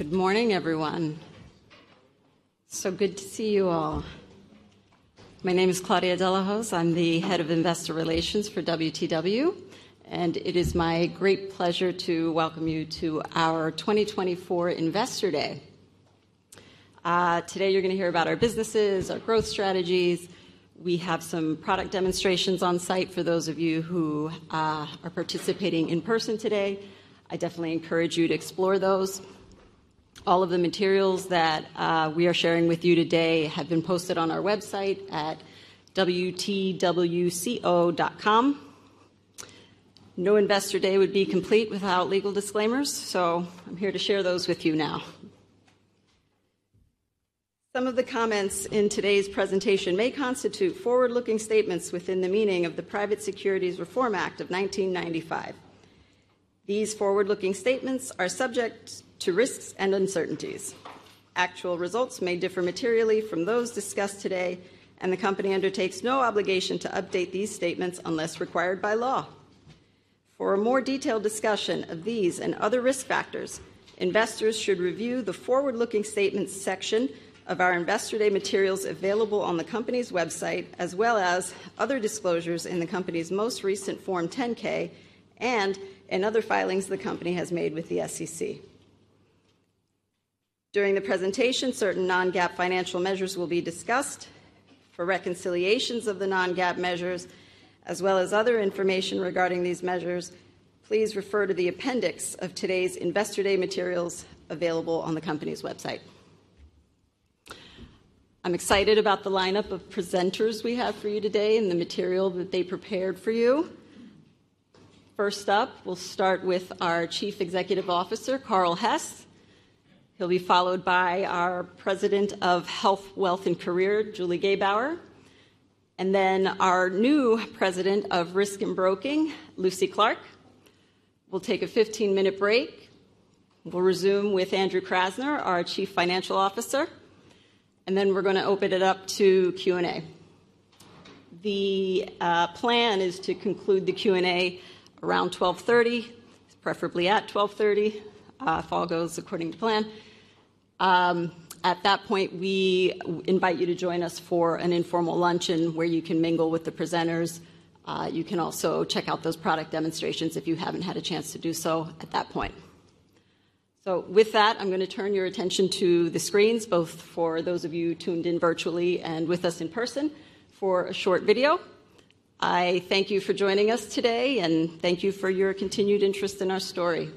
Good morning, everyone. So good to see you all. My name is Claudia De La Hoz. I'm the head of investor relations for WTW, and it is my great pleasure to welcome you to our 2024 Investor Day. Today, you're going to hear about our businesses, our growth strategies. We have some product demonstrations on site for those of you who are participating in person today. I definitely encourage you to explore those. All of the materials that we are sharing with you today have been posted on our website at wtwco.com. No Investor Day would be complete without legal disclaimers, so I'm here to share those with you now. Some of the comments in today's presentation may constitute forward-looking statements within the meaning of the Private Securities Litigation Reform Act of 1995. These forward-looking statements are subject to risks and uncertainties. Actual results may differ materially from those discussed today, and the company undertakes no obligation to update these statements unless required by law. For a more detailed discussion of these and other risk factors, investors should review the Forward-Looking Statements section of our Investor Day materials available on the company's website, as well as other disclosures in the company's most recent Form 10-K and in other filings the company has made with the SEC. During the presentation, certain non-GAAP financial measures will be discussed. For reconciliations of the non-GAAP measures, as well as other information regarding these measures, please refer to the appendix of today's Investor Day materials available on the company's website. I'm excited about the lineup of presenters we have for you today and the material that they prepared for you. First up, we'll start with our Chief Executive Officer, Carl Hess. He'll be followed by our President of Health, Wealth, and Career, Julie Gebauer, and then our new President of Risk and Broking, Lucy Clarke. We'll take a 15-minute break. We'll resume with Andrew Krasner, our Chief Financial Officer, and then we're going to open it up to Q&A. The plan is to conclude the Q&A around 12:30 P.M., preferably at 12:30 P.M., if all goes according to plan. At that point, we invite you to join us for an informal luncheon where you can mingle with the presenters. You can also check out those product demonstrations if you haven't had a chance to do so at that point. So with that, I'm going to turn your attention to the screens, both for those of you tuned in virtually and with us in person, for a short video. I thank you for joining us today, and thank you for your continued interest in our story.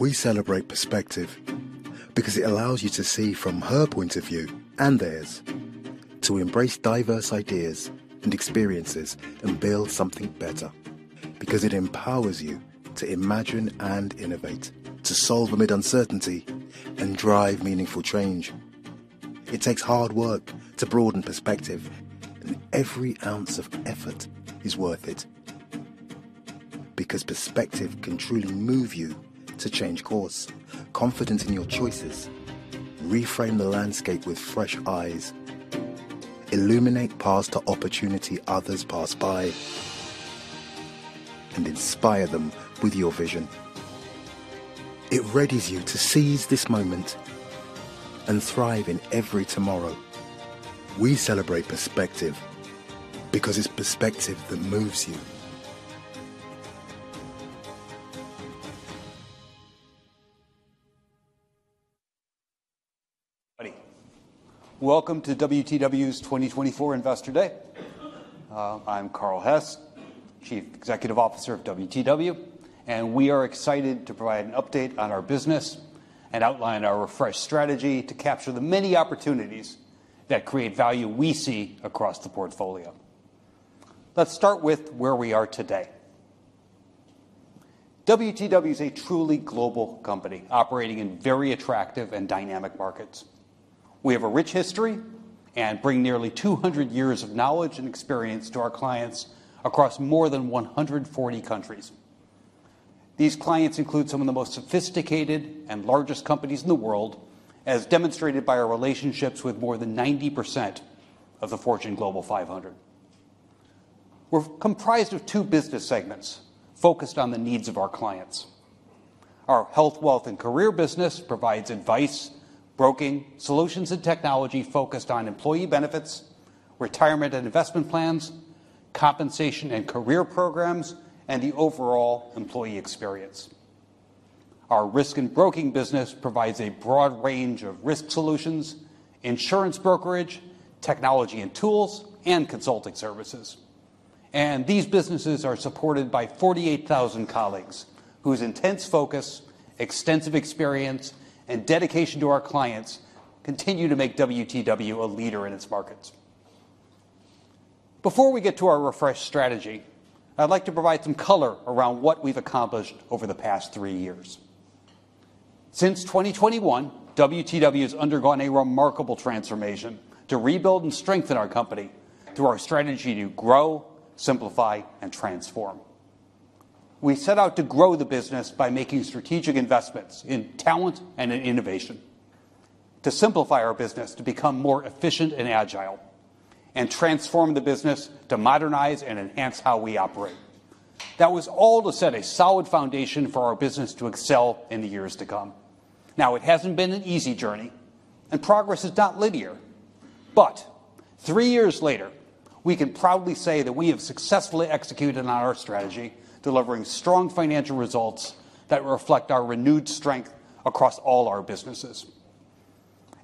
We celebrate perspective because it allows you to see from her point of view and theirs, to embrace diverse ideas and experiences and build something better, because it empowers you to imagine and innovate, to solve amid uncertainty and drive meaningful change. It takes hard work to broaden perspective, and every ounce of effort is worth it, because perspective can truly move you to change course, confidence in your choices, reframe the landscape with fresh eyes, illuminate paths to opportunity others pass by, and inspire them with your vision. It readies you to seize this moment and thrive in every tomorrow. We celebrate perspective because it's perspective that moves you. Welcome to WTW's 2024 Investor Day. I'm Carl Hess, Chief Executive Officer of WTW, and we are excited to provide an update on our business and outline our refreshed strategy to capture the many opportunities that create value we see across the portfolio. Let's start with where we are today. WTW is a truly global company operating in very attractive and dynamic markets. We have a rich history and bring nearly 200 years of knowledge and experience to our clients across more than 140 countries. These clients include some of the most sophisticated and largest companies in the world, as demonstrated by our relationships with more than 90% of the Fortune Global 500. We're comprised of two business segments focused on the needs of our clients. Our health, wealth, and career business provides advice, broking, solutions, and technology focused on employee benefits, retirement and investment plans, compensation and career programs, and the overall employee experience. Our risk and broking business provides a broad range of risk solutions, insurance brokerage, technology and tools, and consulting services. And these businesses are supported by 48,000 colleagues whose intense focus, extensive experience, and dedication to our clients continue to make WTW a leader in its markets. Before we get to our refreshed strategy, I'd like to provide some color around what we've accomplished over the past three years. Since 2021, WTW has undergone a remarkable transformation to rebuild and strengthen our company through our strategy to grow, simplify, and transform. We set out to grow the business by making strategic investments in talent and in innovation to simplify our business to become more efficient and agile and transform the business to modernize and enhance how we operate. That was all to set a solid foundation for our business to excel in the years to come. Now, it hasn't been an easy journey, and progress is not linear. But three years later, we can proudly say that we have successfully executed on our strategy, delivering strong financial results that reflect our renewed strength across all our businesses.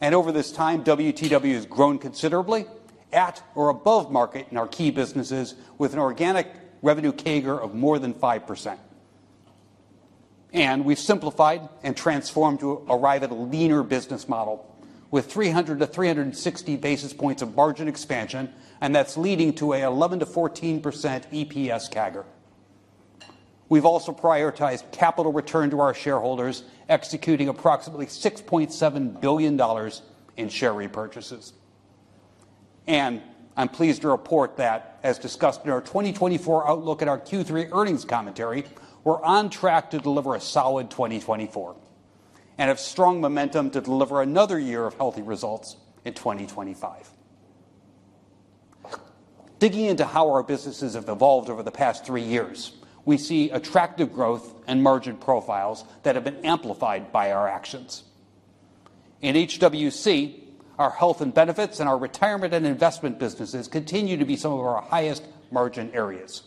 And over this time, WTW has grown considerably at or above market in our key businesses with an organic revenue CAGR of more than 5%. And we've simplified and transformed to arrive at a leaner business model with 300-360 basis points of margin expansion, and that's leading to an 11%-14% EPS CAGR. We've also prioritized capital return to our shareholders, executing approximately $6.7 billion in share repurchases. And I'm pleased to report that, as discussed in our 2024 outlook at our Q3 earnings commentary, we're on track to deliver a solid 2024 and have strong momentum to deliver another year of healthy results in 2025. Digging into how our businesses have evolved over the past three years, we see attractive growth and margin profiles that have been amplified by our actions. In HWC, our health and benefits and our retirement and investment businesses continue to be some of our highest margin areas.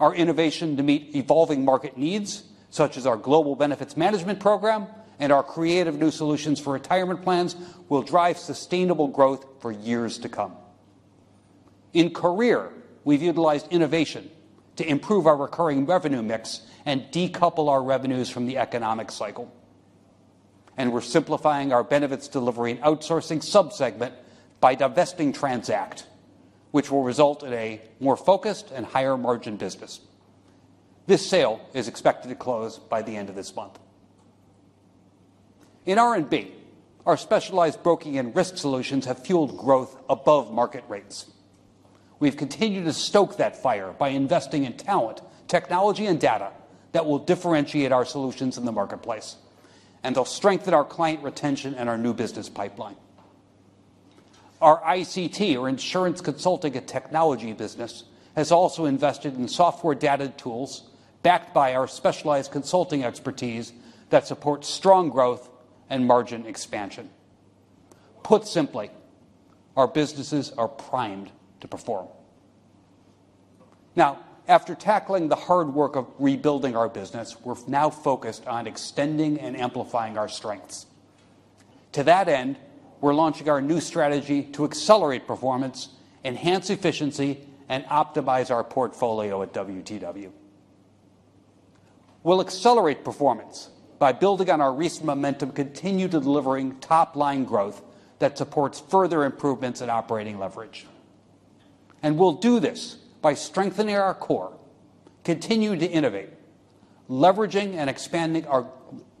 Our innovation to meet evolving market needs, such as our Global Benefits Management program and our creative new solutions for retirement plans, will drive sustainable growth for years to come. In career, we've utilized innovation to improve our recurring revenue mix and decouple our revenues from the economic cycle, and we're simplifying our benefits delivery and outsourcing subsegment by divesting TRANZACT, which will result in a more focused and higher margin business. This sale is expected to close by the end of this month. In R&B, our specialized broking and risk solutions have fueled growth above market rates. We've continued to stoke that fire by investing in talent, technology, and data that will differentiate our solutions in the marketplace and will strengthen our client retention and our new business pipeline. Our ICT, or insurance consulting and technology business, has also invested in software data tools backed by our specialized consulting expertise that support strong growth and margin expansion. Put simply, our businesses are primed to perform. Now, after tackling the hard work of rebuilding our business, we're now focused on extending and amplifying our strengths. To that end, we're launching our new strategy to accelerate performance, enhance efficiency, and optimize our portfolio at WTW. We'll accelerate performance by building on our recent momentum, continue to deliver top-line growth that supports further improvements in operating leverage. And we'll do this by strengthening our core, continuing to innovate, leveraging and expanding our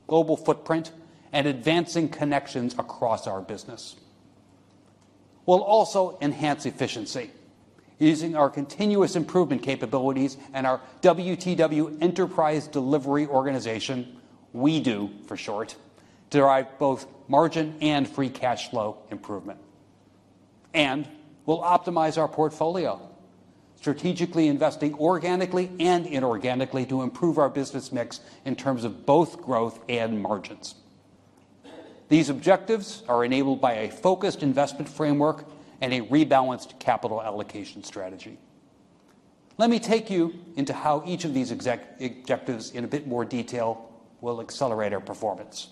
global footprint, and advancing connections across our business. We'll also enhance efficiency using our continuous improvement capabilities and our WTW Enterprise Delivery Organization, WEDO for short, to drive both margin and free cash flow improvement. And we'll optimize our portfolio, strategically investing organically and inorganically to improve our business mix in terms of both growth and margins. These objectives are enabled by a focused investment framework and a rebalanced capital allocation strategy. Let me take you into how each of these objectives in a bit more detail will accelerate our performance.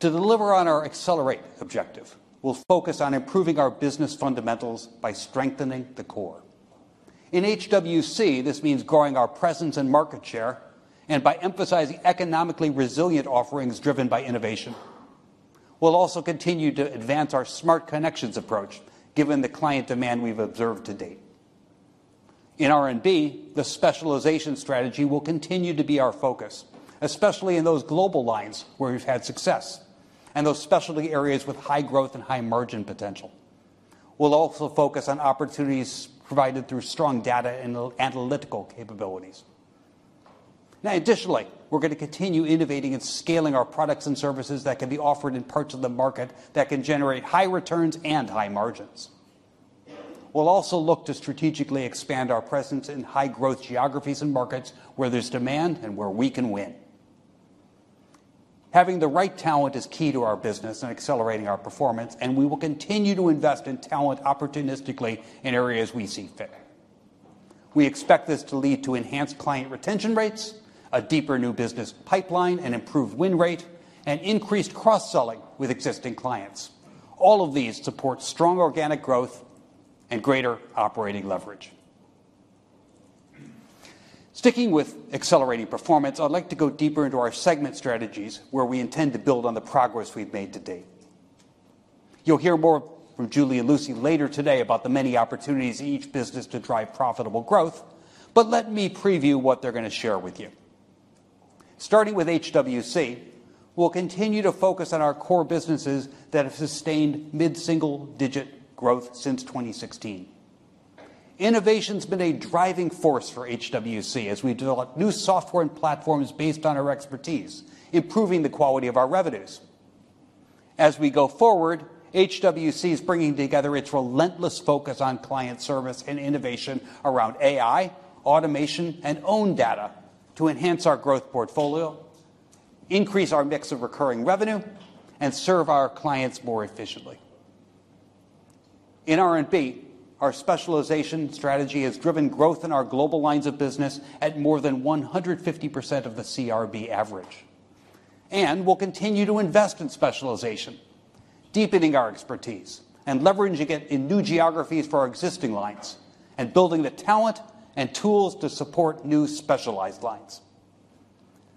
To deliver on our accelerate objective, we'll focus on improving our business fundamentals by strengthening the core. In HWC, this means growing our presence and market share and by emphasizing economically resilient offerings driven by innovation. We'll also continue to advance our Smart Connections approach, given the client demand we've observed to date. In R&B, the specialization strategy will continue to be our focus, especially in those global lines where we've had success and those specialty areas with high growth and high margin potential. We'll also focus on opportunities provided through strong data and analytical capabilities. Now, additionally, we're going to continue innovating and scaling our products and services that can be offered in parts of the market that can generate high returns and high margins. We'll also look to strategically expand our presence in high-growth geographies and markets where there's demand and where we can win. Having the right talent is key to our business and accelerating our performance, and we will continue to invest in talent opportunistically in areas we see fit. We expect this to lead to enhanced client retention rates, a deeper new business pipeline, an improved win rate, and increased cross-selling with existing clients. All of these support strong organic growth and greater operating leverage. Sticking with accelerating performance, I'd like to go deeper into our segment strategies, where we intend to build on the progress we've made to date. You'll hear more from Julie and Lucy later today about the many opportunities in each business to drive profitable growth, but let me preview what they're going to share with you. Starting with HWC, we'll continue to focus on our core businesses that have sustained mid-single-digit growth since 2016. Innovation has been a driving force for HWC as we develop new software and platforms based on our expertise, improving the quality of our revenues. As we go forward, HWC is bringing together its relentless focus on client service and innovation around AI, automation, and owned data to enhance our growth portfolio, increase our mix of recurring revenue, and serve our clients more efficiently. In R&B, our specialization strategy has driven growth in our global lines of business at more than 150% of the CRB average. And we'll continue to invest in specialization, deepening our expertise and leveraging it in new geographies for our existing lines and building the talent and tools to support new specialized lines.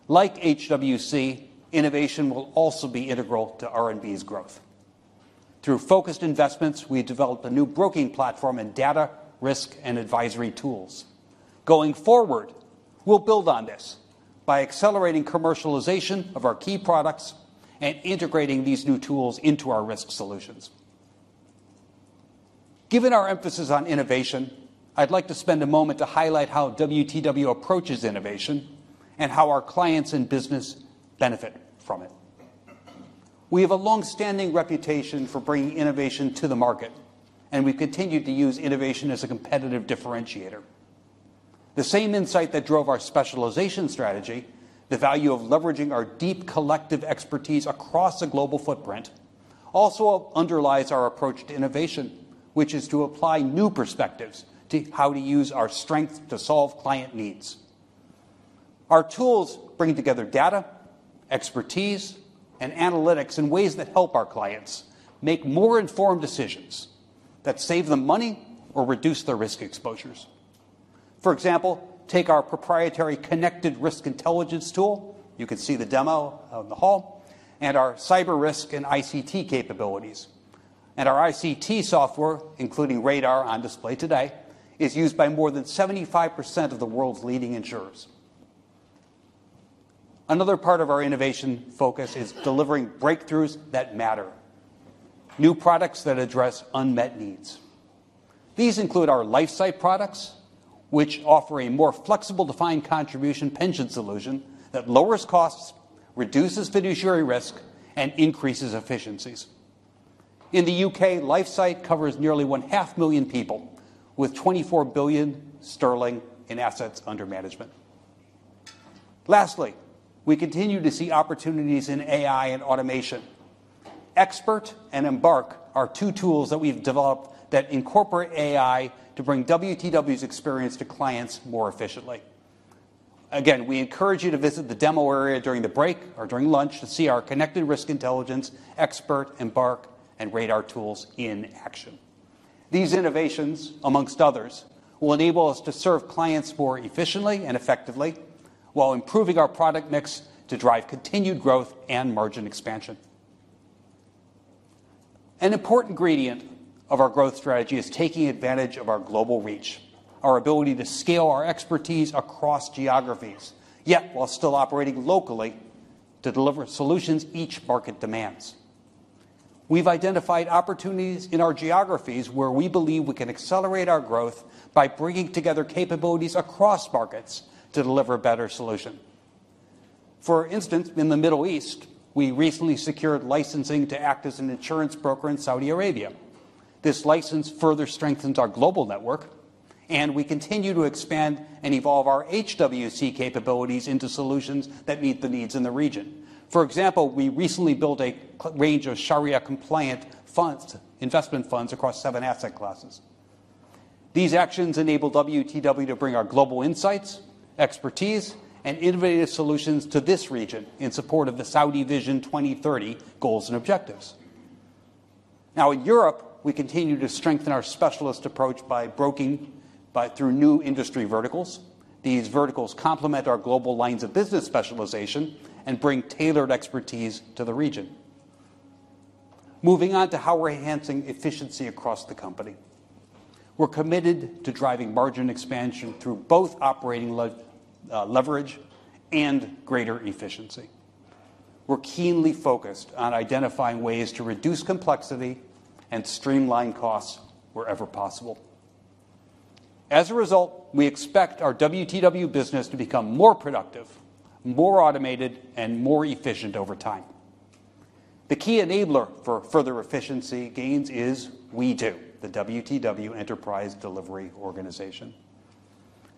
Like HWC, innovation will also be integral to R&B's growth. Through focused investments, we developed a new broking platform and data risk and advisory tools. Going forward, we'll build on this by accelerating commercialization of our key products and integrating these new tools into our risk solutions. Given our emphasis on innovation, I'd like to spend a moment to highlight how WTW approaches innovation and how our clients and business benefit from it. We have a long-standing reputation for bringing innovation to the market, and we continue to use innovation as a competitive differentiator. The same insight that drove our specialization strategy, the value of leveraging our deep collective expertise across the global footprint, also underlies our approach to innovation, which is to apply new perspectives to how to use our strengths to solve client needs. Our tools bring together data, expertise, and analytics in ways that help our clients make more informed decisions that save them money or reduce their risk exposures. For example, take our proprietary connected risk intelligence tool. You can see the demo in the hall, and our cyber risk and ICT capabilities, and our ICT software, including Radar on display today, is used by more than 75% of the world's leading insurers. Another part of our innovation focus is delivering breakthroughs that matter: new products that address unmet needs. These include our LifeSight products, which offer a more flexible defined contribution pension solution that lowers costs, reduces fiduciary risk, and increases efficiencies. In the U.K., LifeSight covers nearly 500,000 people with 24 billion sterling in assets under management. Lastly, we continue to see opportunities in AI and automation. Expert and Embark are two tools that we've developed that incorporate AI to bring WTW's experience to clients more efficiently. Again, we encourage you to visit the demo area during the break or during lunch to see our Connected Risk Intelligence, Expert, Embark, and Radar tools in action. These innovations, among others, will enable us to serve clients more efficiently and effectively while improving our product mix to drive continued growth and margin expansion. An important ingredient of our growth strategy is taking advantage of our global reach, our ability to scale our expertise across geographies, yet while still operating locally to deliver solutions each market demands. We've identified opportunities in our geographies where we believe we can accelerate our growth by bringing together capabilities across markets to deliver a better solution. For instance, in the Middle East, we recently secured licensing to act as an insurance broker in Saudi Arabia. This license further strengthens our global network, and we continue to expand and evolve our HWC capabilities into solutions that meet the needs in the region. For example, we recently built a range of Shariah-compliant investment funds across seven asset classes. These actions enable WTW to bring our global insights, expertise, and innovative solutions to this region in support of the Saudi Vision 2030 goals and objectives. Now, in Europe, we continue to strengthen our specialist approach by broking through new industry verticals. These verticals complement our global lines of business specialization and bring tailored expertise to the region. Moving on to how we're enhancing efficiency across the company. We're committed to driving margin expansion through both operating leverage and greater efficiency. We're keenly focused on identifying ways to reduce complexity and streamline costs wherever possible. As a result, we expect our WTW business to become more productive, more automated, and more efficient over time. The key enabler for further efficiency gains is WEDO, the WTW Enterprise Delivery Organization.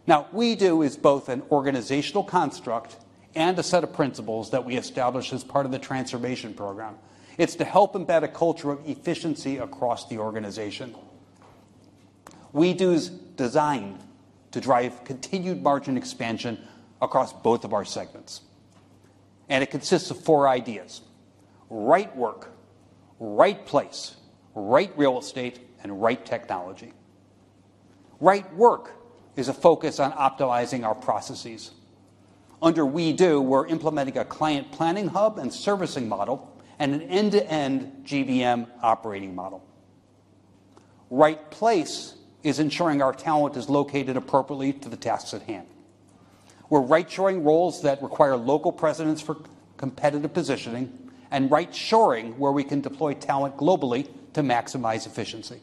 Now, WEDO is both an organizational construct and a set of principles that we established as part of the transformation program. It's to help embed a culture of efficiency across the organization. WEDO is designed to drive continued margin expansion across both of our segments. And it consists of four ideas: right work, right place, right real estate, and right technology. Right work is a focus on optimizing our processes. Under WEDO, we're implementing a client planning hub and servicing model and an end-to-end GBM operating model. Right place is ensuring our talent is located appropriately to the tasks at hand. We're right-shoring roles that require local presidents for competitive positioning and right-shoring where we can deploy talent globally to maximize efficiency.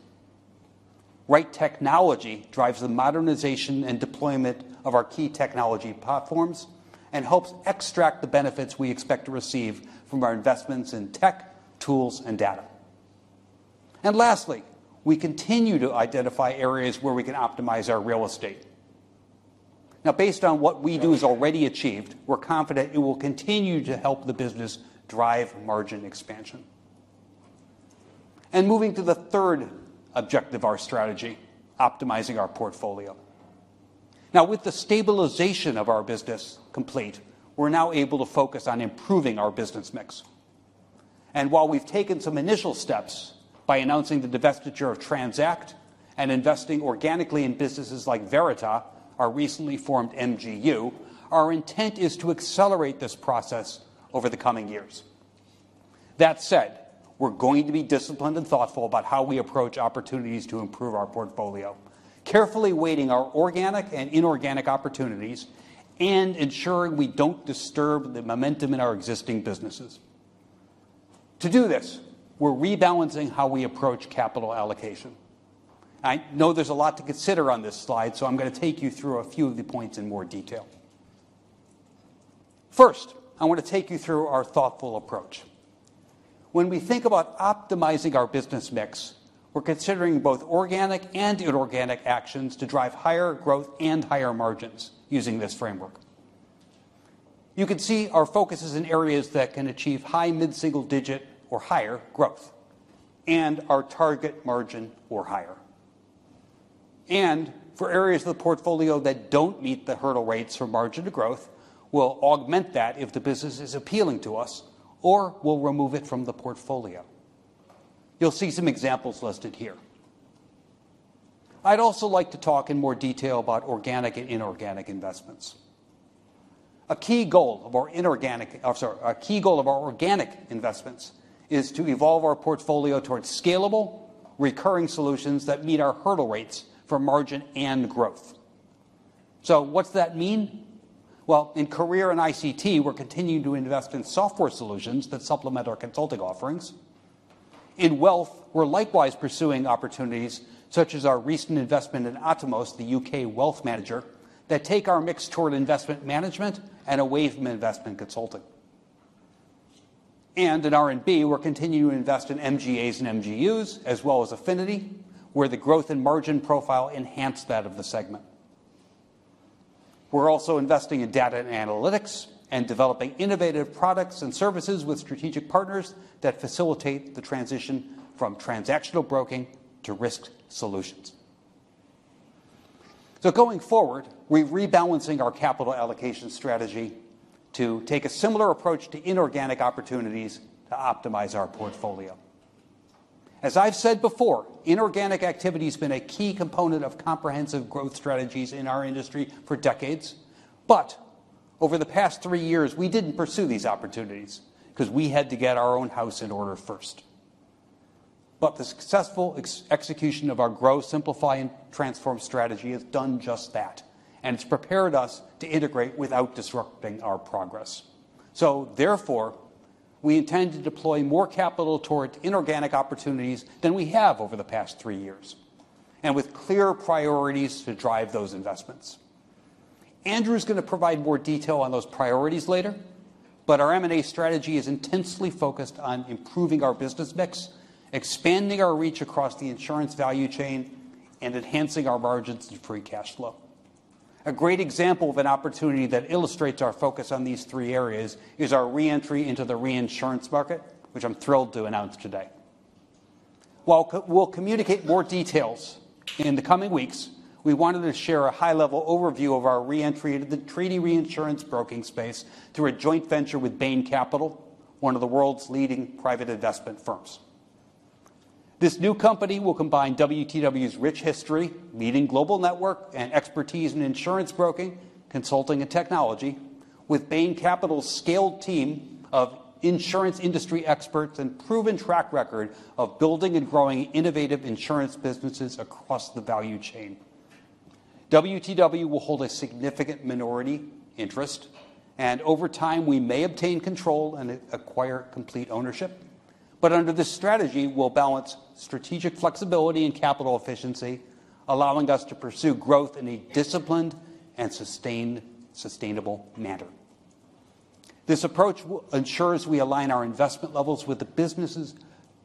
Right technology drives the modernization and deployment of our key technology platforms and helps extract the benefits we expect to receive from our investments in tech, tools, and data. And lastly, we continue to identify areas where we can optimize our real estate. Now, based on what WEDO has already achieved, we're confident it will continue to help the business drive margin expansion. Moving to the third objective of our strategy, optimizing our portfolio. Now, with the stabilization of our business complete, we're now able to focus on improving our business mix. And while we've taken some initial steps by announcing the divestiture of TRANZACT and investing organically in businesses lik Veritas, our recently formed MGU, our intent is to accelerate this process over the coming years. That said, we're going to be disciplined and thoughtful about how we approach opportunities to improve our portfolio, carefully weighting our organic and inorganic opportunities and ensuring we don't disturb the momentum in our existing businesses. To do this, we're rebalancing how we approach capital allocation. I know there's a lot to consider on this slide, so I'm going to take you through a few of the points in more detail. First, I want to take you through our thoughtful approach. When we think about optimizing our business mix, we're considering both organic and inorganic actions to drive higher growth and higher margins using this framework. You can see our focus is in areas that can achieve high mid-single-digit or higher growth and our target margin or higher. And for areas of the portfolio that don't meet the hurdle rates for margin to growth, we'll augment that if the business is appealing to us or we'll remove it from the portfolio. You'll see some examples listed here. I'd also like to talk in more detail about organic and inorganic investments. A key goal of our inorganic, I'm sorry, a key goal of our organic investments is to evolve our portfolio towards scalable, recurring solutions that meet our hurdle rates for margin and growth. So what does that mean? In Career and ICT, we're continuing to invest in software solutions that supplement our consulting offerings. In Wealth, we're likewise pursuing opportunities such as our recent investment in Atomos, the U.K. wealth manager, that take our mix toward investment management and a wave of investment consulting. In R&B, we're continuing to invest in MGAs and MGUs, as well as Affinity, where the growth and margin profile enhances that of the segment. We're also investing in data and analytics and developing innovative products and services with strategic partners that facilitate the transition from transactional broking to risk solutions. Going forward, we're rebalancing our capital allocation strategy to take a similar approach to inorganic opportunities to optimize our portfolio. As I've said before, inorganic activity has been a key component of comprehensive growth strategies in our industry for decades. But over the past three years, we didn't pursue these opportunities because we had to get our own house in order first. But the successful execution of our growth, simplify, and transform strategy has done just that, and it's prepared us to integrate without disrupting our progress. So therefore, we intend to deploy more capital toward inorganic opportunities than we have over the past three years and with clear priorities to drive those investments. Andrew is going to provide more detail on those priorities later, but our M&A strategy is intensely focused on improving our business mix, expanding our reach across the insurance value chain, and enhancing our margins and free cash flow. A great example of an opportunity that illustrates our focus on these three areas is our reentry into the reinsurance market, which I'm thrilled to announce today. While we'll communicate more details in the coming weeks, we wanted to share a high-level overview of our reentry into the treaty reinsurance broking space through a joint venture with Bain Capital, one of the world's leading private investment firms. This new company will combine WTW's rich history, leading global network, and expertise in insurance broking, consulting, and technology with Bain Capital's scaled team of insurance industry experts and proven track record of building and growing innovative insurance businesses across the value chain. WTW will hold a significant minority interest, and over time, we may obtain control and acquire complete ownership. But under this strategy, we'll balance strategic flexibility and capital efficiency, allowing us to pursue growth in a disciplined and sustainable manner. This approach ensures we align our investment levels with the business's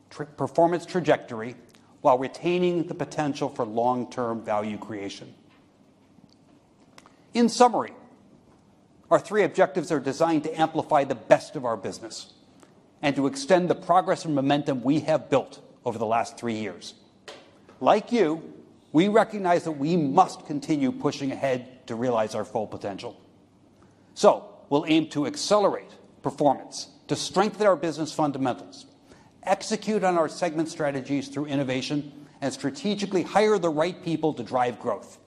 performance trajectory while retaining the potential for long-term value creation. In summary, our three objectives are designed to amplify the best of our business and to extend the progress and momentum we have built over the last three years. Like you, we recognize that we must continue pushing ahead to realize our full potential. So we'll aim to accelerate performance, to strengthen our business fundamentals, execute on our segment strategies through innovation, and strategically hire the right people to drive growth.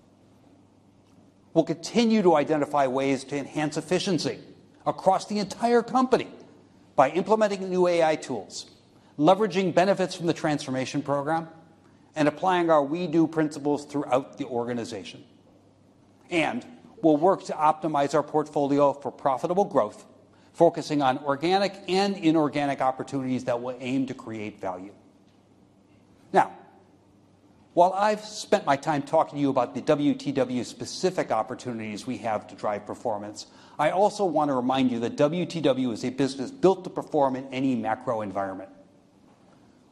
We'll continue to identify ways to enhance efficiency across the entire company by implementing new AI tools, leveraging benefits from the transformation program, and applying our WEDO principles throughout the organization. And we'll work to optimize our portfolio for profitable growth, focusing on organic and inorganic opportunities that will aim to create value. Now, while I've spent my time talking to you about the WTW-specific opportunities we have to drive performance, I also want to remind you that WTW is a business built to perform in any macro environment.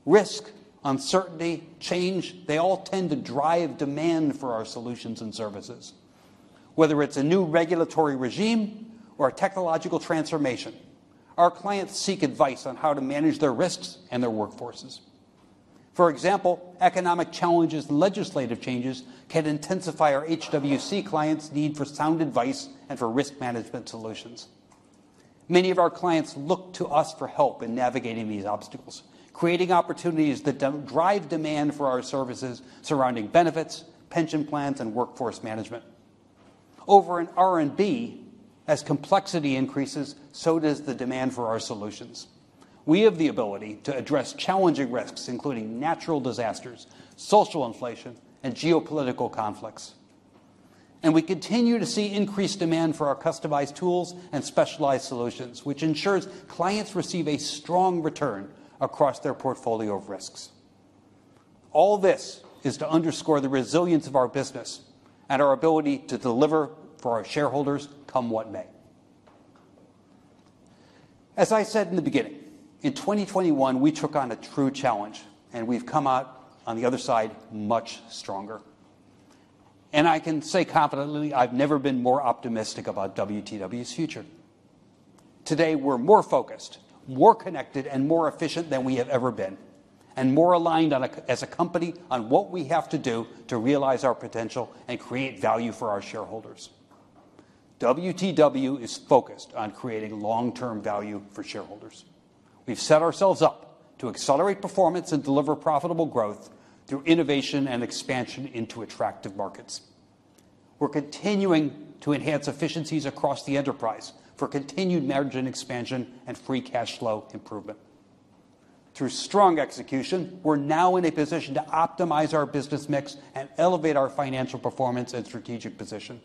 Risk, uncertainty, change, they all tend to drive demand for our solutions and services. Whether it's a new regulatory regime or a technological transformation, our clients seek advice on how to manage their risks and their workforces. For example, economic challenges and legislative changes can intensify our HWC clients' need for sound advice and for risk management solutions. Many of our clients look to us for help in navigating these obstacles, creating opportunities that drive demand for our services surrounding benefits, pension plans, and workforce management. Over in R&B, as complexity increases, so does the demand for our solutions. We have the ability to address challenging risks, including natural disasters, social inflation, and geopolitical conflicts. And we continue to see increased demand for our customized tools and specialized solutions, which ensures clients receive a strong return across their portfolio of risks. All this is to underscore the resilience of our business and our ability to deliver for our shareholders, come what may. As I said in the beginning, in 2021, we took on a true challenge, and we've come out on the other side much stronger. And I can say confidently I've never been more optimistic about WTW's future. Today, we're more focused, more connected, and more efficient than we have ever been, and more aligned as a company on what we have to do to realize our potential and create value for our shareholders. WTW is focused on creating long-term value for shareholders. We've set ourselves up to accelerate performance and deliver profitable growth through innovation and expansion into attractive markets. We're continuing to enhance efficiencies across the enterprise for continued margin expansion and free cash flow improvement. Through strong execution, we're now in a position to optimize our business mix and elevate our financial performance and strategic position.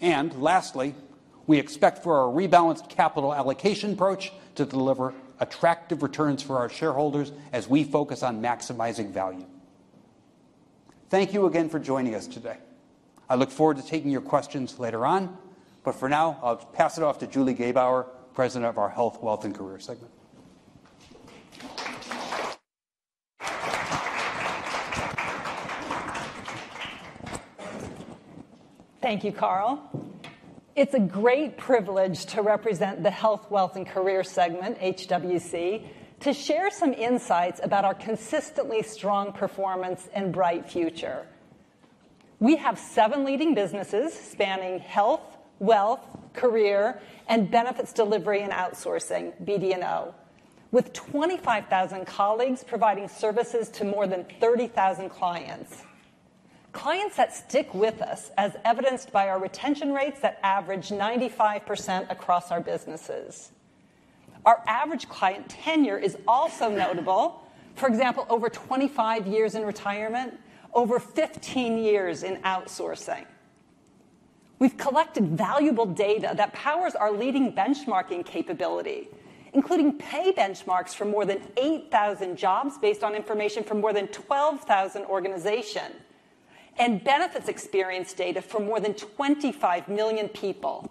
And lastly, we expect for our rebalanced capital allocation approach to deliver attractive returns for our shareholders as we focus on maximizing value. Thank you again for joining us today. I look forward to taking your questions later on, but for now, I'll pass it off to Julie Gebauer, President of our Health, Wealth, and Career segment. Thank you, Carl. It's a great privilege to represent the Health, Wealth, and Career segment, HWC, to share some insights about our consistently strong performance and bright future. We have seven leading businesses spanning health, wealth, career, and benefits delivery and outsourcing, BD&O, with 25,000 colleagues providing services to more than 30,000 clients. Clients that stick with us, as evidenced by our retention rates that average 95% across our businesses. Our average client tenure is also notable. For example, over 25 years in retirement, over 15 years in outsourcing. We've collected valuable data that powers our leading benchmarking capability, including pay benchmarks for more than 8,000 jobs based on information from more than 12,000 organizations and benefits experience data for more than 25 million people.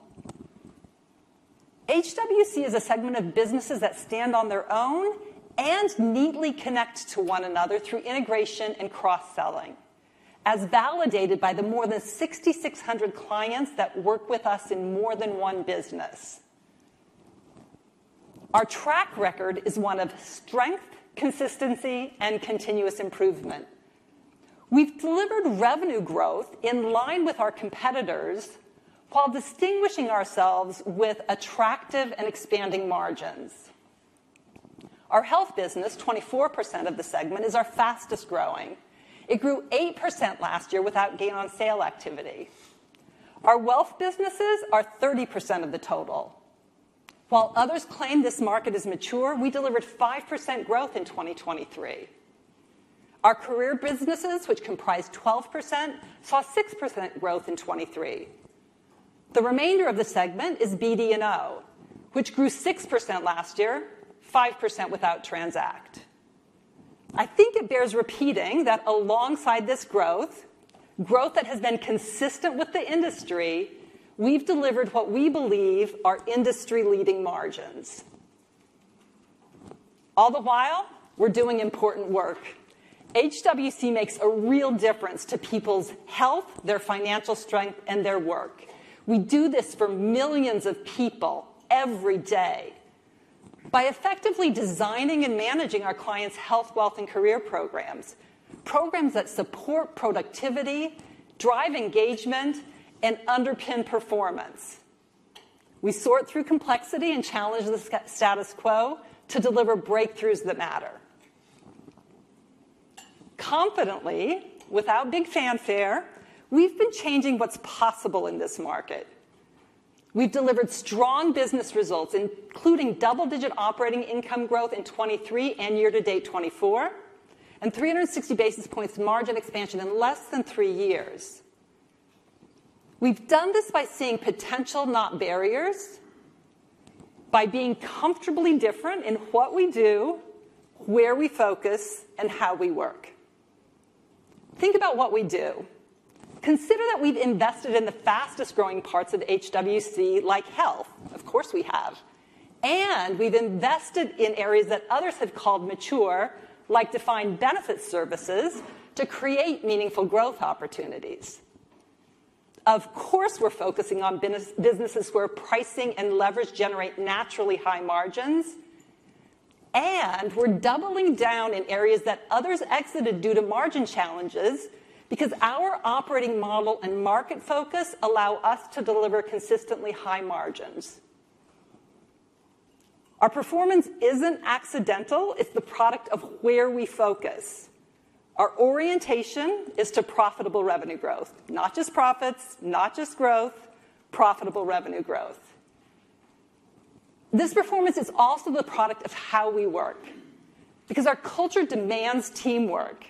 HWC is a segment of businesses that stand on their own and neatly connect to one another through integration and cross-selling, as validated by the more than 6,600 clients that work with us in more than one business. Our track record is one of strength, consistency, and continuous improvement. We've delivered revenue growth in line with our competitors while distinguishing ourselves with attractive and expanding margins. Our health business, 24% of the segment, is our fastest growing. It grew 8% last year without gain on sale activity. Our wealth businesses are 30% of the total. While others claim this market is mature, we delivered 5% growth in 2023. Our career businesses, which comprised 12%, saw 6% growth in 2023. The remainder of the segment is BD&O, which grew 6% last year, 5% without TRANZACT. I think it bears repeating that alongside this growth, growth that has been consistent with the industry, we've delivered what we believe are industry-leading margins. All the while, we're doing important work. HWC makes a real difference to people's health, their financial strength, and their work. We do this for millions of people every day. By effectively designing and managing our clients' health, wealth, and career programs, programs that support productivity, drive engagement, and underpin performance. We sort through complexity and challenge the status quo to deliver breakthroughs that matter. Confidently, without big fanfare, we've been changing what's possible in this market. We've delivered strong business results, including double-digit operating income growth in 2023 and year-to-date 2024, and 360 basis points margin expansion in less than three years. We've done this by seeing potential, not barriers, by being comfortably different in what we do, where we focus, and how we work. Think about what we do. Consider that we've invested in the fastest-growing parts of HWC, like health. Of course, we have, and we've invested in areas that others have called mature, like defined benefits services, to create meaningful growth opportunities. Of course, we're focusing on businesses where pricing and leverage generate naturally high margins, and we're doubling down in areas that others exited due to margin challenges because our operating model and market focus allow us to deliver consistently high margins. Our performance isn't accidental. It's the product of where we focus. Our orientation is to profitable revenue growth, not just profits, not just growth, profitable revenue growth. This performance is also the product of how we work because our culture demands teamwork,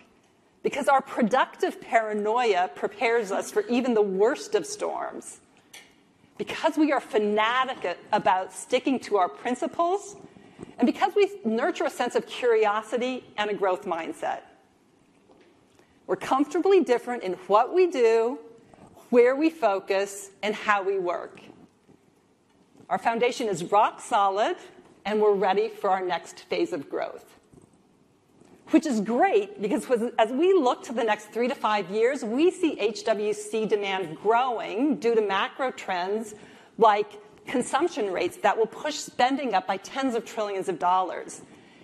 because our productive paranoia prepares us for even the worst of storms, because we are fanatic about sticking to our principles, and because we nurture a sense of curiosity and a growth mindset. We're comfortably different in what we do, where we focus, and how we work. Our foundation is rock solid, and we're ready for our next phase of growth, which is great because as we look to the next three to five years, we see HWC demand growing due to macro trends like consumption rates that will push spending up by tens of trillions of dollars,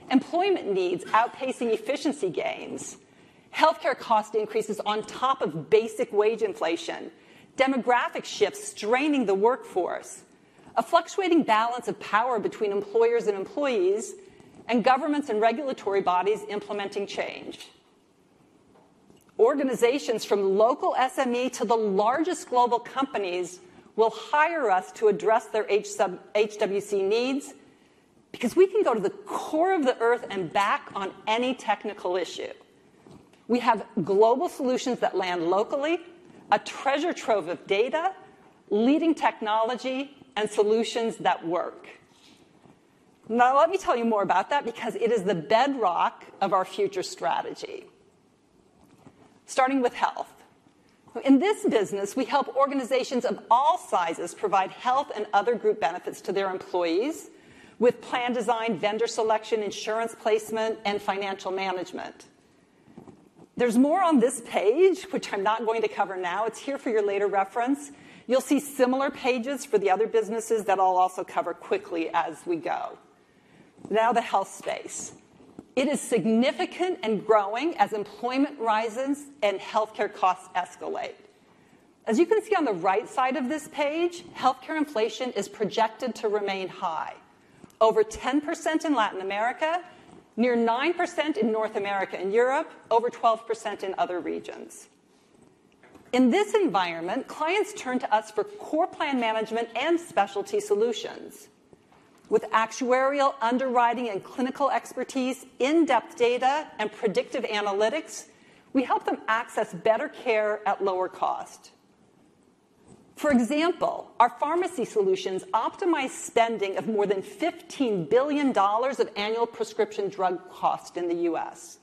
employment needs outpacing efficiency gains, healthcare cost increases on top of basic wage inflation, demographic shifts straining the workforce, a fluctuating balance of power between employers and employees, and governments and regulatory bodies implementing change. Organizations from local SME to the largest global companies will hire us to address their HWC needs because we can go to the core of the earth and back on any technical issue. We have global solutions that land locally, a treasure trove of data, leading technology, and solutions that work. Now, let me tell you more about that because it is the bedrock of our future strategy, starting with health. In this business, we help organizations of all sizes provide health and other group benefits to their employees with plan design, vendor selection, insurance placement, and financial management. There's more on this page, which I'm not going to cover now. It's here for your later reference. You'll see similar pages for the other businesses that I'll also cover quickly as we go. Now, the health space. It is significant and growing as employment rises and healthcare costs escalate. As you can see on the right side of this page, healthcare inflation is projected to remain high, over 10% in Latin America, near 9% in North America and Europe, over 12% in other regions. In this environment, clients turn to us for core plan management and specialty solutions. With actuarial underwriting and clinical expertise, in-depth data, and predictive analytics, we help them access better care at lower cost. For example, our pharmacy solutions optimize spending of more than $15 billion of annual prescription drug costs in the U.S.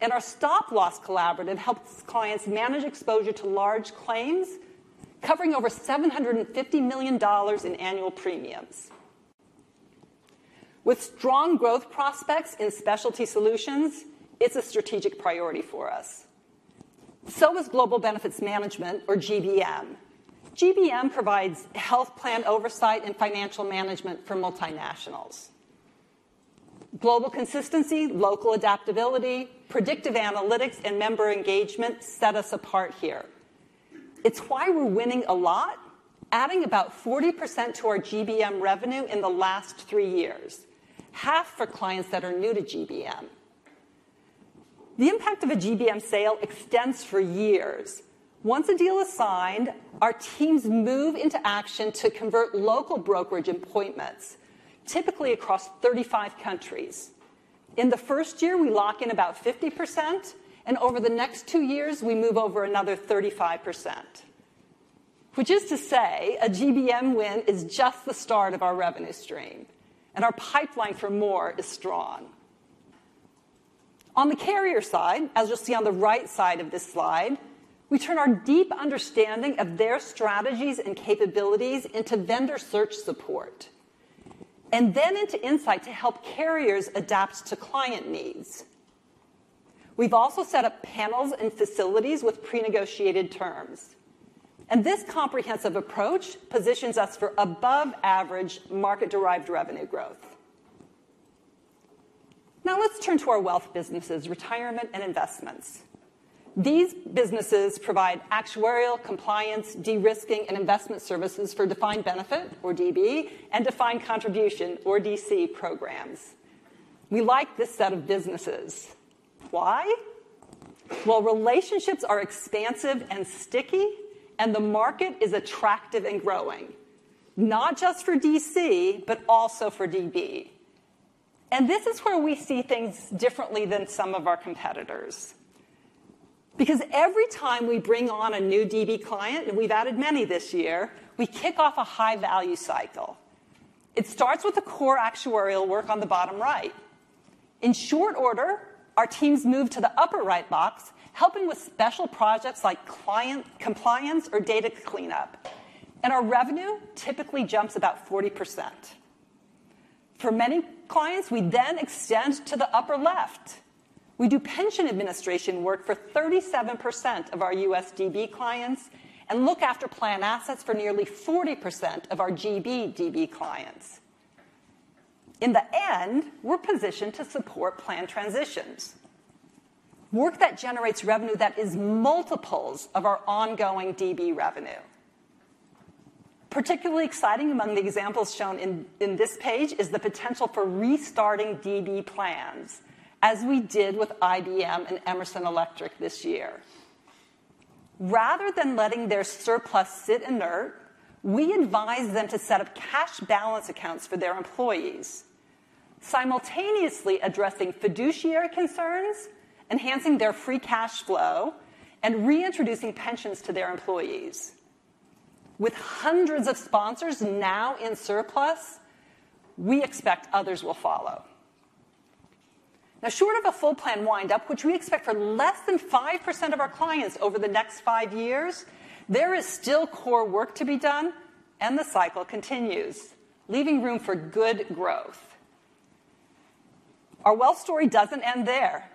And our Stop-Loss Collaborative helps clients manage exposure to large claims, covering over $750 million in annual premiums. With strong growth prospects in specialty solutions, it's a strategic priority for us. So is global benefits management, or GBM. GBM provides health plan oversight and financial management for multinationals. Global consistency, local adaptability, predictive analytics, and member engagement set us apart here. It's why we're winning a lot, adding about 40% to our GBM revenue in the last three years, half for clients that are new to GBM. The impact of a GBM sale extends for years. Once a deal is signed, our teams move into action to convert local brokerage appointments, typically across 35 countries. In the first year, we lock in about 50%, and over the next two years, we move over another 35%. Which is to say a GBM win is just the start of our revenue stream, and our pipeline for more is strong. On the carrier side, as you'll see on the right side of this slide, we turn our deep understanding of their strategies and capabilities into vendor search support, and then into insight to help carriers adapt to client needs. We've also set up panels and facilities with pre-negotiated terms, and this comprehensive approach positions us for above-average market-derived revenue growth. Now, let's turn to our wealth businesses, retirement, and investments. These businesses provide actuarial compliance, de-risking, and investment services for defined benefit, or DB, and defined contribution, or DC programs. We like this set of businesses. Why? Well, relationships are expansive and sticky, and the market is attractive and growing, not just for DC, but also for DB. And this is where we see things differently than some of our competitors. Because every time we bring on a new DB client, and we've added many this year, we kick off a high-value cycle. It starts with the core actuarial work on the bottom right. In short order, our teams move to the upper right box, helping with special projects like client compliance or data cleanup. And our revenue typically jumps about 40%. For many clients, we then extend to the upper left. We do pension administration work for 37% of our USDB clients and look after plan assets for nearly 40% of our GBDB clients. In the end, we're positioned to support plan transitions, work that generates revenue that is multiples of our ongoing DB revenue. Particularly exciting among the examples shown in this page is the potential for restarting DB plans, as we did with IBM and Emerson Electric this year. Rather than letting their surplus sit inert, we advise them to set up cash balance accounts for their employees, simultaneously addressing fiduciary concerns, enhancing their free cash flow, and reintroducing pensions to their employees. With hundreds of sponsors now in surplus, we expect others will follow. Now, short of a full plan windup, which we expect for less than 5% of our clients over the next five years, there is still core work to be done, and the cycle continues, leaving room for good growth. Our wealth story doesn't end there.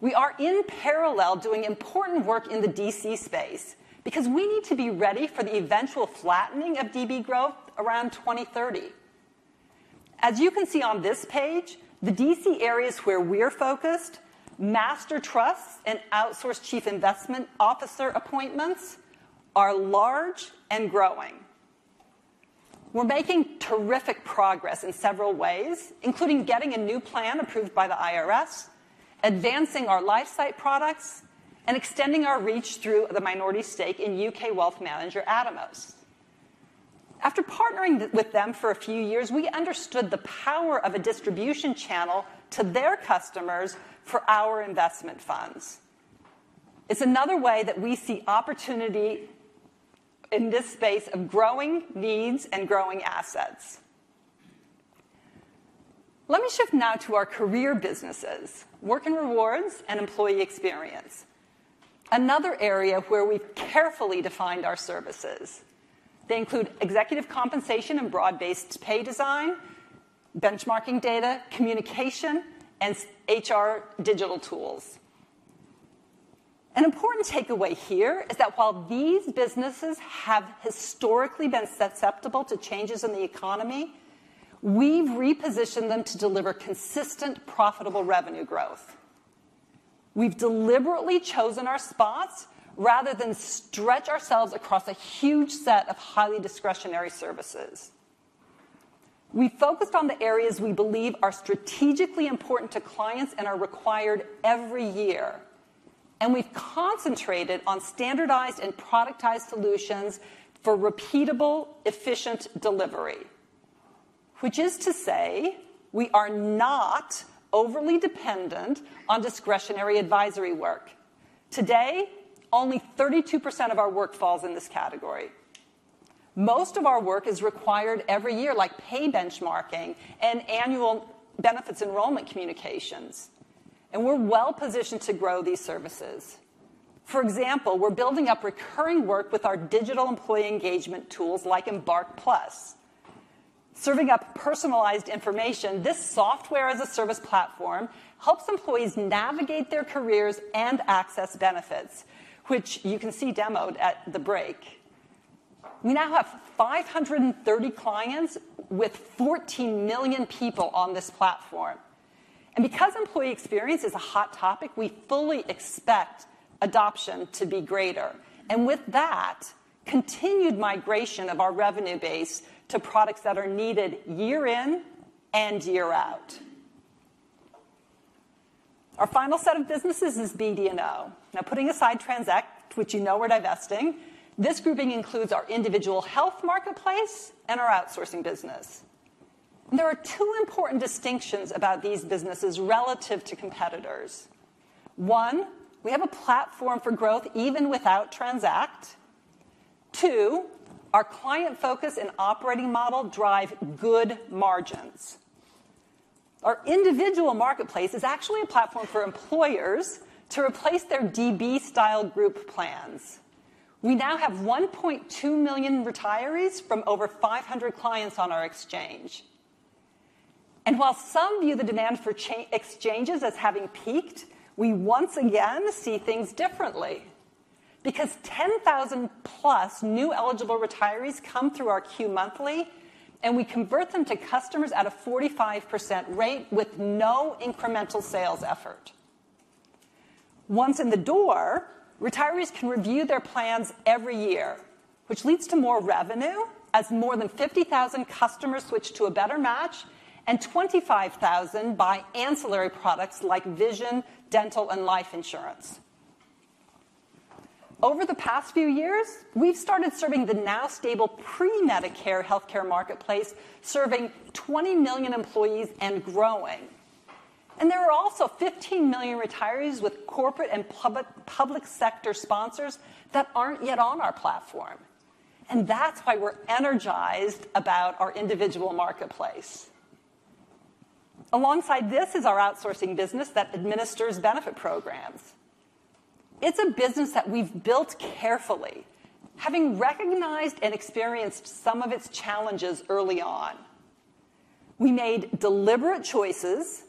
We are in parallel doing important work in the DC space because we need to be ready for the eventual flattening of DB growth around 2030. As you can see on this page, the DC areas where we're focused, Master Trusts and Outsourced Chief Investment Officer appointments, are large and growing. We're making terrific progress in several ways, including getting a new plan approved by the IRS, advancing our LifeSight products, and extending our reach through the minority stake in U.K. Wealth Manager Atomos. After partnering with them for a few years, we understood the power of a distribution channel to their customers for our investment funds. It's another way that we see opportunity in this space of growing needs and growing assets. Let me shift now to our career businesses, work and rewards, and employee experience, another area where we've carefully defined our services. They include executive compensation and broad-based pay design, benchmarking data, communication, and HR digital tools. An important takeaway here is that while these businesses have historically been susceptible to changes in the economy, we've repositioned them to deliver consistent, profitable revenue growth. We've deliberately chosen our spots rather than stretch ourselves across a huge set of highly discretionary services. We focused on the areas we believe are strategically important to clients and are required every year. We've concentrated on standardized and productized solutions for repeatable, efficient delivery, which is to say we are not overly dependent on discretionary advisory work. Today, only 32% of our work falls in this category. Most of our work is required every year, like pay benchmarking and annual benefits enrollment communications. We're well positioned to grow these services. For example, we're building up recurring work with our digital employee engagement tools like Embark Plus. Serving up personalized information, this software as a service platform helps employees navigate their careers and access benefits, which you can see demoed at the break. We now have 530 clients with 14 million people on this platform. Because employee experience is a hot topic, we fully expect adoption to be greater. With that, continued migration of our revenue base to products that are needed year in and year out. Our final set of businesses is BD&O. Now, putting aside TRANZACT, which you know we're divesting, this grouping includes our individual health marketplace and our outsourcing business. There are two important distinctions about these businesses relative to competitors. One, we have a platform for growth even without TRANZACT. Two, our client focus and operating model drive good margins. Our individual marketplace is actually a platform for employers to replace their DB-style group plans. We now have 1.2 million retirees from over 500 clients on our exchange. And while some view the demand for exchanges as having peaked, we once again see things differently because 10,000 plus new eligible retirees come through our queue monthly, and we convert them to customers at a 45% rate with no incremental sales effort. Once in the door, retirees can review their plans every year, which leads to more revenue as more than 50,000 customers switch to a better match and 25,000 buy ancillary products like vision, dental, and life insurance. Over the past few years, we've started serving the now stable pre-Medicare healthcare marketplace, serving 20 million employees and growing, and there are also 15 million retirees with corporate and public sector sponsors that aren't yet on our platform, and that's why we're energized about our individual marketplace. Alongside this is our outsourcing business that administers benefit programs. It's a business that we've built carefully, having recognized and experienced some of its challenges early on. We made deliberate choices,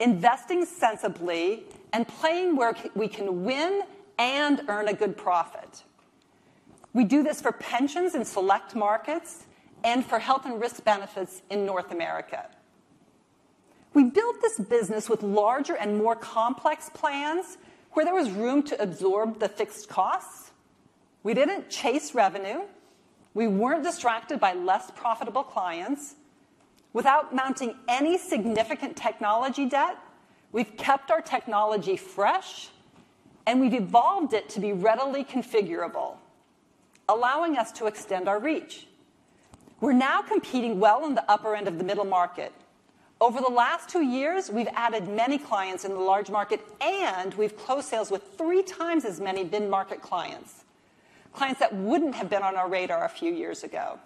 investing sensibly, and playing where we can win and earn a good profit. We do this for pensions in select markets and for health and risk benefits in North America. We built this business with larger and more complex plans where there was room to absorb the fixed costs. We didn't chase revenue. We weren't distracted by less profitable clients. Without mounting any significant technology debt, we've kept our technology fresh, and we've evolved it to be readily configurable, allowing us to extend our reach. We're now competing well on the upper end of the middle market. Over the last two years, we've added many clients in the large market, and we've closed sales with three times as many mid-market clients, clients that wouldn't have been on our radar a few years ago.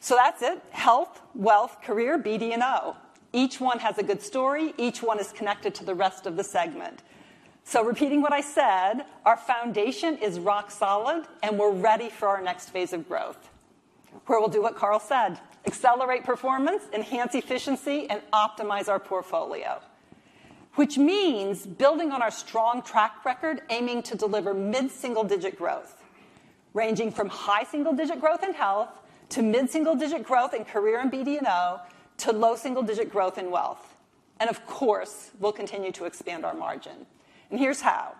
So that's it. Health, Wealth, Career, BD&O. Each one has a good story. Each one is connected to the rest of the segment. Repeating what I said, our foundation is rock solid, and we're ready for our next phase of growth, where we'll do what Carl said, accelerate performance, enhance efficiency, and optimize our portfolio, which means building on our strong track record, aiming to deliver mid-single-digit growth, ranging from high single-digit growth in health to mid-single-digit growth in career and BD&O to low single-digit growth in wealth. And of course, we'll continue to expand our margin. And here's how.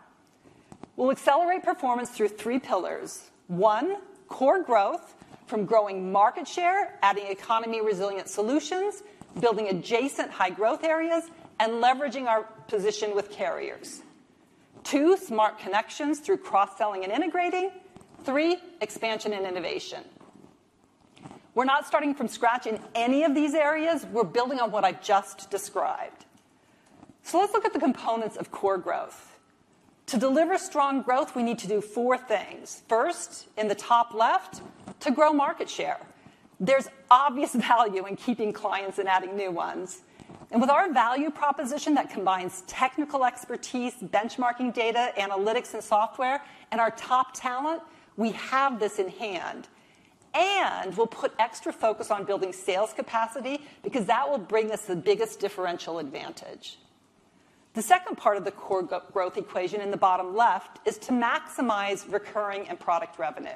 We'll accelerate performance through three pillars. One, core growth from growing market share, adding economy-resilient solutions, building adjacent high-growth areas, and leveraging our position with carriers. Two, smart connections through cross-selling and integrating. Three, expansion and innovation. We're not starting from scratch in any of these areas. We're building on what I just described. So let's look at the components of core growth. To deliver strong growth, we need to do four things. First, in the top left, to grow market share. There's obvious value in keeping clients and adding new ones. And with our value proposition that combines technical expertise, benchmarking data, analytics, and software, and our top talent, we have this in hand. And we'll put extra focus on building sales capacity because that will bring us the biggest differential advantage. The second part of the core growth equation in the bottom left is to maximize recurring and product revenue.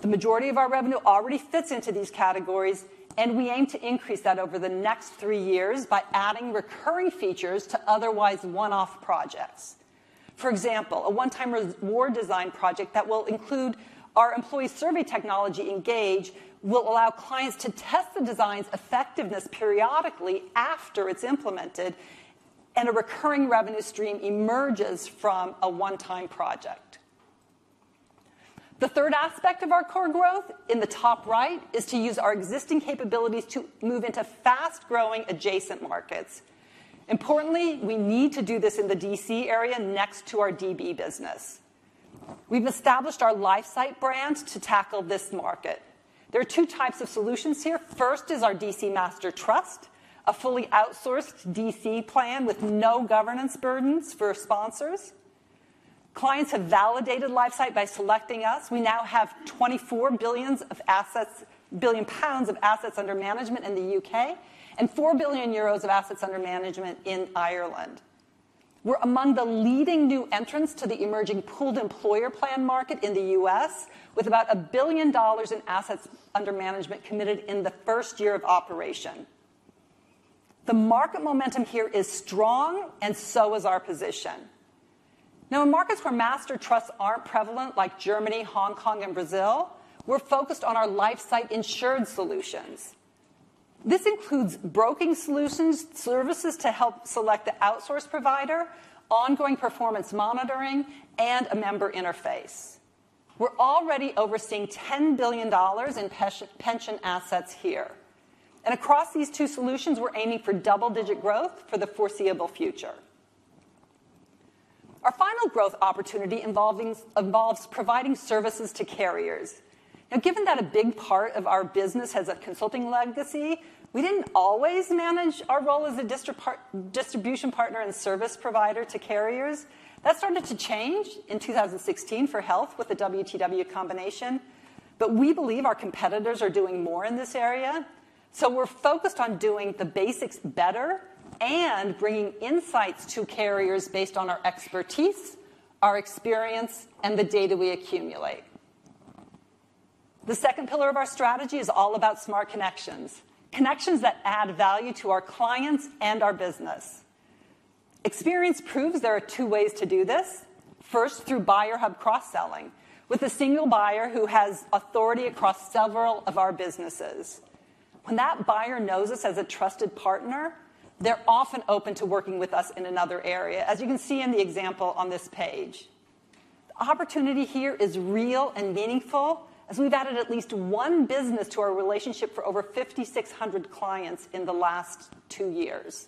The majority of our revenue already fits into these categories, and we aim to increase that over the next three years by adding recurring features to otherwise one-off projects. For example, a one-time reward design project that will include our employee survey technology, Engage, will allow clients to test the design's effectiveness periodically after it's implemented, and a recurring revenue stream emerges from a one-time project. The third aspect of our core growth in the top right is to use our existing capabilities to move into fast-growing adjacent markets. Importantly, we need to do this in the DC area next to our DB business. We've established our LifeSight brand to tackle this market. There are two types of solutions here. First is our DC Master Trust, a fully outsourced DC plan with no governance burdens for sponsors. Clients have validated LifeSight by selecting us. We now have 24 billion of assets under management in the U.K. and 4 billion euros of assets under management in Ireland. We're among the leading new entrants to the emerging pooled employer plan market in the U.S., with about $1 billion in assets under management committed in the first year of operation. The market momentum here is strong, and so is our position. Now, in markets where Master Trusts aren't prevalent, like Germany, Hong Kong, and Brazil, we're focused on our LifeSight insured solutions. This includes broking solutions, services to help select the outsource provider, ongoing performance monitoring, and a member interface. We're already overseeing $10 billion in pension assets here. Across these two solutions, we're aiming for double-digit growth for the foreseeable future. Our final growth opportunity involves providing services to carriers. Now, given that a big part of our business has a consulting legacy, we didn't always manage our role as a distribution partner and service provider to carriers. That started to change in 2016 for health with the WTW combination. But we believe our competitors are doing more in this area. So we're focused on doing the basics better and bringing insights to carriers based on our expertise, our experience, and the data we accumulate. The second pillar of our strategy is all about smart connections, connections that add value to our clients and our business. Experience proves there are two ways to do this. First, through buyer hub cross-selling with a single buyer who has authority across several of our businesses. When that buyer knows us as a trusted partner, they're often open to working with us in another area, as you can see in the example on this page. The opportunity here is real and meaningful as we've added at least one business to our relationship for over 5,600 clients in the last two years.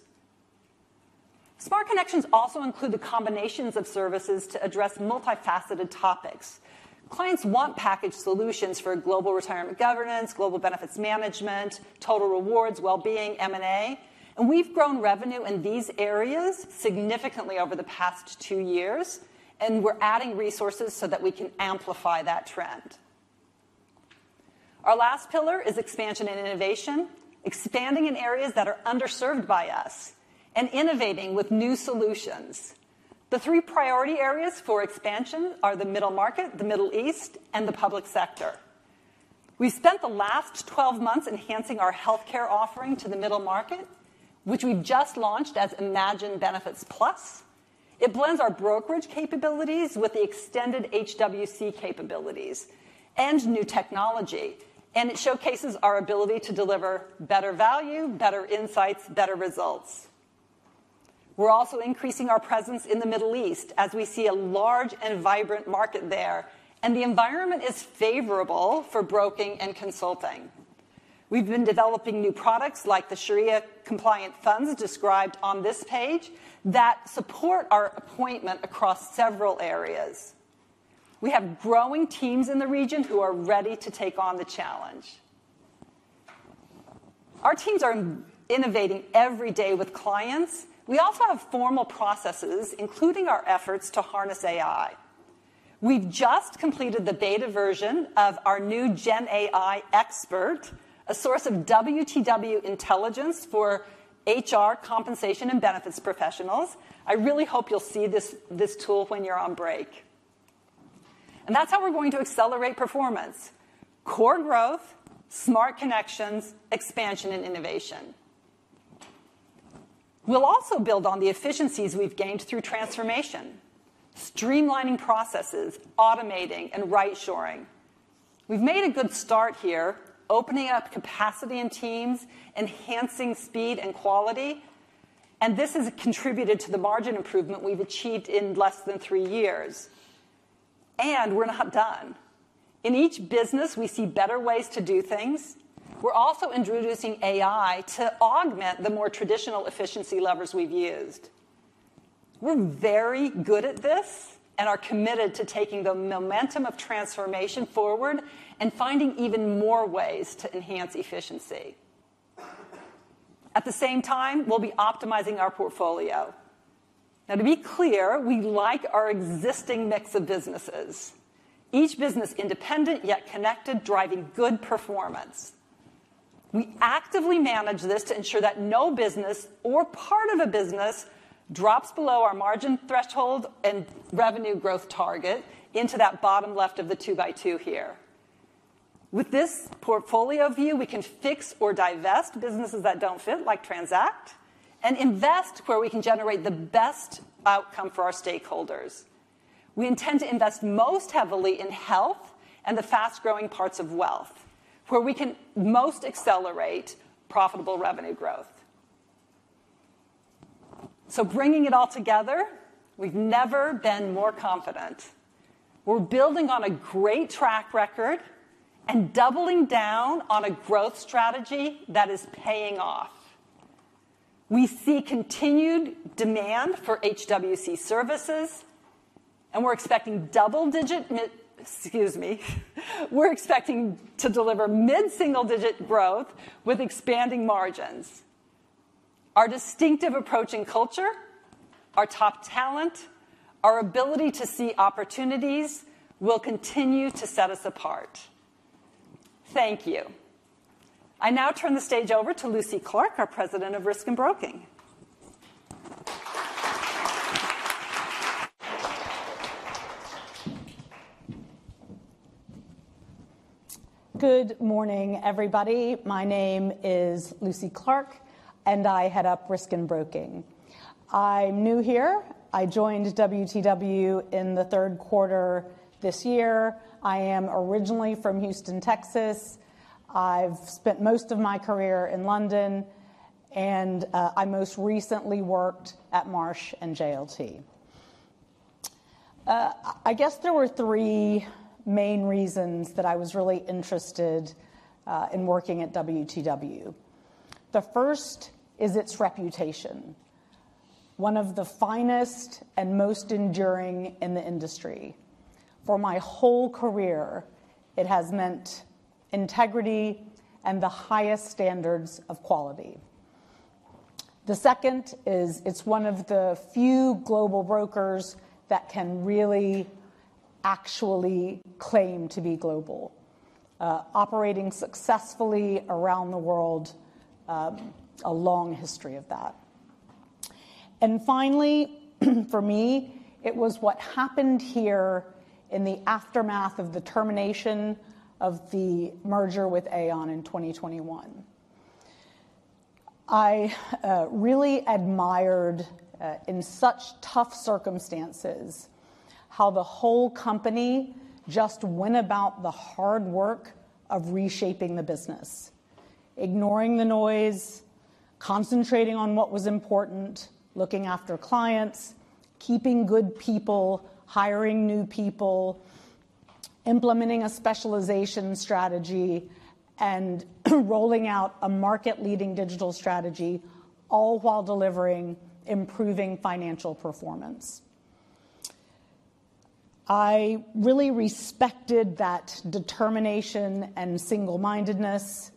Smart connections also include the combinations of services to address multifaceted topics. Clients want package solutions for global retirement governance, global benefits management, total rewards, well-being, M&A, and we've grown revenue in these areas significantly over the past two years, and we're adding resources so that we can amplify that trend. Our last pillar is expansion and innovation, expanding in areas that are underserved by us and innovating with new solutions. The three priority areas for expansion are the middle market, the Middle East, and the public sector. We've spent the last 12 months enhancing our healthcare offering to the middle market, which we just launched as Imagine Benefits Plus. It blends our brokerage capabilities with the extended HWC capabilities and new technology, and it showcases our ability to deliver better value, better insights, better results. We're also increasing our presence in the Middle East as we see a large and vibrant market there, and the environment is favorable for broking and consulting. We've been developing new products like the Shariah-compliant funds described on this page that support our appointment across several areas. We have growing teams in the region who are ready to take on the challenge. Our teams are innovating every day with clients. We also have formal processes, including our efforts to harness AI. We've just completed the beta version of our new GenAI Expert, a source of WTW intelligence for HR, compensation, and benefits professionals. I really hope you'll see this tool when you're on break. And that's how we're going to accelerate performance: core growth, smart connections, expansion, and innovation. We'll also build on the efficiencies we've gained through transformation, streamlining processes, automating, and right-shoring. We've made a good start here, opening up capacity in teams, enhancing speed and quality, and this has contributed to the margin improvement we've achieved in less than three years, and we're not done. In each business, we see better ways to do things. We're also introducing AI to augment the more traditional efficiency levers we've used. We're very good at this and are committed to taking the momentum of transformation forward and finding even more ways to enhance efficiency. At the same time, we'll be optimizing our portfolio. Now, to be clear, we like our existing mix of businesses, each business independent yet connected, driving good performance. We actively manage this to ensure that no business or part of a business drops below our margin threshold and revenue growth target into that bottom left of the two-by-two here. With this portfolio view, we can fix or divest businesses that don't fit, like TRANZACT, and invest where we can generate the best outcome for our stakeholders. We intend to invest most heavily in health and the fast-growing parts of wealth, where we can most accelerate profitable revenue growth. So bringing it all together, we've never been more confident. We're building on a great track record and doubling down on a growth strategy that is paying off. We see continued demand for HWC services, and we're expecting double-digit, excuse me, we're expecting to deliver mid-single-digit growth with expanding margins. Our distinctive approach and culture, our top talent, our ability to see opportunities will continue to set us apart. Thank you. I now turn the stage over to Lucy Clarke, our President of Risk and Broking. Good morning, everybody. My name is Lucy Clarke, and I head up Risk and Broking. I'm new here. I joined WTW in the third quarter this year. I am originally from Houston, Texas. I've spent most of my career in London, and I most recently worked at Marsh and JLT. I guess there were three main reasons that I was really interested in working at WTW. The first is its reputation, one of the finest and most enduring in the industry. For my whole career, it has meant integrity and the highest standards of quality. The second is it's one of the few global brokers that can really actually claim to be global, operating successfully around the world, a long history of that. And finally, for me, it was what happened here in the aftermath of the termination of the merger with Aon in 2021. I really admired, in such tough circumstances, how the whole company just went about the hard work of reshaping the business, ignoring the noise, concentrating on what was important, looking after clients, keeping good people, hiring new people, implementing a specialization strategy, and rolling out a market-leading digital strategy, all while delivering improving financial performance. I really respected that determination and single-mindedness.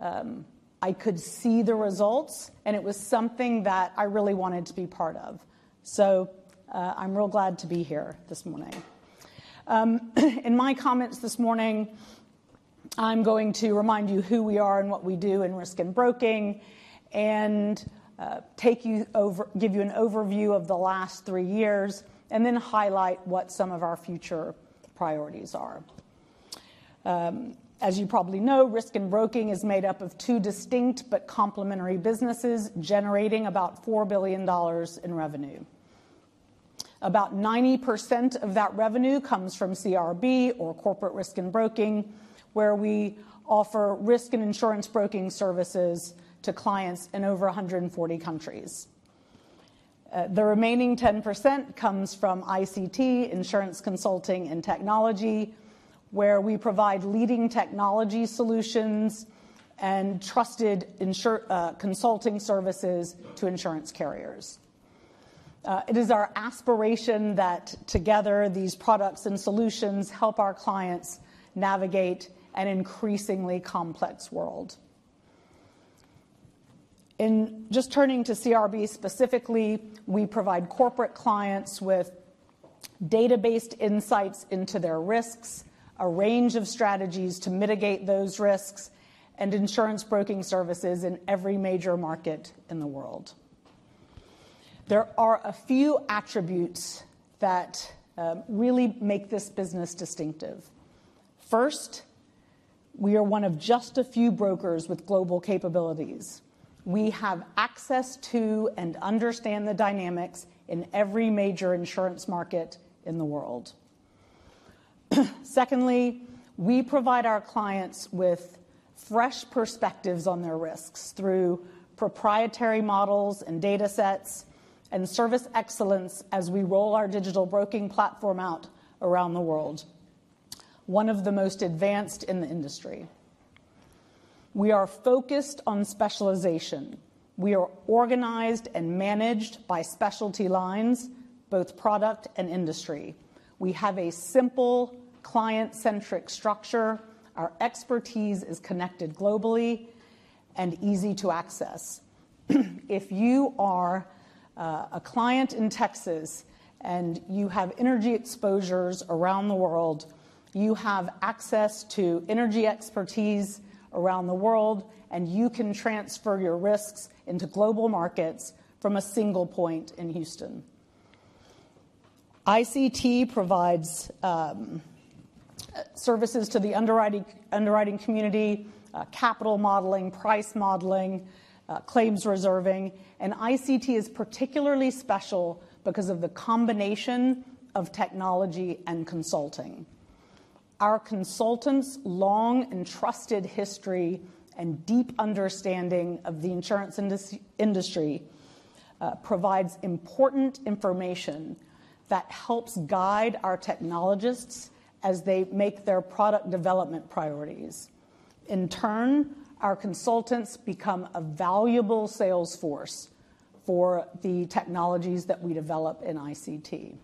I could see the results, and it was something that I really wanted to be part of. So I'm real glad to be here this morning. In my comments this morning, I'm going to remind you who we are and what we do in Risk and Broking and give you an overview of the last three years, and then highlight what some of our future priorities are. As you probably know, Risk and Broking is made up of two distinct but complementary businesses generating about $4 billion in revenue. About 90% of that revenue comes from CRB, or Corporate Risk and Broking, where we offer risk and insurance broking services to clients in over 140 countries. The remaining 10% comes from ICT, Insurance Consulting and Technology, where we provide leading technology solutions and trusted consulting services to insurance carriers. It is our aspiration that together, these products and solutions help our clients navigate an increasingly complex world. In just turning to CRB specifically, we provide corporate clients with database insights into their risks, a range of strategies to mitigate those risks, and insurance broking services in every major market in the world. There are a few attributes that really make this business distinctive. First, we are one of just a few brokers with global capabilities. We have access to and understand the dynamics in every major insurance market in the world. Secondly, we provide our clients with fresh perspectives on their risks through proprietary models and datasets and service excellence as we roll our digital broking platform out around the world, one of the most advanced in the industry. We are focused on specialization. We are organized and managed by specialty lines, both product and industry. We have a simple client-centric structure. Our expertise is connected globally and easy to access. If you are a client in Texas and you have energy exposures around the world, you have access to energy expertise around the world, and you can transfer your risks into global markets from a single point in Houston. ICT provides services to the underwriting community, capital modeling, price modeling, claims reserving. ICT is particularly special because of the combination of technology and consulting. Our consultants' long and trusted history and deep understanding of the insurance industry provides important information that helps guide our technologists as they make their product development priorities. In turn, our consultants become a valuable salesforce for the technologies that we develop in ICT.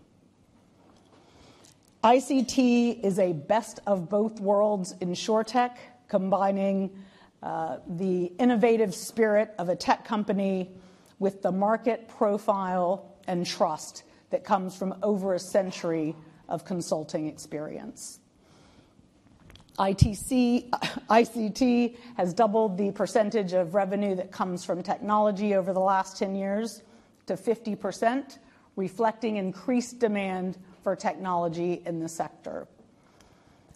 ICT is a best of both worlds in ShoreTech, combining the innovative spirit of a tech company with the market profile and trust that comes from over a century of consulting experience. ICT has doubled the percentage of revenue that comes from technology over the last 10 years to 50%, reflecting increased demand for technology in the sector.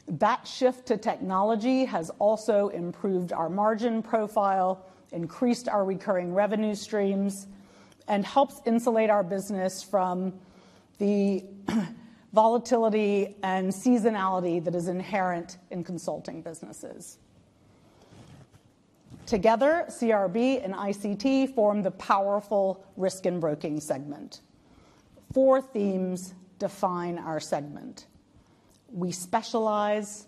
That shift to technology has also improved our margin profile, increased our recurring revenue streams, and helps insulate our business from the volatility and seasonality that is inherent in consulting businesses. Together, CRB and ICT form the powerful risk and broking segment. Four themes define our segment. We specialize.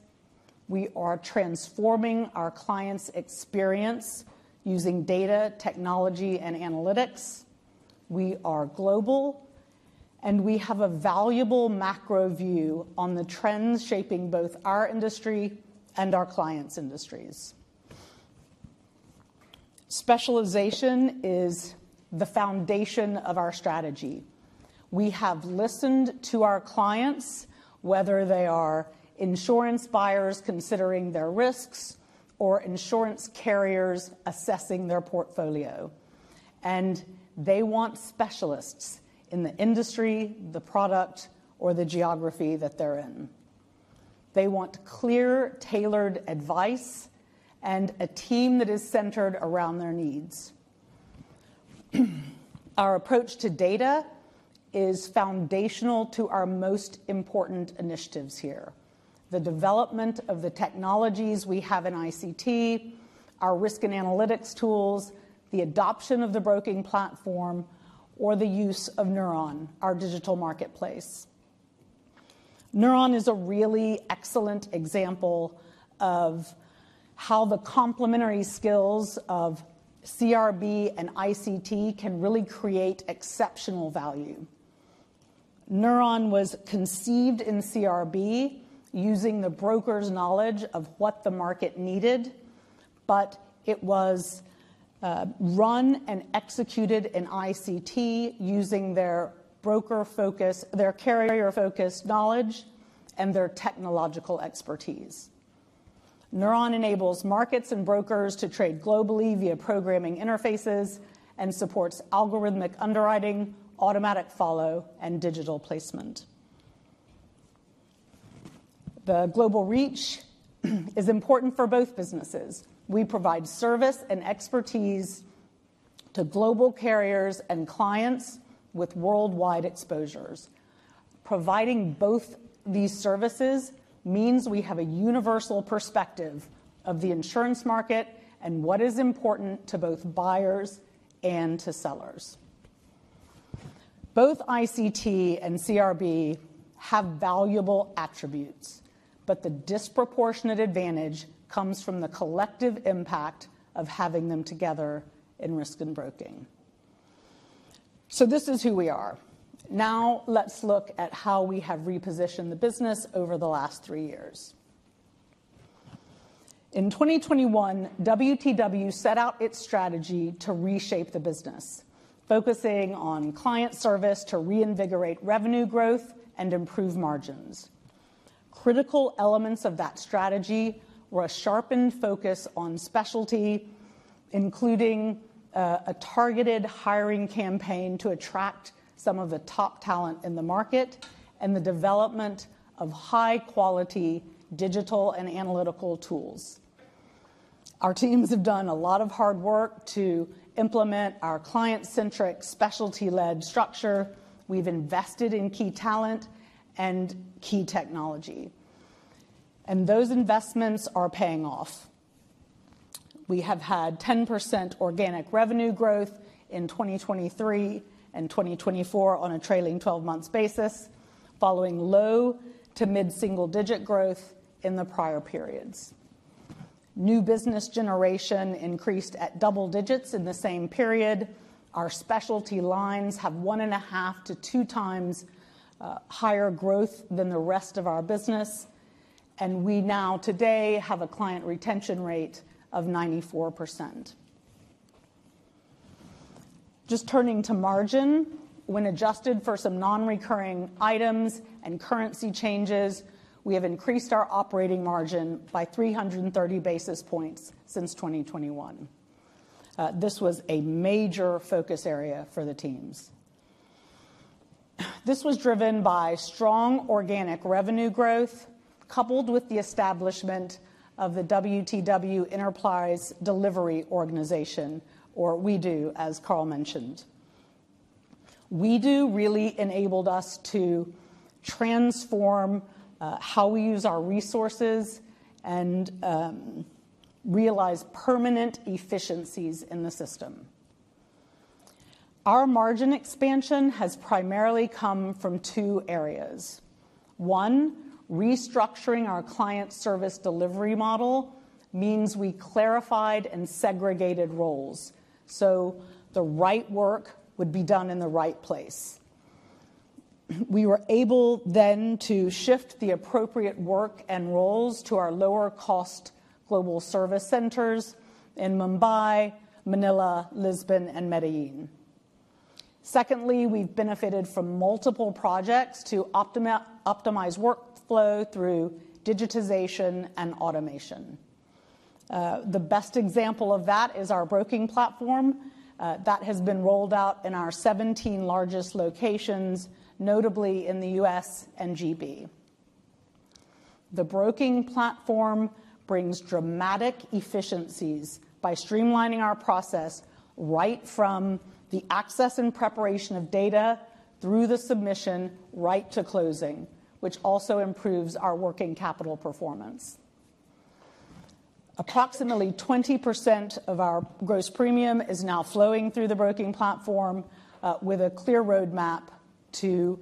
We are transforming our clients' experience using data, technology, and analytics. We are global, and we have a valuable macro view on the trends shaping both our industry and our clients' industries. Specialization is the foundation of our strategy. We have listened to our clients, whether they are insurance buyers considering their risks or insurance carriers assessing their portfolio, and they want specialists in the industry, the product, or the geography that they're in. They want clear, tailored advice and a team that is centered around their needs. Our approach to data is foundational to our most important initiatives here: the development of the technologies we have in ICT, our risk and analytics tools, the adoption of the broking platform, or the use of Neuron, our digital marketplace. Neuron is a really excellent example of how the complementary skills of CRB and ICT can really create exceptional value. Neuron was conceived in CRB using the broker's knowledge of what the market needed, but it was run and executed in ICT using their broker-focused, their carrier-focused knowledge and their technological expertise. Neuron enables markets and brokers to trade globally via programming interfaces and supports algorithmic underwriting, automatic follow, and digital placement. The global reach is important for both businesses. We provide service and expertise to global carriers and clients with worldwide exposures. Providing both these services means we have a universal perspective of the insurance market and what is important to both buyers and to sellers. Both ICT and CRB have valuable attributes, but the disproportionate advantage comes from the collective impact of having them together in Risk and Broking. So this is who we are. Now, let's look at how we have repositioned the business over the last three years. In 2021, WTW set out its strategy to reshape the business, focusing on client service to reinvigorate revenue growth and improve margins. Critical elements of that strategy were a sharpened focus on specialty, including a targeted hiring campaign to attract some of the top talent in the market and the development of high-quality digital and analytical tools. Our teams have done a lot of hard work to implement our client-centric specialty-led structure. We've invested in key talent and key technology, and those investments are paying off. We have had 10% organic revenue growth in 2023 and 2024 on a trailing 12-month basis, following low to mid-single-digit growth in the prior periods. New business generation increased at double digits in the same period. Our specialty lines have one and a half to two times higher growth than the rest of our business, and we now today have a client retention rate of 94%. Just turning to margin, when adjusted for some non-recurring items and currency changes, we have increased our operating margin by 330 basis points since 2021. This was a major focus area for the teams. This was driven by strong organic revenue growth coupled with the establishment of the WTW Enterprise Delivery Organization, or WEDO, as Carl mentioned. WEDO really enabled us to transform how we use our resources and realize permanent efficiencies in the system. Our margin expansion has primarily come from two areas. One, restructuring our client service delivery model means we clarified and segregated roles so the right work would be done in the right place. We were able then to shift the appropriate work and roles to our lower-cost global service centers in Mumbai, Manila, Lisbon, and Medellín. Secondly, we've benefited from multiple projects to optimize workflow through digitization and automation. The best example of that is our broking platform that has been rolled out in our 17 largest locations, notably in the U.S. and G.B. The broking platform brings dramatic efficiencies by streamlining our process right from the access and preparation of data through the submission right to closing, which also improves our working capital performance. Approximately 20% of our gross premium is now flowing through the broking platform with a clear roadmap to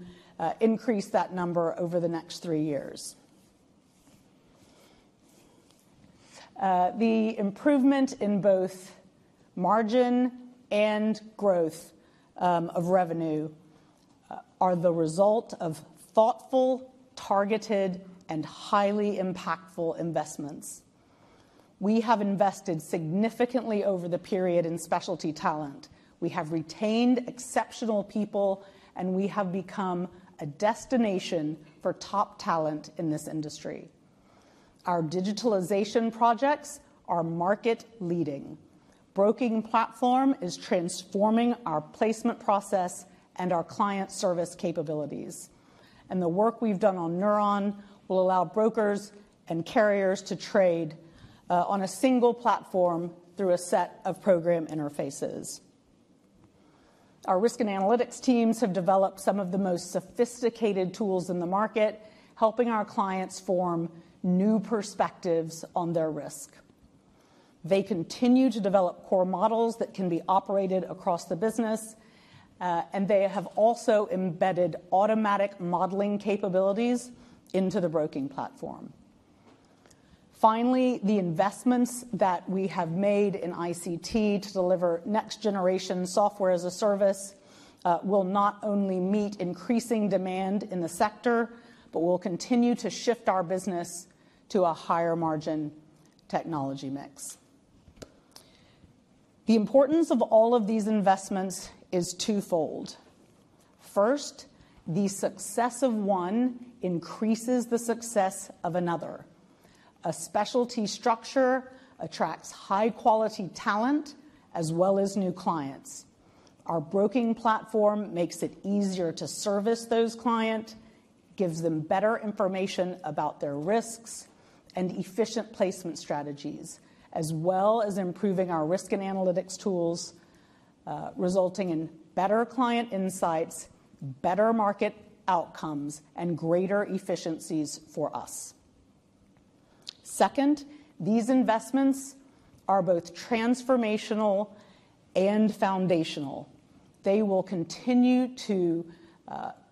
increase that number over the next three years. The improvement in both margin and growth of revenue are the result of thoughtful, targeted, and highly impactful investments. We have invested significantly over the period in specialty talent. We have retained exceptional people, and we have become a destination for top talent in this industry. Our digitalization projects are market-leading. Broking platform is transforming our placement process and our client service capabilities. And the work we've done on Neuron will allow brokers and carriers to trade on a single platform through a set of program interfaces. Our risk and analytics teams have developed some of the most sophisticated tools in the market, helping our clients form new perspectives on their risk. They continue to develop core models that can be operated across the business, and they have also embedded automatic modeling capabilities into the broking platform. Finally, the investments that we have made in ICT to deliver next-generation software as a service will not only meet increasing demand in the sector, but will continue to shift our business to a higher-margin technology mix. The importance of all of these investments is twofold. First, the success of one increases the success of another. A specialty structure attracts high-quality talent as well as new clients. Our broking platform makes it easier to service those clients, gives them better information about their risks, and efficient placement strategies, as well as improving our risk and analytics tools, resulting in better client insights, better market outcomes, and greater efficiencies for us. Second, these investments are both transformational and foundational. They will continue to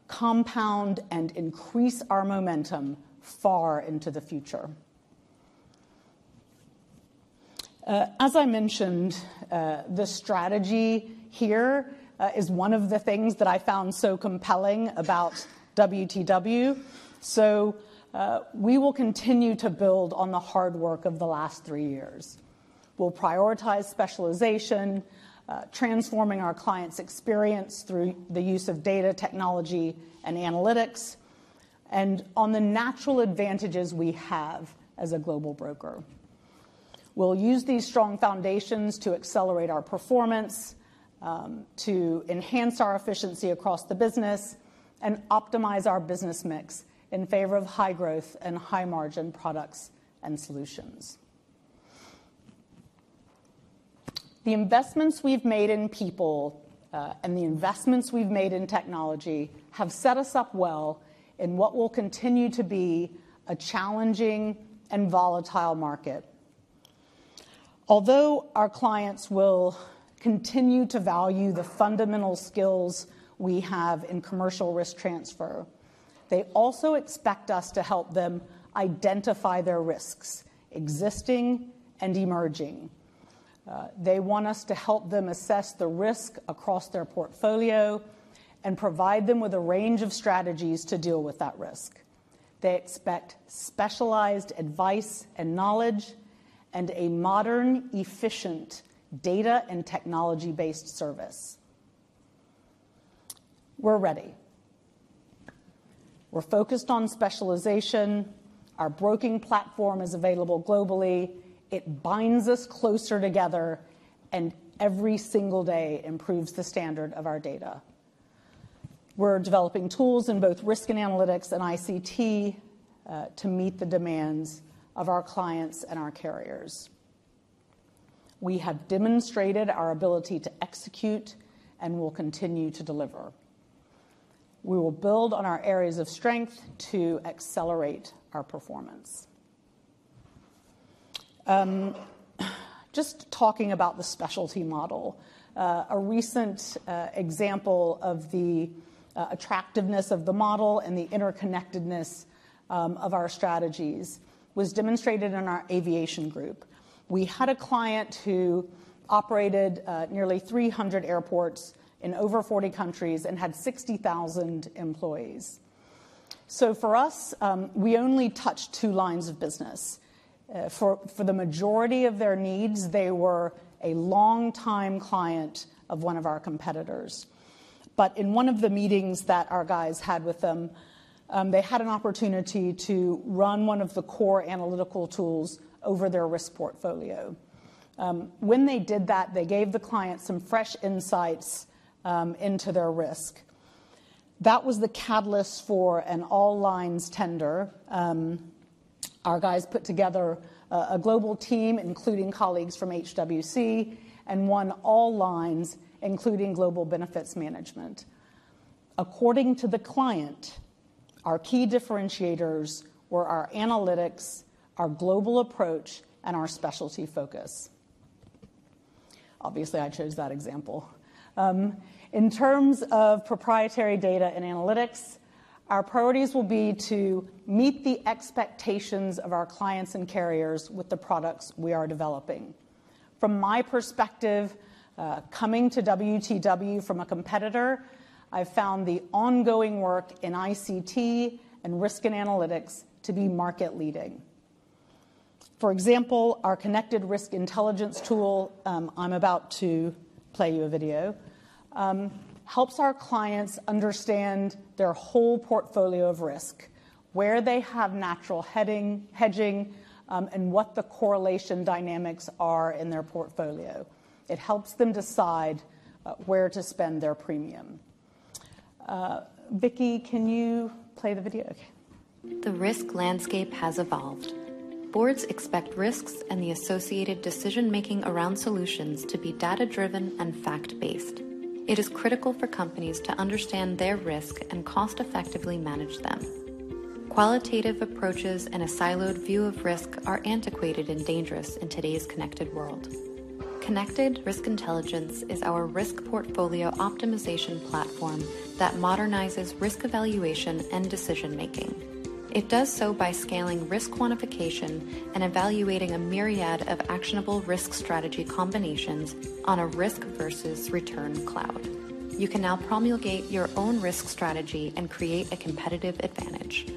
compound and increase our momentum far into the future. As I mentioned, the strategy here is one of the things that I found so compelling about WTW. So we will continue to build on the hard work of the last three years. We'll prioritize specialization, transforming our clients' experience through the use of data, technology, and analytics, and on the natural advantages we have as a global broker. We'll use these strong foundations to accelerate our performance, to enhance our efficiency across the business, and optimize our business mix in favor of high-growth and high-margin products and solutions. The investments we've made in people and the investments we've made in technology have set us up well in what will continue to be a challenging and volatile market. Although our clients will continue to value the fundamental skills we have in commercial risk transfer, they also expect us to help them identify their risks, existing and emerging. They want us to help them assess the risk across their portfolio and provide them with a range of strategies to deal with that risk. They expect specialized advice and knowledge and a modern, efficient data and technology-based service. We're ready. We're focused on specialization. Our broking platform is available globally. It binds us closer together, and every single day improves the standard of our data. We're developing tools in both risk and analytics and ICT to meet the demands of our clients and our carriers. We have demonstrated our ability to execute and will continue to deliver. We will build on our areas of strength to accelerate our performance. Just talking about the specialty model, a recent example of the attractiveness of the model and the interconnectedness of our strategies was demonstrated in our aviation group. We had a client who operated nearly 300 airports in over 40 countries and had 60,000 employees. So for us, we only touched two lines of business. For the majority of their needs, they were a longtime client of one of our competitors. But in one of the meetings that our guys had with them, they had an opportunity to run one of the core analytical tools over their risk portfolio. When they did that, they gave the client some fresh insights into their risk. That was the catalyst for an all-lines tender. Our guys put together a global team, including colleagues from HWC, and won all-lines, including Global Benefits Management. According to the client, our key differentiators were our analytics, our global approach, and our specialty focus. Obviously, I chose that example. In terms of proprietary data and analytics, our priorities will be to meet the expectations of our clients and carriers with the products we are developing. From my perspective, coming to WTW from a competitor, I've found the ongoing work in ICT and risk and analytics to be market-leading. For example, our Connected Risk Intelligence tool I'm about to play you a video helps our clients understand their whole portfolio of risk, where they have natural hedging, and what the correlation dynamics are in their portfolio. It helps them decide where to spend their premium. Vicky, can you play the video? Okay. The risk landscape has evolved. Boards expect risks and the associated decision-making around solutions to be data-driven and fact-based. It is critical for companies to understand their risk and cost-effectively manage them. Qualitative approaches and a siloed view of risk are antiquated and dangerous in today's connected world. Connected Risk Intelligence is our risk portfolio optimization platform that modernizes risk evaluation and decision-making. It does so by scaling risk quantification and evaluating a myriad of actionable risk strategy combinations on a risk versus return cloud. You can now promulgate your own risk strategy and create a competitive advantage.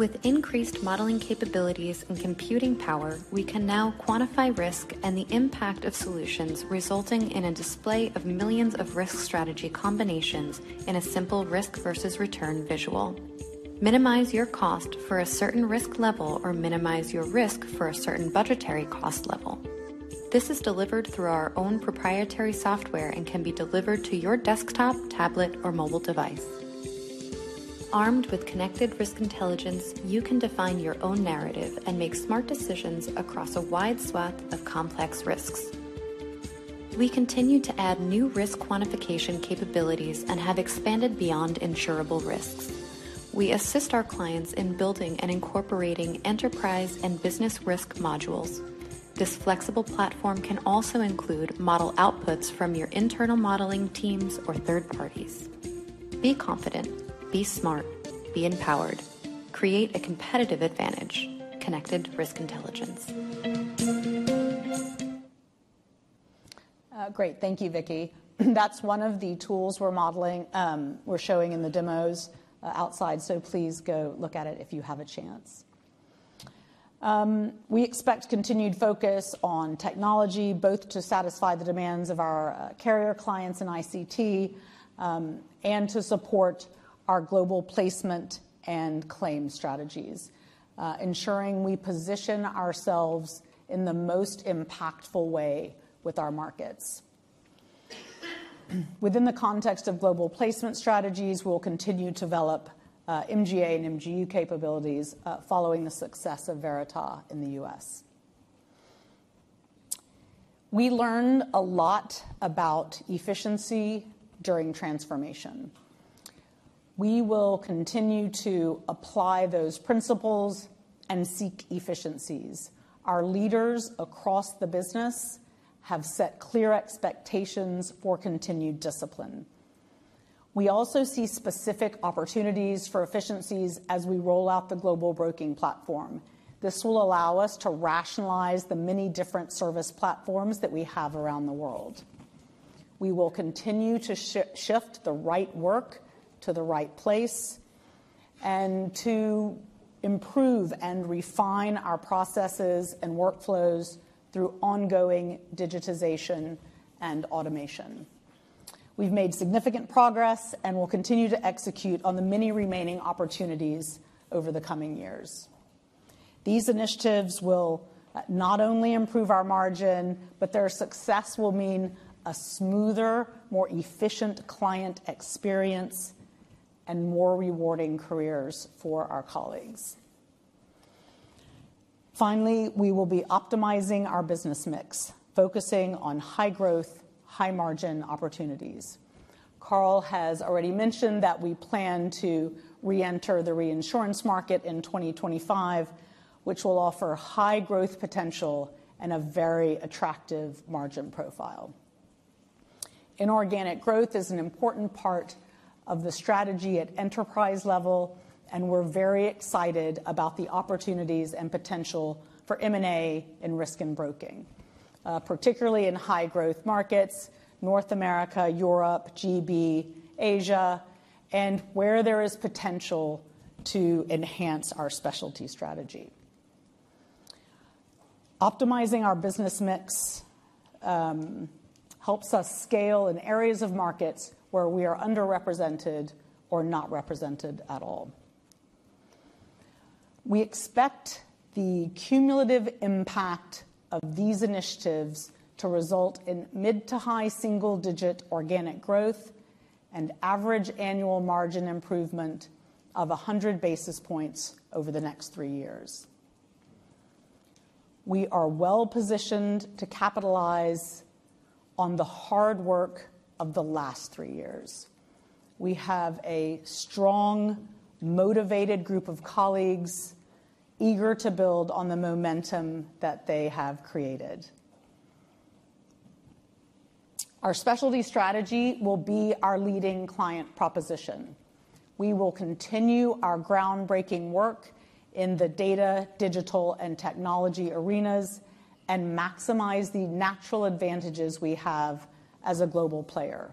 With increased modeling capabilities and computing power, we can now quantify risk and the impact of solutions, resulting in a display of millions of risk strategy combinations in a simple risk versus return visual. Minimize your cost for a certain risk level or minimize your risk for a certain budgetary cost level. This is delivered through our own proprietary software and can be delivered to your desktop, tablet, or mobile device. Armed with Connected Risk Intelligence, you can define your own narrative and make smart decisions across a wide swath of complex risks. We continue to add new risk quantification capabilities and have expanded beyond insurable risks. We assist our clients in building and incorporating enterprise and business risk modules. This flexible platform can also include model outputs from your internal modeling teams or third parties. Be confident, be smart, be empowered. Create a competitive advantage. Connected Risk Intelligence. Great. Thank you, Vicky. That's one of the tools we're modeling. We're showing in the demos outside, so please go look at it if you have a chance. We expect continued focus on technology, both to satisfy the demands of our carrier clients in ICT and to support our global placement and claim strategies, ensuring we position ourselves in the most impactful way with our markets. Within the context of global placement strategies, we'll continue to develop MGA and MGU capabilities following the success of Veritas in the U.S. We learned a lot about efficiency during transformation. We will continue to apply those principles and seek efficiencies. Our leaders across the business have set clear expectations for continued discipline. We also see specific opportunities for efficiencies as we roll out the global broking platform. This will allow us to rationalize the many different service platforms that we have around the world. We will continue to shift the right work to the right place and to improve and refine our processes and workflows through ongoing digitization and automation. We've made significant progress and will continue to execute on the many remaining opportunities over the coming years. These initiatives will not only improve our margin, but their success will mean a smoother, more efficient client experience and more rewarding careers for our colleagues. Finally, we will be optimizing our business mix, focusing on high-growth, high-margin opportunities. Carl has already mentioned that we plan to re-enter the reinsurance market in 2025, which will offer high-growth potential and a very attractive margin profile. Inorganic growth is an important part of the strategy at enterprise level, and we're very excited about the opportunities and potential for M&A in risk and broking, particularly in high-growth markets, North America, Europe, GB, Asia, and where there is potential to enhance our specialty strategy. Optimizing our business mix helps us scale in areas of markets where we are underrepresented or not represented at all. We expect the cumulative impact of these initiatives to result in mid to high single-digit organic growth and average annual margin improvement of 100 basis points over the next three years. We are well-positioned to capitalize on the hard work of the last three years. We have a strong, motivated group of colleagues eager to build on the momentum that they have created. Our specialty strategy will be our leading client proposition. We will continue our groundbreaking work in the data, digital, and technology arenas and maximize the natural advantages we have as a global player.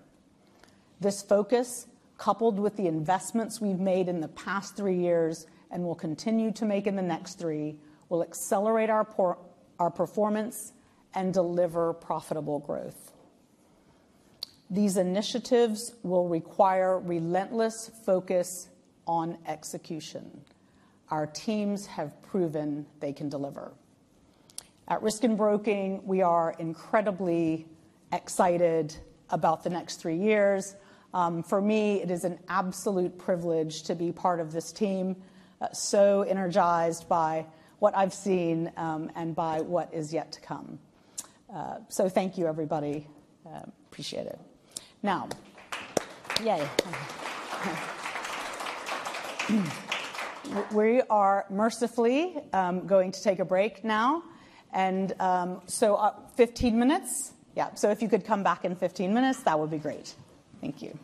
This focus, coupled with the investments we've made in the past three years and will continue to make in the next three, will accelerate our performance and deliver profitable growth. These initiatives will require relentless focus on execution. Our teams have proven they can deliver. At Risk & Broking, we are incredibly excited about the next three years. For me, it is an absolute privilege to be part of this team, so energized by what I've seen and by what is yet to come. So thank you, everybody. Appreciate it. Now, yay. We are mercifully going to take a break now. And so 15 minutes? Yeah. So if you could come back in 15 minutes, that would be great. Thank you.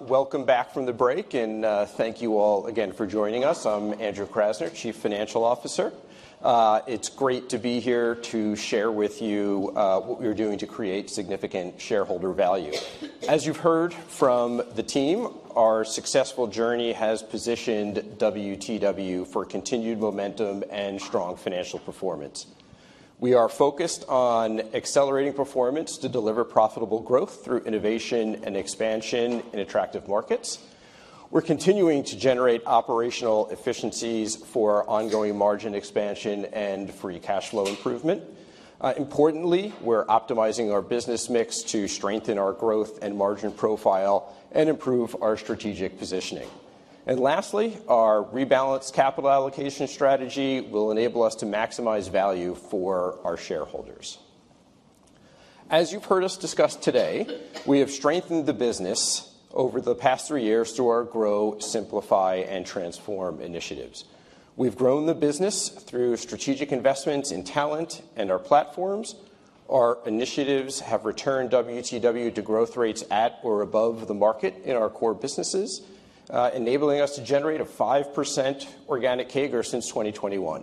Welcome back from the break, and thank you all again for joining us. I'm Andrew Krasner, Chief Financial Officer. It's great to be here to share with you what we're doing to create significant shareholder value. As you've heard from the team, our successful journey has positioned WTW for continued momentum and strong financial performance. We are focused on accelerating performance to deliver profitable growth through innovation and expansion in attractive markets. We're continuing to generate operational efficiencies for ongoing margin expansion and free cash flow improvement. Importantly, we're optimizing our business mix to strengthen our growth and margin profile and improve our strategic positioning. And lastly, our rebalanced capital allocation strategy will enable us to maximize value for our shareholders. As you've heard us discuss today, we have strengthened the business over the past three years through our Grow, Simplify, and Transform initiatives. We've grown the business through strategic investments in talent and our platforms. Our initiatives have returned WTW to growth rates at or above the market in our core businesses, enabling us to generate a 5% organic CAGR since 2021.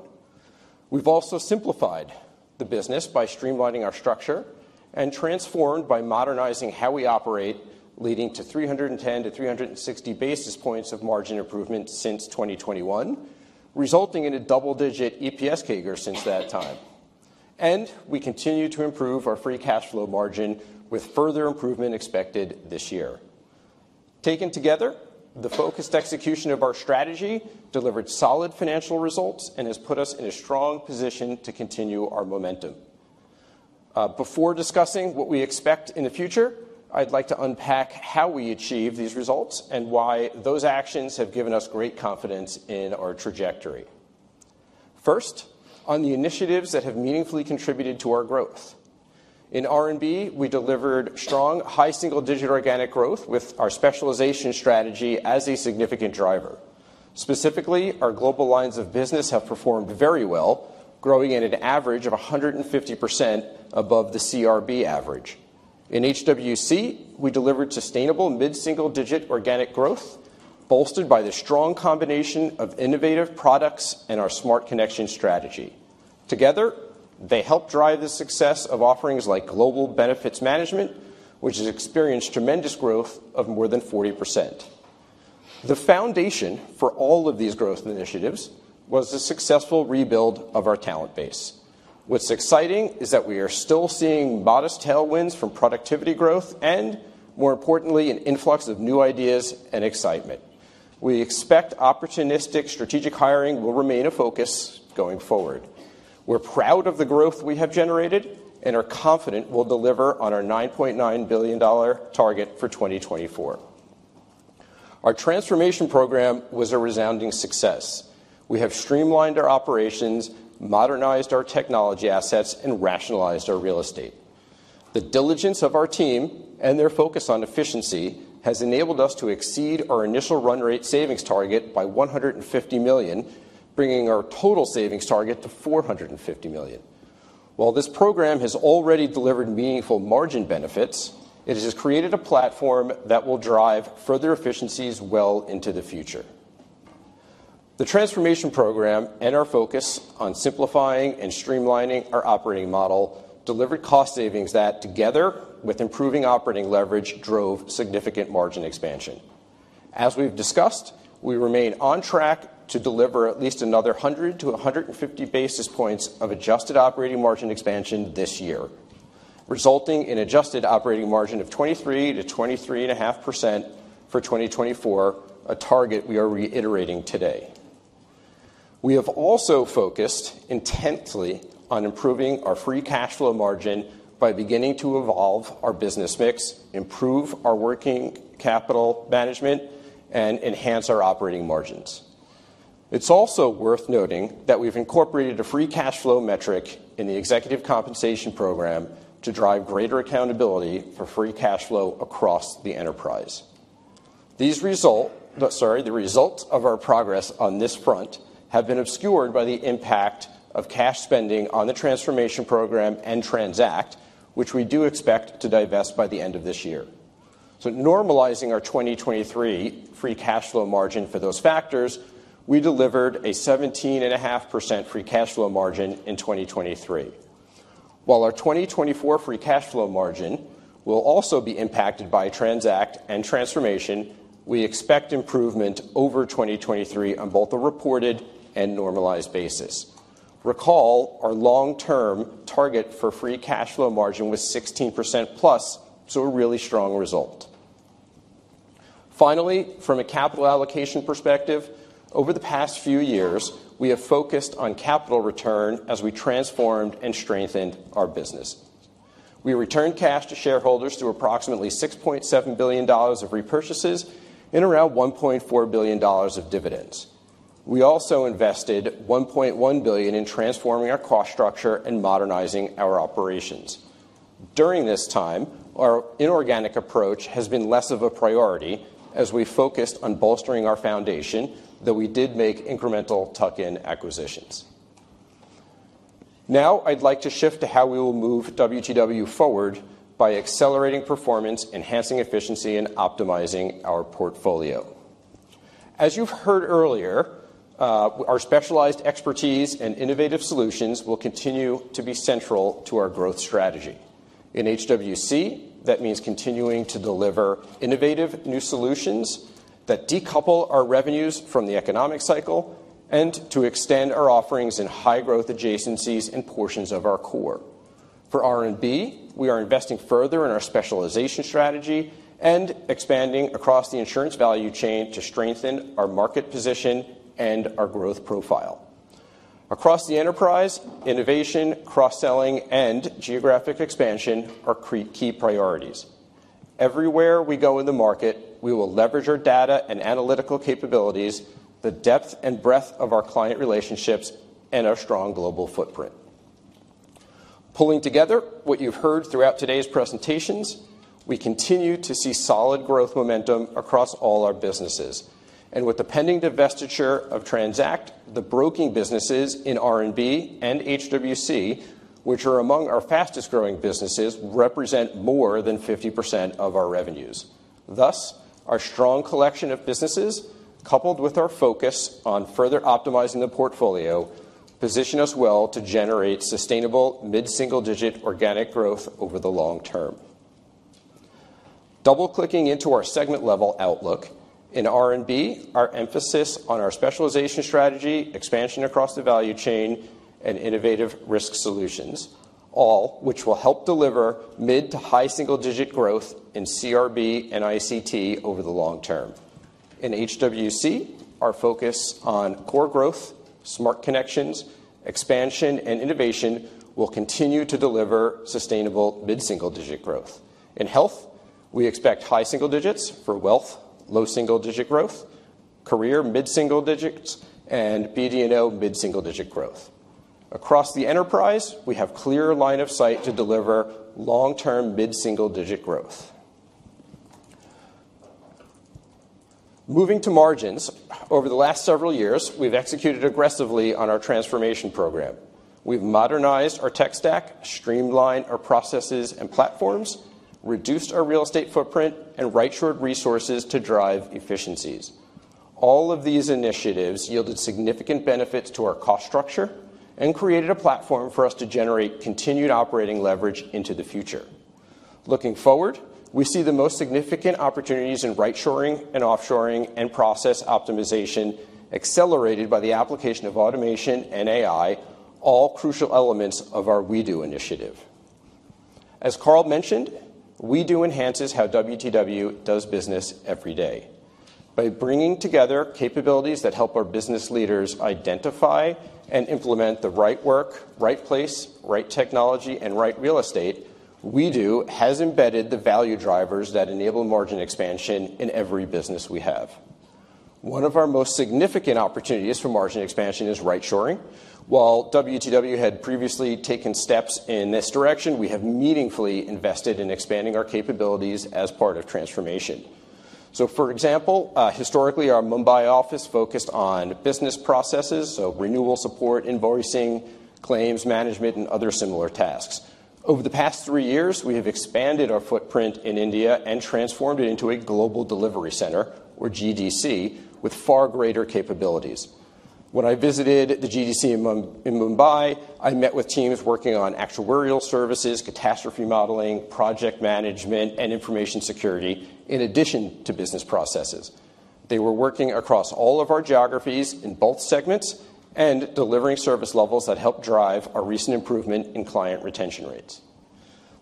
We've also simplified the business by streamlining our structure and transformed by modernizing how we operate, leading to 310-360 basis points of margin improvement since 2021, resulting in a double-digit EPS CAGR since that time. And we continue to improve our free cash flow margin, with further improvement expected this year. Taken together, the focused execution of our strategy delivered solid financial results and has put us in a strong position to continue our momentum. Before discussing what we expect in the future, I'd like to unpack how we achieve these results and why those actions have given us great confidence in our trajectory. First, on the initiatives that have meaningfully contributed to our growth. In R&B, we delivered strong, high single-digit organic growth with our specialization strategy as a significant driver. Specifically, our global lines of business have performed very well, growing at an average of 150% above the CRB average. In HWC, we delivered sustainable mid-single-digit organic growth, bolstered by the strong combination of innovative products and our smart connection strategy. Together, they help drive the success of offerings like Global Benefits Management, which has experienced tremendous growth of more than 40%. The foundation for all of these growth initiatives was the successful rebuild of our talent base. What's exciting is that we are still seeing modest tailwinds from productivity growth and, more importantly, an influx of new ideas and excitement. We expect opportunistic strategic hiring will remain a focus going forward. We're proud of the growth we have generated and are confident we'll deliver on our $9.9 billion target for 2024. Our transformation program was a resounding success. We have streamlined our operations, modernized our technology assets, and rationalized our real estate. The diligence of our team and their focus on efficiency has enabled us to exceed our initial run rate savings target by $150 million, bringing our total savings target to $450 million. While this program has already delivered meaningful margin benefits, it has created a platform that will drive further efficiencies well into the future. The transformation program and our focus on simplifying and streamlining our operating model delivered cost savings that, together with improving operating leverage, drove significant margin expansion. As we've discussed, we remain on track to deliver at least another 100-150 basis points of adjusted operating margin expansion this year, resulting in an adjusted operating margin of 23%-23.5% for 2024, a target we are reiterating today. We have also focused intensely on improving our free cash flow margin by beginning to evolve our business mix, improve our working capital management, and enhance our operating margins. It's also worth noting that we've incorporated a free cash flow metric in the executive compensation program to drive greater accountability for free cash flow across the enterprise. These results, sorry, the results of our progress on this front have been obscured by the impact of cash spending on the transformation program and TRANZACT, which we do expect to divest by the end of this year. So, normalizing our 2023 free cash flow margin for those factors, we delivered a 17.5% free cash flow margin in 2023. While our 2024 free cash flow margin will also be impacted by TRANZACT and transformation, we expect improvement over 2023 on both a reported and normalized basis. Recall our long-term target for free cash flow margin was 16% plus, so a really strong result. Finally, from a capital allocation perspective, over the past few years, we have focused on capital return as we transformed and strengthened our business. We returned cash to shareholders through approximately $6.7 billion of repurchases and around $1.4 billion of dividends. We also invested $1.1 billion in transforming our cost structure and modernizing our operations. During this time, our inorganic approach has been less of a priority as we focused on bolstering our foundation, though we did make incremental tuck-in acquisitions. Now, I'd like to shift to how we will move WTW forward by accelerating performance, enhancing efficiency, and optimizing our portfolio. As you've heard earlier, our specialized expertise and innovative solutions will continue to be central to our growth strategy. In HWC, that means continuing to deliver innovative new solutions that decouple our revenues from the economic cycle and to extend our offerings in high-growth adjacencies and portions of our core. For R&B, we are investing further in our specialization strategy and expanding across the insurance value chain to strengthen our market position and our growth profile. Across the enterprise, innovation, cross-selling, and geographic expansion are key priorities. Everywhere we go in the market, we will leverage our data and analytical capabilities, the depth and breadth of our client relationships, and our strong global footprint. Pulling together what you've heard throughout today's presentations, we continue to see solid growth momentum across all our businesses. And with the pending divestiture of TRANZACT, the broking businesses in R&B and HWC, which are among our fastest-growing businesses, represent more than 50% of our revenues. Thus, our strong collection of businesses, coupled with our focus on further optimizing the portfolio, position us well to generate sustainable mid-single-digit organic growth over the long term. Double-clicking into our segment-level outlook, in R&B, our emphasis on our specialization strategy, expansion across the value chain, and innovative risk solutions, all which will help deliver mid to high single-digit growth in CRB and ICT over the long term. In HWC, our focus on core growth, smart connections, expansion, and innovation will continue to deliver sustainable mid-single-digit growth. In health, we expect high single digits for wealth, low single-digit growth, career mid-single digits, and BD&O mid-single-digit growth. Across the enterprise, we have a clear line of sight to deliver long-term mid-single-digit growth. Moving to margins, over the last several years, we've executed aggressively on our transformation program. We've modernized our tech stack, streamlined our processes and platforms, reduced our real estate footprint, and right-shored resources to drive efficiencies. All of these initiatives yielded significant benefits to our cost structure and created a platform for us to generate continued operating leverage into the future. Looking forward, we see the most significant opportunities in right-shoring and offshoring and process optimization accelerated by the application of automation and AI, all crucial elements of our WEDO initiative. As Carl mentioned, WEDO enhances how WTW does business every day. By bringing together capabilities that help our business leaders identify and implement the right work, right place, right technology, and right real estate, WEDO has embedded the value drivers that enable margin expansion in every business we have. One of our most significant opportunities for margin expansion is right-shoring. While WTW had previously taken steps in this direction, we have meaningfully invested in expanding our capabilities as part of transformation. So, for example, historically, our Mumbai office focused on business processes, so renewal support, invoicing, claims management, and other similar tasks. Over the past three years, we have expanded our footprint in India and transformed it into a global delivery center, or GDC, with far greater capabilities. When I visited the GDC in Mumbai, I met with teams working on actuarial services, catastrophe modeling, project management, and information security, in addition to business processes. They were working across all of our geographies in both segments and delivering service levels that helped drive our recent improvement in client retention rates.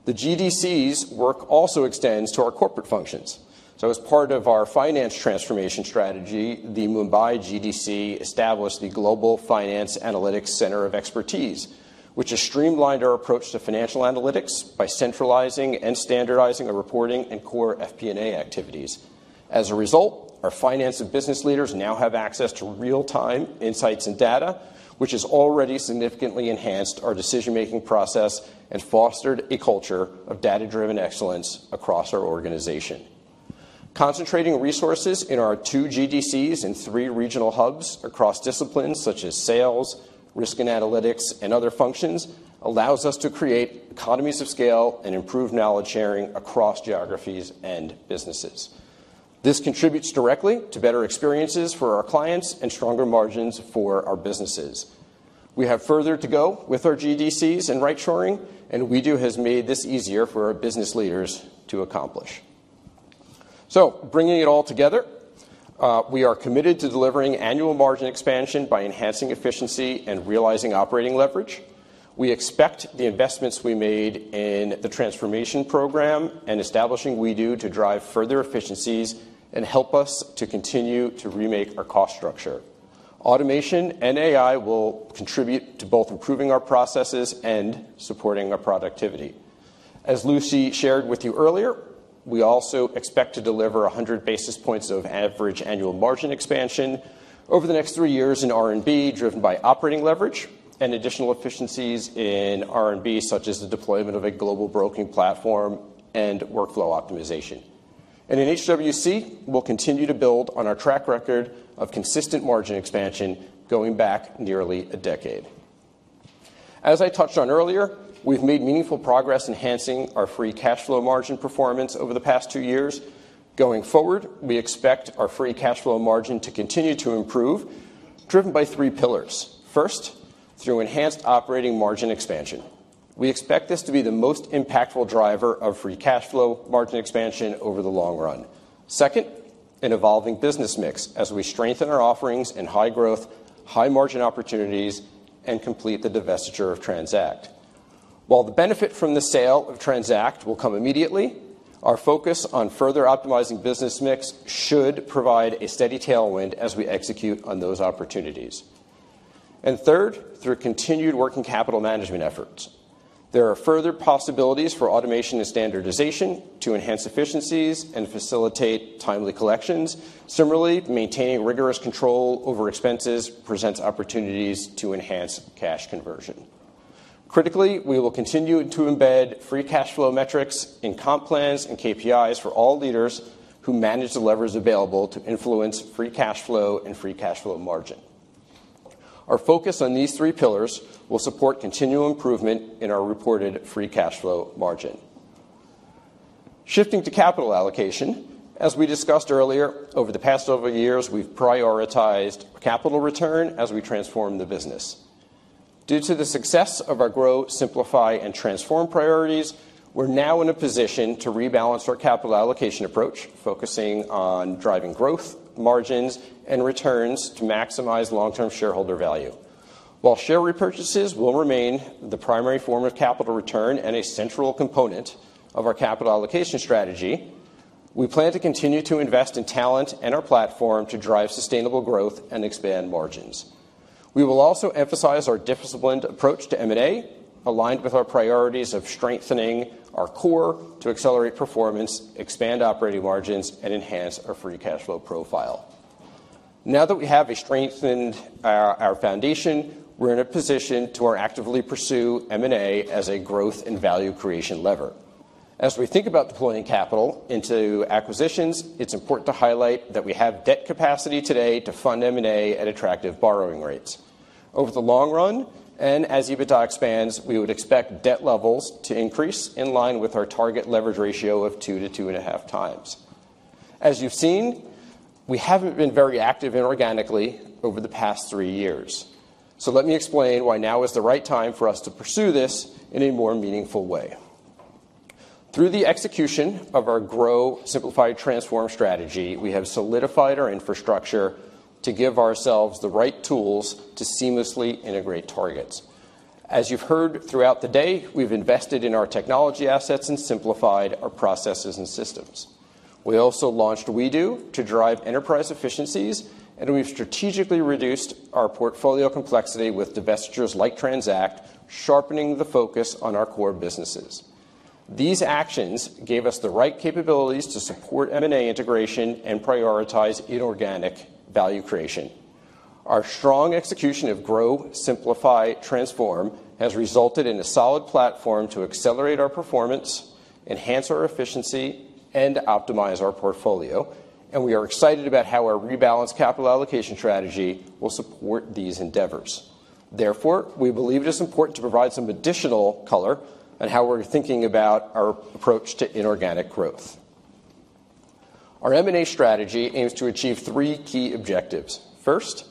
The GDC's work also extends to our corporate functions. So, as part of our finance transformation strategy, the Mumbai GDC established the Global Finance Analytics Center of Expertise, which has streamlined our approach to financial analytics by centralizing and standardizing our reporting and core FP&A activities. As a result, our finance and business leaders now have access to real-time insights and data, which has already significantly enhanced our decision-making process and fostered a culture of data-driven excellence across our organization. Concentrating resources in our two GDCs and three regional hubs across disciplines such as sales, risk and analytics, and other functions allows us to create economies of scale and improve knowledge sharing across geographies and businesses. This contributes directly to better experiences for our clients and stronger margins for our businesses. We have further to go with our GDCs and right-shoring, and WEDO has made this easier for our business leaders to accomplish. So, bringing it all together, we are committed to delivering annual margin expansion by enhancing efficiency and realizing operating leverage. We expect the investments we made in the transformation program and establishing WeDo to drive further efficiencies and help us to continue to remake our cost structure. Automation and AI will contribute to both improving our processes and supporting our productivity. As Lucy shared with you earlier, we also expect to deliver 100 basis points of average annual margin expansion over the next three years in R&B, driven by operating leverage and additional efficiencies in R&B, such as the deployment of a global broking platform and workflow optimization. And in HWC, we'll continue to build on our track record of consistent margin expansion going back nearly a decade. As I touched on earlier, we've made meaningful progress enhancing our free cash flow margin performance over the past two years. Going forward, we expect our free cash flow margin to continue to improve, driven by three pillars. First, through enhanced operating margin expansion. We expect this to be the most impactful driver of free cash flow margin expansion over the long run. Second, an evolving business mix as we strengthen our offerings in high growth, high margin opportunities, and complete the divestiture of TRANZACT. While the benefit from the sale of TRANZACT will come immediately, our focus on further optimizing business mix should provide a steady tailwind as we execute on those opportunities. And third, through continued working capital management efforts. There are further possibilities for automation and standardization to enhance efficiencies and facilitate timely collections. Similarly, maintaining rigorous control over expenses presents opportunities to enhance cash conversion. Critically, we will continue to embed free cash flow metrics in comp plans and KPIs for all leaders who manage the levers available to influence free cash flow and free cash flow margin. Our focus on these three pillars will support continued improvement in our reported free cash flow margin. Shifting to capital allocation, as we discussed earlier, over the past several years, we've prioritized capital return as we transform the business. Due to the success of our grow, simplify, and transform priorities, we're now in a position to rebalance our capital allocation approach, focusing on driving growth, margins, and returns to maximize long-term shareholder value. While share repurchases will remain the primary form of capital return and a central component of our capital allocation strategy, we plan to continue to invest in talent and our platform to drive sustainable growth and expand margins. We will also emphasize our disciplined approach to M&A, aligned with our priorities of strengthening our core to accelerate performance, expand operating margins, and enhance our free cash flow profile. Now that we have strengthened our foundation, we're in a position to more actively pursue M&A as a growth and value creation lever. As we think about deploying capital into acquisitions, it's important to highlight that we have debt capacity today to fund M&A at attractive borrowing rates. Over the long run, and as EBITDA expands, we would expect debt levels to increase in line with our target leverage ratio of two to two and a half times. As you've seen, we haven't been very active inorganically over the past three years. So let me explain why now is the right time for us to pursue this in a more meaningful way. Through the execution of our grow, simplify, transform strategy, we have solidified our infrastructure to give ourselves the right tools to seamlessly integrate targets. As you've heard throughout the day, we've invested in our technology assets and simplified our processes and systems. We also launched WEDO to drive enterprise efficiencies, and we've strategically reduced our portfolio complexity with divestitures like TRANZACT, sharpening the focus on our core businesses. These actions gave us the right capabilities to support M&A integration and prioritize inorganic value creation. Our strong execution of grow, simplify, transform has resulted in a solid platform to accelerate our performance, enhance our efficiency, and optimize our portfolio, and we are excited about how our rebalanced capital allocation strategy will support these endeavors. Therefore, we believe it is important to provide some additional color on how we're thinking about our approach to inorganic growth. Our M&A strategy aims to achieve three key objectives. First,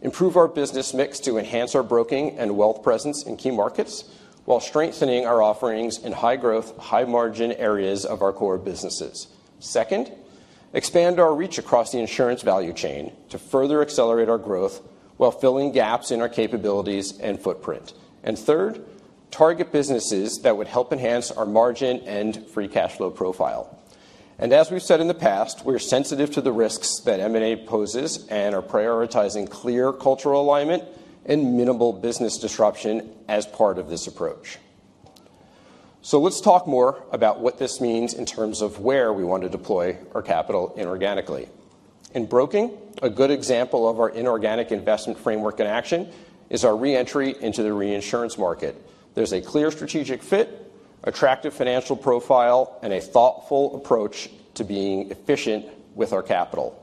improve our business mix to enhance our broking and wealth presence in key markets while strengthening our offerings in high-growth, high-margin areas of our core businesses. Second, expand our reach across the insurance value chain to further accelerate our growth while filling gaps in our capabilities and footprint. And third, target businesses that would help enhance our margin and free cash flow profile. And as we've said in the past, we're sensitive to the risks that M&A poses and are prioritizing clear cultural alignment and minimal business disruption as part of this approach. So let's talk more about what this means in terms of where we want to deploy our capital inorganically. In broking, a good example of our inorganic investment framework in action is our re-entry into the reinsurance market. There's a clear strategic fit, attractive financial profile, and a thoughtful approach to being efficient with our capital.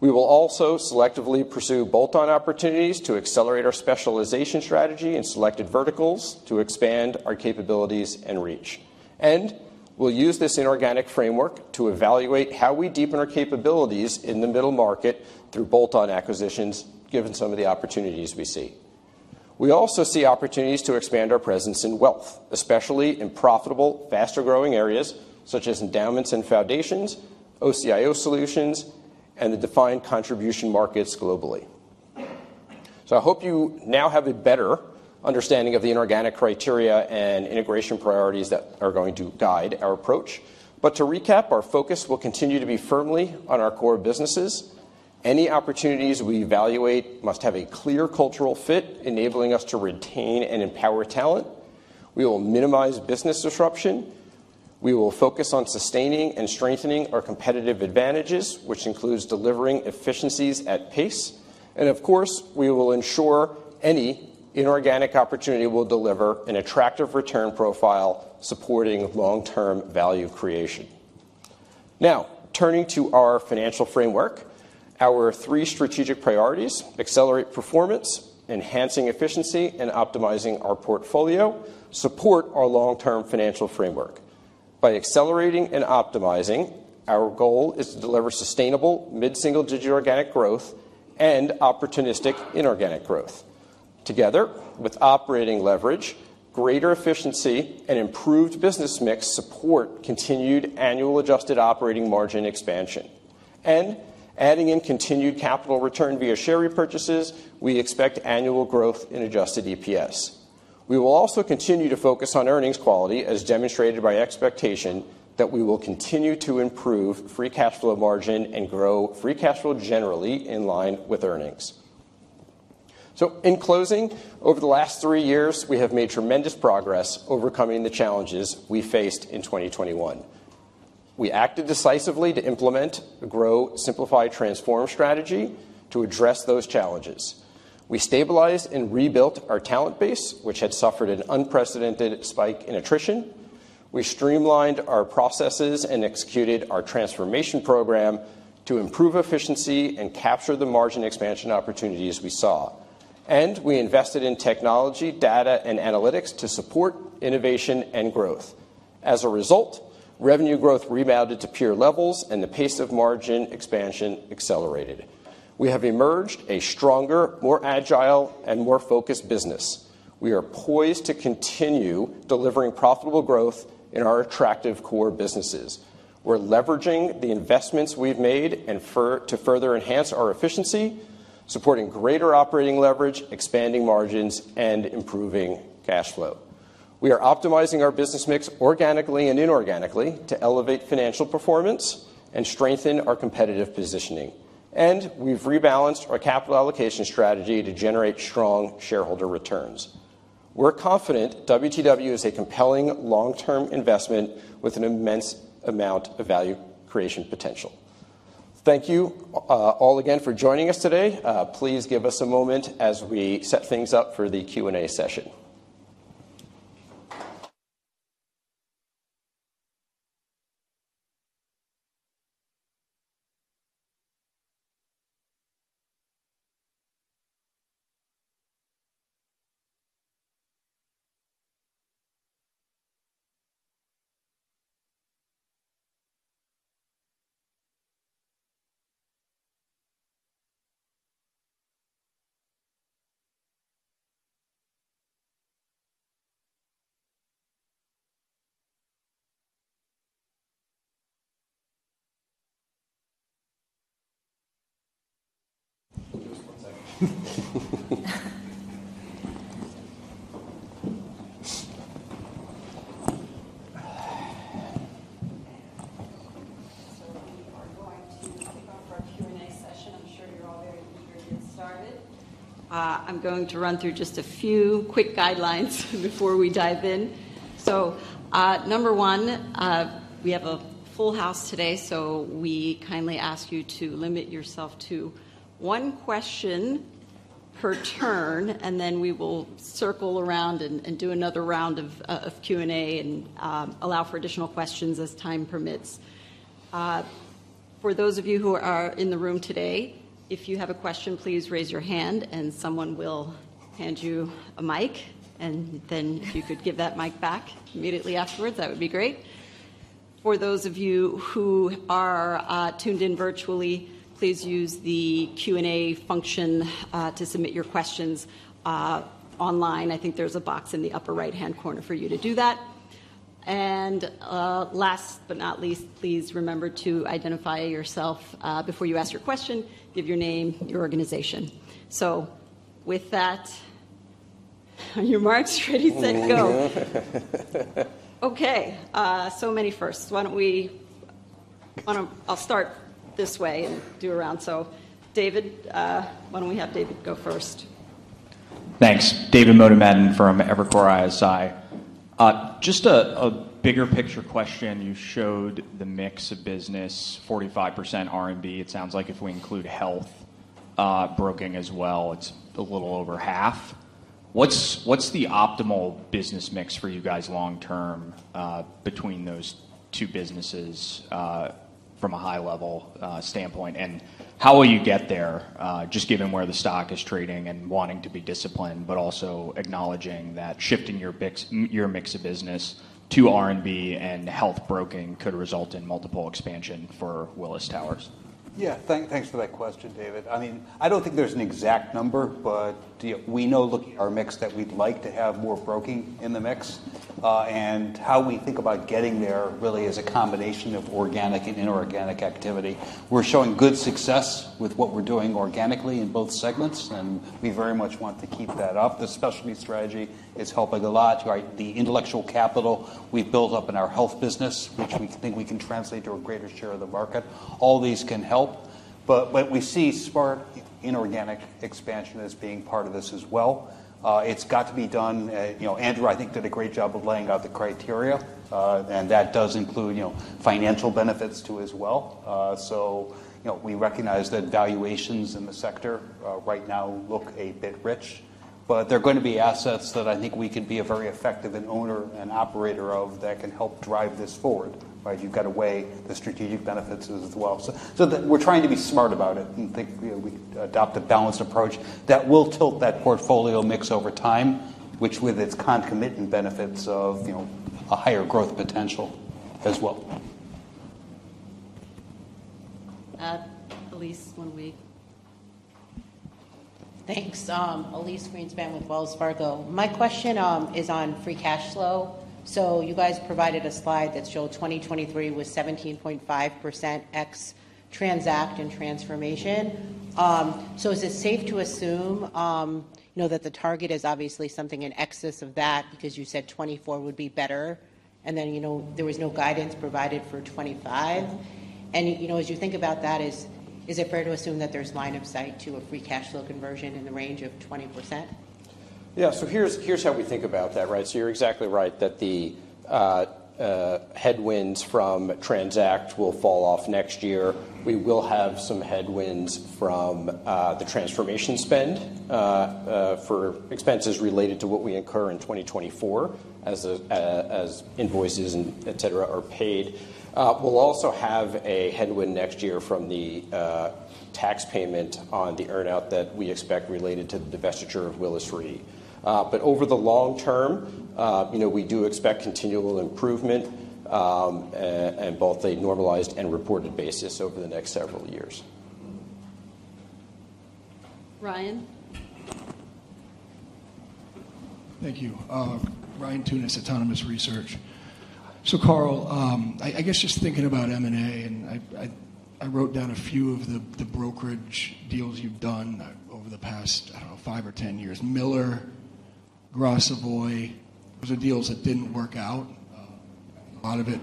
We will also selectively pursue bolt-on opportunities to accelerate our specialization strategy in selected verticals to expand our capabilities and reach. We'll use this inorganic framework to evaluate how we deepen our capabilities in the middle market through bolt-on acquisitions, given some of the opportunities we see. We also see opportunities to expand our presence in wealth, especially in profitable, faster-growing areas such as endowments and foundations, OCIO solutions, and the defined contribution markets globally. I hope you now have a better understanding of the inorganic criteria and integration priorities that are going to guide our approach. To recap, our focus will continue to be firmly on our core businesses. Any opportunities we evaluate must have a clear cultural fit, enabling us to retain and empower talent. We will minimize business disruption. We will focus on sustaining and strengthening our competitive advantages, which includes delivering efficiencies at pace. Of course, we will ensure any inorganic opportunity will deliver an attractive return profile supporting long-term value creation. Now, turning to our financial framework, our three strategic priorities: accelerate performance, enhancing efficiency, and optimizing our portfolio support our long-term financial framework. By accelerating and optimizing, our goal is to deliver sustainable mid-single digit organic growth and opportunistic inorganic growth. Together with operating leverage, greater efficiency, and improved business mix support continued annual adjusted operating margin expansion. And adding in continued capital return via share repurchases, we expect annual growth in adjusted EPS. We will also continue to focus on earnings quality, as demonstrated by expectation that we will continue to improve free cash flow margin and grow free cash flow generally in line with earnings. So in closing, over the last three years, we have made tremendous progress overcoming the challenges we faced in 2021. We acted decisively to implement a grow, simplify, transform strategy to address those challenges. We stabilized and rebuilt our talent base, which had suffered an unprecedented spike in attrition. We streamlined our processes and executed our transformation program to improve efficiency and capture the margin expansion opportunities we saw, and we invested in technology, data, and analytics to support innovation and growth. As a result, revenue growth rebounded to peer levels, and the pace of margin expansion accelerated. We have emerged a stronger, more agile, and more focused business. We are poised to continue delivering profitable growth in our attractive core businesses. We're leveraging the investments we've made to further enhance our efficiency, supporting greater operating leverage, expanding margins, and improving cash flow. We are optimizing our business mix organically and inorganically to elevate financial performance and strengthen our competitive positioning, and we've rebalanced our capital allocation strategy to generate strong shareholder returns. We're confident WTW is a compelling long-term investment with an immense amount of value creation potential. Thank you all again for joining us today. Please give us a moment as we set things up for the Q&A session. So we are going to kick off our Q&A session. I'm sure you're all very eager to get started. I'm going to run through just a few quick guidelines before we dive in. So number one, we have a full house today, so we kindly ask you to limit yourself to one question per turn, and then we will circle around and do another round of Q&A and allow for additional questions as time permits. For those of you who are in the room today, if you have a question, please raise your hand, and someone will hand you a mic. And then if you could give that mic back immediately afterwards, that would be great. For those of you who are tuned in virtually, please use the Q&A function to submit your questions online. I think there's a box in the upper right-hand corner for you to do that. And last but not least, please remember to identify yourself before you ask your question. Give your name, your organization. So with that, you're ready, set, go. Okay. So many firsts. Why don't we. I'll start this way and do around. So David, why don't we have David go first? Thanks. David Motemaden from Evercore ISI. Just a bigger picture question. You showed the mix of business, 45% R&B. It sounds like if we include health, broking as well, it's a little over half. What's the optimal business mix for you guys long-term between those two businesses from a high-level standpoint? And how will you get there, just given where the stock is trading and wanting to be disciplined, but also acknowledging that shifting your mix of business to R&B and health broking could result in multiple expansion for Willis Towers Watson? Yeah. Thanks for that question, David. I mean, I don't think there's an exact number, but we know our mix that we'd like to have more broking in the mix. And how we think about getting there really is a combination of organic and inorganic activity. We're showing good success with what we're doing organically in both segments, and we very much want to keep that up. The specialty strategy is helping a lot. The intellectual capital we've built up in our health business, which we think we can translate to a greater share of the market. All these can help. But what we see is smart inorganic expansion as being part of this as well. It's got to be done. Andrew, I think, did a great job of laying out the criteria, and that does include financial benefits too as well. So we recognize that valuations in the sector right now look a bit rich, but there are going to be assets that I think we can be a very effective owner and operator of that can help drive this forward. You've got to weigh the strategic benefits as well. So we're trying to be smart about it and think we can adopt a balanced approach that will tilt that portfolio mix over time, which, with its concomitant benefits of a higher growth potential as well. Elyse, why don't we Thanks. Elyse Greenspan with Wells Fargo. My question is on free cash flow. You guys provided a slide that showed 2023 was 17.5% ex-TRANZACT and Transformation. Is it safe to assume that the target is obviously something in excess of that because you said 2024 would be better, and then there was no guidance provided for 2025? And as you think about that, is it fair to assume that there's line of sight to a free cash flow conversion in the range of 20%? Yeah. Here's how we think about that, right? You're exactly right that the headwinds from TRANZACT will fall off next year. We will have some headwinds from the transformation spend for expenses related to what we incur in 2024 as invoices, etc., are paid. We'll also have a headwind next year from the tax payment on the earnout that we expect related to the divestiture of Willis Re. But over the long term, we do expect continual improvement on both a normalized and reported basis over the next several years. Ryan. Thank you. Ryan Tunis, Autonomous Research. So Carl, I guess just thinking about M&A, and I wrote down a few of the brokerage deals you've done over the past, I don't know, five or 10 years. Miller, Gras Savoye, those are deals that didn't work out. A lot of it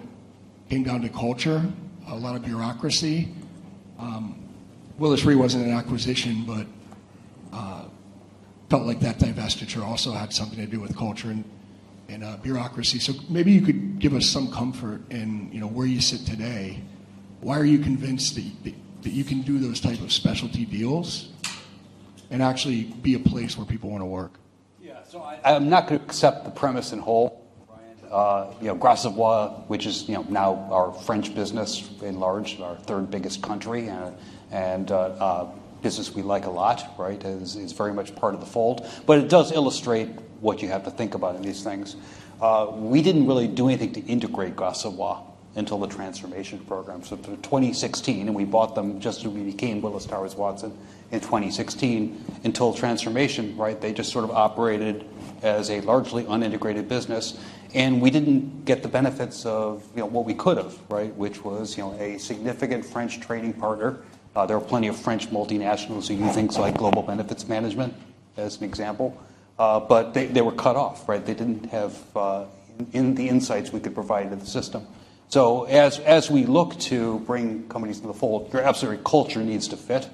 came down to culture, a lot of bureaucracy. Willis Re wasn't an acquisition, but felt like that divestiture also had something to do with culture and bureaucracy. So maybe you could give us some comfort in where you sit today. Why are you convinced that you can do those types of specialty deals and actually be a place where people want to work? Yeah. So I'm not going to accept the premise in whole. Savoye, which is now our French business in large, our third biggest country, and a business we like a lot, right, is very much part of the fold, but it does illustrate what you have to think about in these things. We didn't really do anything to integrate Gras Savoye until the Transformation program, so for 2016, and we bought them just as we became Willis Towers Watson in 2016, until transformation, right, they just sort of operated as a largely unintegrated business, and we didn't get the benefits of what we could have, right, which was a significant French trading partner. There were plenty of French multinationals who do things like Global Benefits Management, as an example. But they were cut off, right? They didn't have the insights we could provide to the system, so as we look to bring companies to the fold, your absolute culture needs to fit.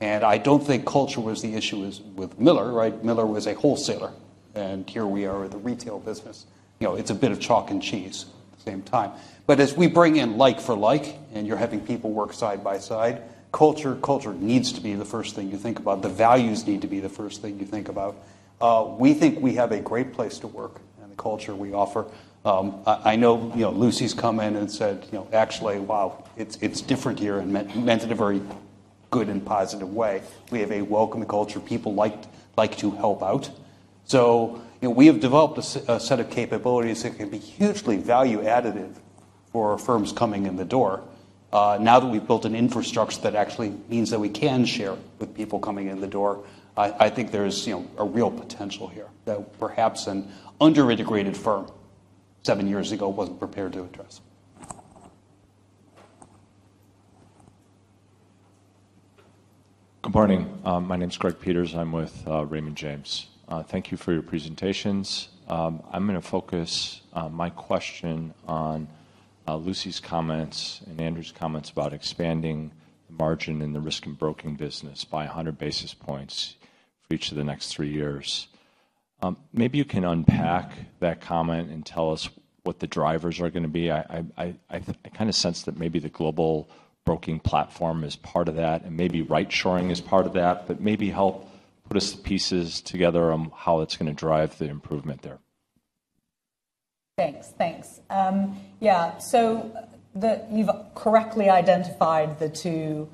I don't think culture was the issue with Miller, right? Miller was a wholesaler, and here we are with the retail business. It's a bit of chalk and cheese at the same time. But as we bring in like for like and you're having people work side by side, culture needs to be the first thing you think about. The values need to be the first thing you think about. We think we have a great place to work and the culture we offer. I know Lucy's come in and said, "Actually, wow, it's different here," and meant it in a very good and positive way. We have a welcoming culture. People like to help out. So we have developed a set of capabilities that can be hugely value-additive for firms coming in the door. Now that we've built an infrastructure that actually means that we can share with people coming in the door, I think there's a real potential here. That perhaps an underintegrated firm seven years ago wasn't prepared to address. Good morning. My name's Greg Peters. I'm with Raymond James. Thank you for your presentations. I'm going to focus my question on Lucy's comments and Andrew's comments about expanding the margin in the risk and broking business by 100 basis points for each of the next three years. Maybe you can unpack that comment and tell us what the drivers are going to be. I kind of sense that maybe the global broking platform is part of that, and maybe right-shoring is part of that, but maybe help put the pieces together on how it's going to drive the improvement there. Thanks. Thanks. Yeah. You've correctly identified the two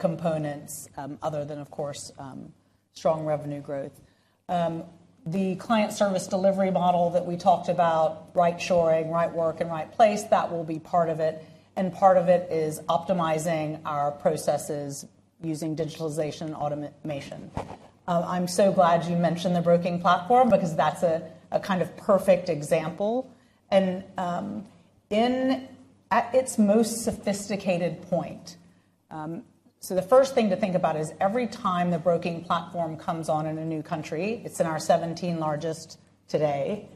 components other than, of course, strong revenue growth. The client service delivery model that we talked about, right-shoring, right work, and right place, that will be part of it. And part of it is optimizing our processes using digitalization automation. I'm so glad you mentioned the broking platform because that's a kind of perfect example. And at its most sophisticated point, so the first thing to think about is every time the broking platform comes on in a new country, it's in our 17 largest today.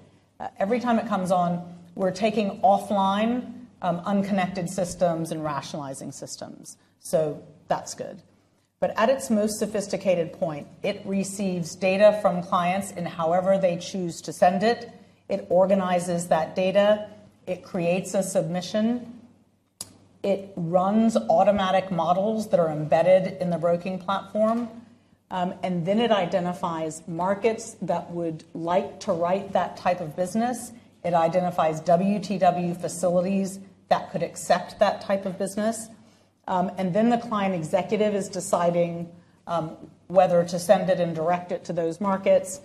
Every time it comes on, we're taking offline unconnected systems and rationalizing systems. So that's good. But at its most sophisticated point, it receives data from clients in however they choose to send it. It organizes that data. It creates a submission. It runs automatic models that are embedded in the broking platform. And then it identifies markets that would like to write that type of business. It identifies WTW facilities that could accept that type of business. And then the client executive is deciding whether to send it and direct it to those markets.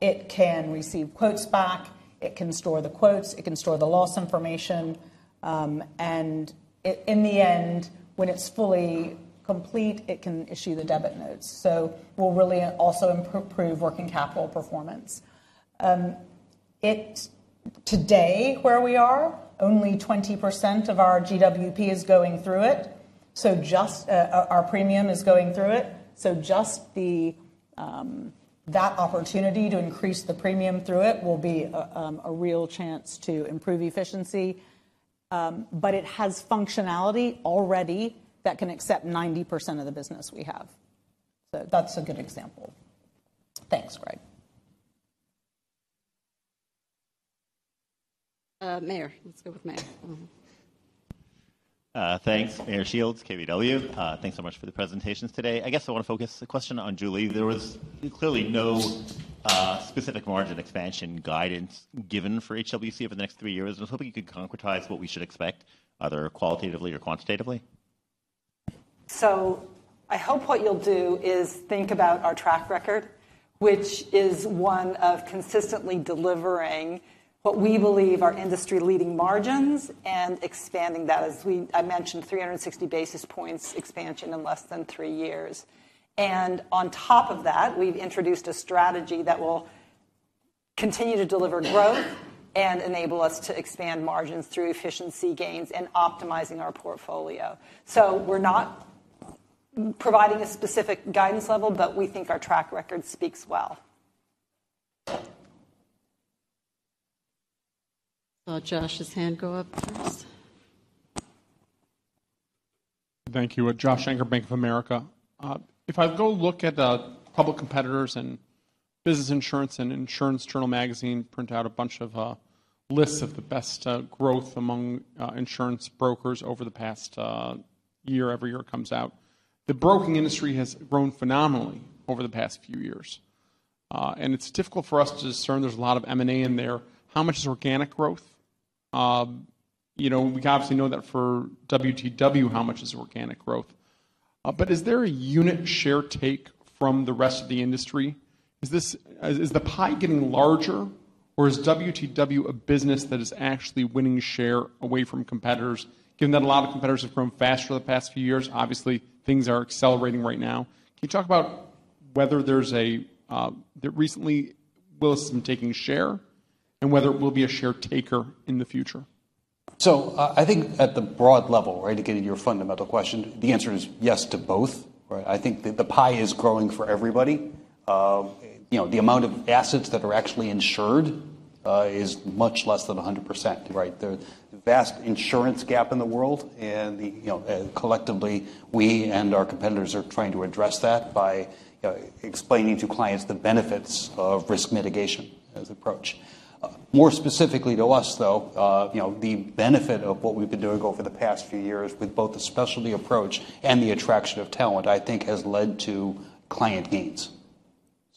It can receive quotes back. It can store the quotes. It can store the loss information. And in the end, when it's fully complete, it can issue the debit notes. So we'll really also improve working capital performance. Today, where we are, only 20% of our GWP is going through it. So just our premium is going through it. So just that opportunity to increase the premium through it will be a real chance to improve efficiency. But it has functionality already that can accept 90% of the business we have. So that's a good example. Thanks, Greg. Meyer, let's go with Meyer. Thanks. Meyer Shields, KBW. Thanks so much for the presentations today. I guess I want to focus the question on Julie. There was clearly no specific margin expansion guidance given for HWC over the next three years. And I was hoping you could concretize what we should expect, either qualitatively or quantitatively. So I hope what you'll do is think about our track record, which is one of consistently delivering what we believe are industry-leading margins and expanding that, as I mentioned, 360 basis points expansion in less than three years. And on top of that, we've introduced a strategy that will continue to deliver growth and enable us to expand margins through efficiency gains and optimizing our portfolio. So we're not providing a specific guidance level, but we think our track record speaks well. I'll let Joshua Shanker's hand go up first. Thank you. Joshua Shanker, Bank of America. If I go look at public competitors in Business Insurance and Insurance Journal magazine print out a bunch of lists of the best growth among insurance brokers over the past year, every year it comes out. The broking industry has grown phenomenally over the past few years, and it's difficult for us to discern. There's a lot of M&A in there. How much is organic growth? We obviously know that for WTW, how much is organic growth, but is there a unit share take from the rest of the industry? Is the pie getting larger, or is WTW a business that is actually winning share away from competitors, given that a lot of competitors have grown faster in the past few years? Obviously, things are accelerating right now. Can you talk about whether Willis has recently been taking share and whether it will be a share taker in the future? So I think at the broad level, right, to get into your fundamental question, the answer is yes to both. I think the pie is growing for everybody. The amount of assets that are actually insured is much less than 100%. There's a vast insurance gap in the world, and collectively, we and our competitors are trying to address that by explaining to clients the benefits of risk mitigation as an approach. More specifically to us, though, the benefit of what we've been doing over the past few years with both the specialty approach and the attraction of talent, I think, has led to client gains.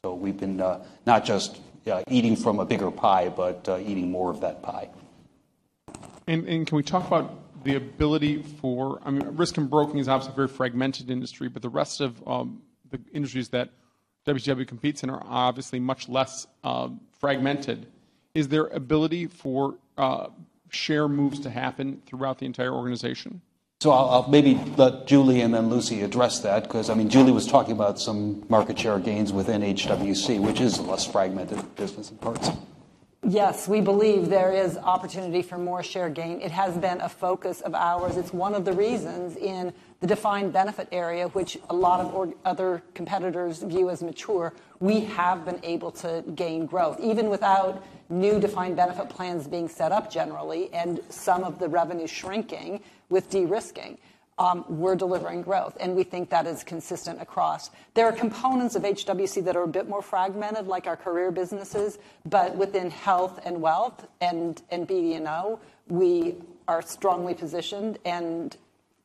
So we've been not just eating from a bigger pie, but eating more of that pie. Can we talk about the ability for, I mean, risk and broking is obviously a very fragmented industry, but the rest of the industries that WTW competes in are obviously much less fragmented. Is there ability for share moves to happen throughout the entire organization? I'll maybe let Julie and then Lucy address that because, I mean, Julie was talking about some market share gains within HWC, which is a less fragmented business in parts. Yes, we believe there is opportunity for more share gain. It has been a focus of ours. It's one of the reasons in the defined benefit area, which a lot of other competitors view as mature, we have been able to gain growth. Even without new defined benefit plans being set up generally and some of the revenue shrinking with de-risking, we're delivering growth. We think that is consistent across. There are components of HWC that are a bit more fragmented, like our career businesses, but within health and wealth and BD&O, we are strongly positioned and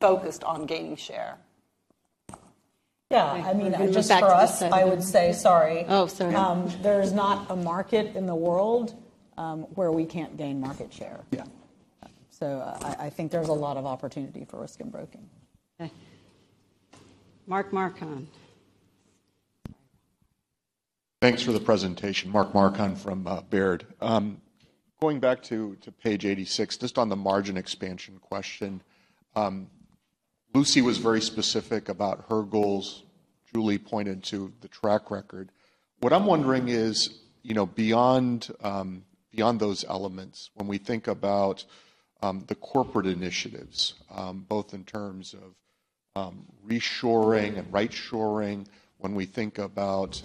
focused on gaining share. Yeah. I mean, just for us, I would say, sorry. Oh, sorry. There's not a market in the world where we can't gain market share. Yeah. So I think there's a lot of opportunity for risk and broking. Okay. Mark Marcon. Thanks for the presentation. Mark Marcon from Baird. Going back to page 86, just on the margin expansion question, Lucy was very specific about her goals. Julie pointed to the track record. What I'm wondering is, beyond those elements, when we think about the corporate initiatives, both in terms of reshoring and right-shoring, when we think about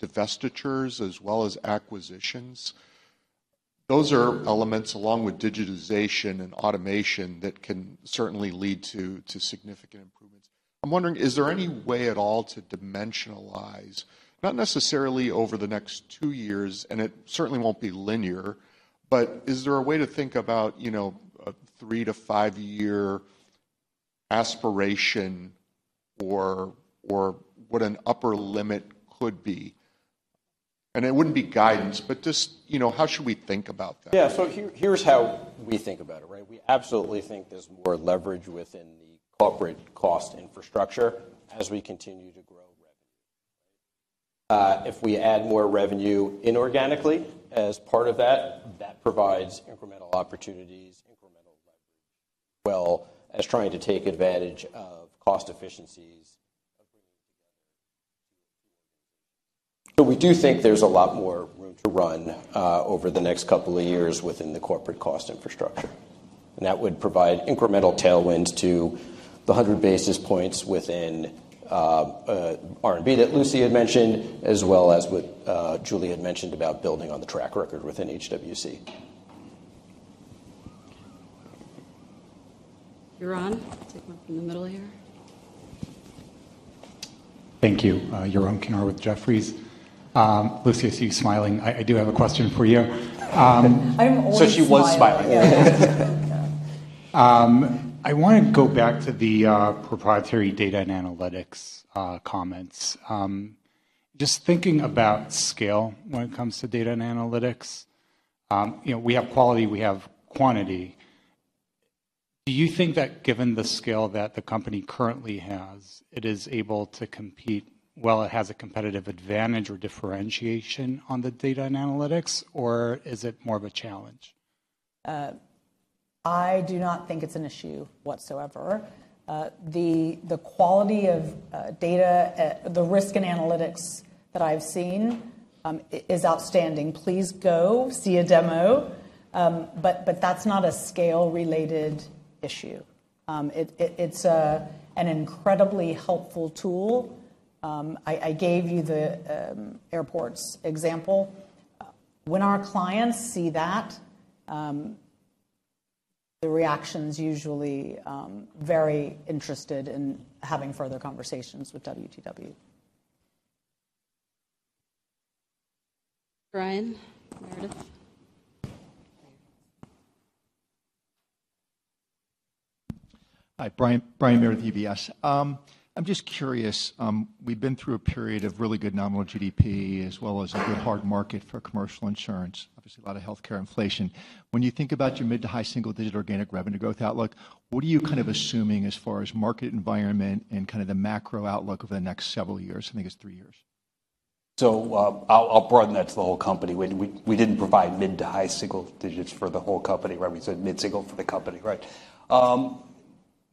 divestitures as well as acquisitions, those are elements along with digitization and automation that can certainly lead to significant improvements. I'm wondering, is there any way at all to dimensionalize, not necessarily over the next two years, and it certainly won't be linear, but is there a way to think about a three to five-year aspiration or what an upper limit could be? And it wouldn't be guidance, but just how should we think about that? Yeah. So here's how we think about it, right? We absolutely think there's more leverage within the corporate cost infrastructure as we continue to grow revenue. If we add more revenue inorganically as part of that, that provides incremental opportunities, incremental leverage. Well as trying to take advantage of cost efficiencies of bringing together two organizations. So we do think there's a lot more room to run over the next couple of years within the corporate cost infrastructure. That would provide incremental tailwinds to the 100 basis points within R&B that Lucy had mentioned, as well as what Julie had mentioned about building on the track record within HWC. You're on. Take one from the middle here. Thank you. Yaron Kinar, with Jefferies. Lucy, I see you smiling. I do have a question for you. I'm always smiling. So she was smiling. I want to go back to the proprietary data and analytics comments. Just thinking about scale when it comes to data and analytics, we have quality, we have quantity. Do you think that given the scale that the company currently has, it is able to compete while it has a competitive advantage or differentiation on the data and analytics, or is it more of a challenge? I do not think it's an issue whatsoever. The quality of data, the risk and analytics that I've seen is outstanding. Please go see a demo. But that's not a scale-related issue. It's an incredibly helpful tool. I gave you the airports example. When our clients see that, the reaction's usually very interested in having further conversations with WTW. Brian Meredith. Hi. Brian Meredith, UBS. I'm just curious. We've been through a period of really good nominal GDP as well as a good hard market for commercial insurance. Obviously, a lot of healthcare inflation. When you think about your mid to high single-digit organic revenue growth outlook, what are you kind of assuming as far as market environment and kind of the macro outlook over the next several years? I think it's three years. So I'll broaden that to the whole company. We didn't provide mid to high single digits for the whole company, right? We said mid single for the company, right?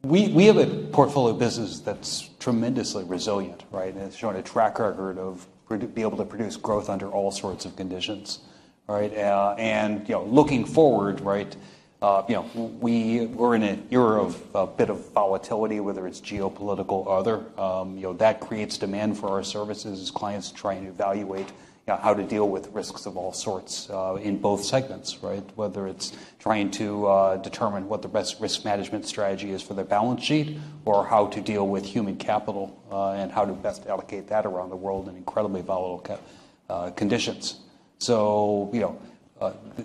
We have a portfolio business that's tremendously resilient, right? And it's showing a track record of being able to produce growth under all sorts of conditions, right? And looking forward, right, we're in an era of a bit of volatility, whether it's geopolitical or other. That creates demand for our services. Clients try and evaluate how to deal with risks of all sorts in both segments, right? Whether it's trying to determine what the best risk management strategy is for their balance sheet or how to deal with human capital and how to best allocate that around the world in incredibly volatile conditions. So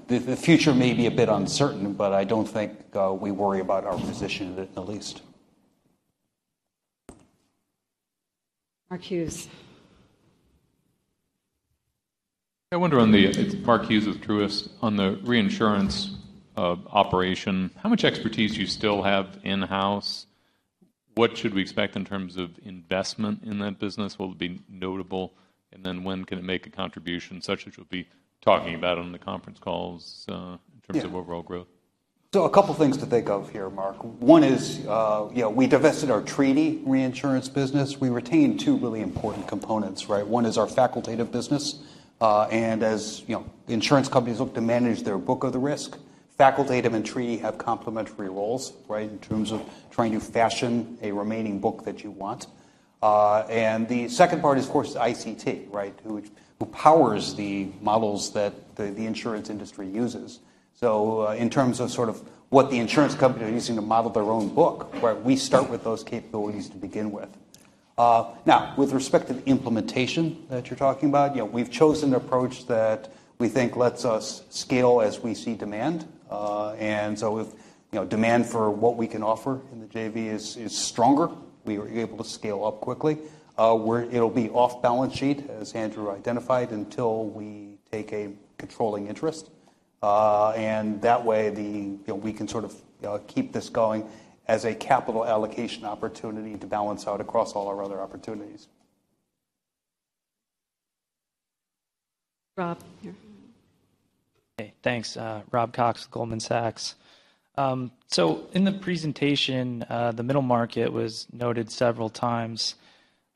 the future may be a bit uncertain, but I don't think we worry about our position in the least. Mark Hughes. I wonder on the Mark Hughes of Truist on the reinsurance operation, how much expertise do you still have in-house? What should we expect in terms of investment in that business? What would be notable? And then when can it make a contribution such as we'll be talking about on the conference calls in terms of overall growth? So a couple of things to think of here, Mark. One is we divested our treaty reinsurance business. We retained two really important components, right? One is our facultative business. And as insurance companies look to manage their book of the risk, facultative and treaty have complementary roles, right, in terms of trying to fashion a remaining book that you want. And the second part is, of course, ICT, right, who powers the models that the insurance industry uses. So in terms of sort of what the insurance companies are using to model their own book, right, we start with those capabilities to begin with. Now, with respect to the implementation that you're talking about, we've chosen an approach that we think lets us scale as we see demand. And so if demand for what we can offer in the JV is stronger, we are able to scale up quickly. It'll be off balance sheet, as Andrew identified, until we take a controlling interest. And that way, we can sort of keep this going as a capital allocation opportunity to balance out across all our other opportunities. Rob. Okay. Thanks. Rob Cox, Goldman Sachs. So in the presentation, the middle market was noted several times.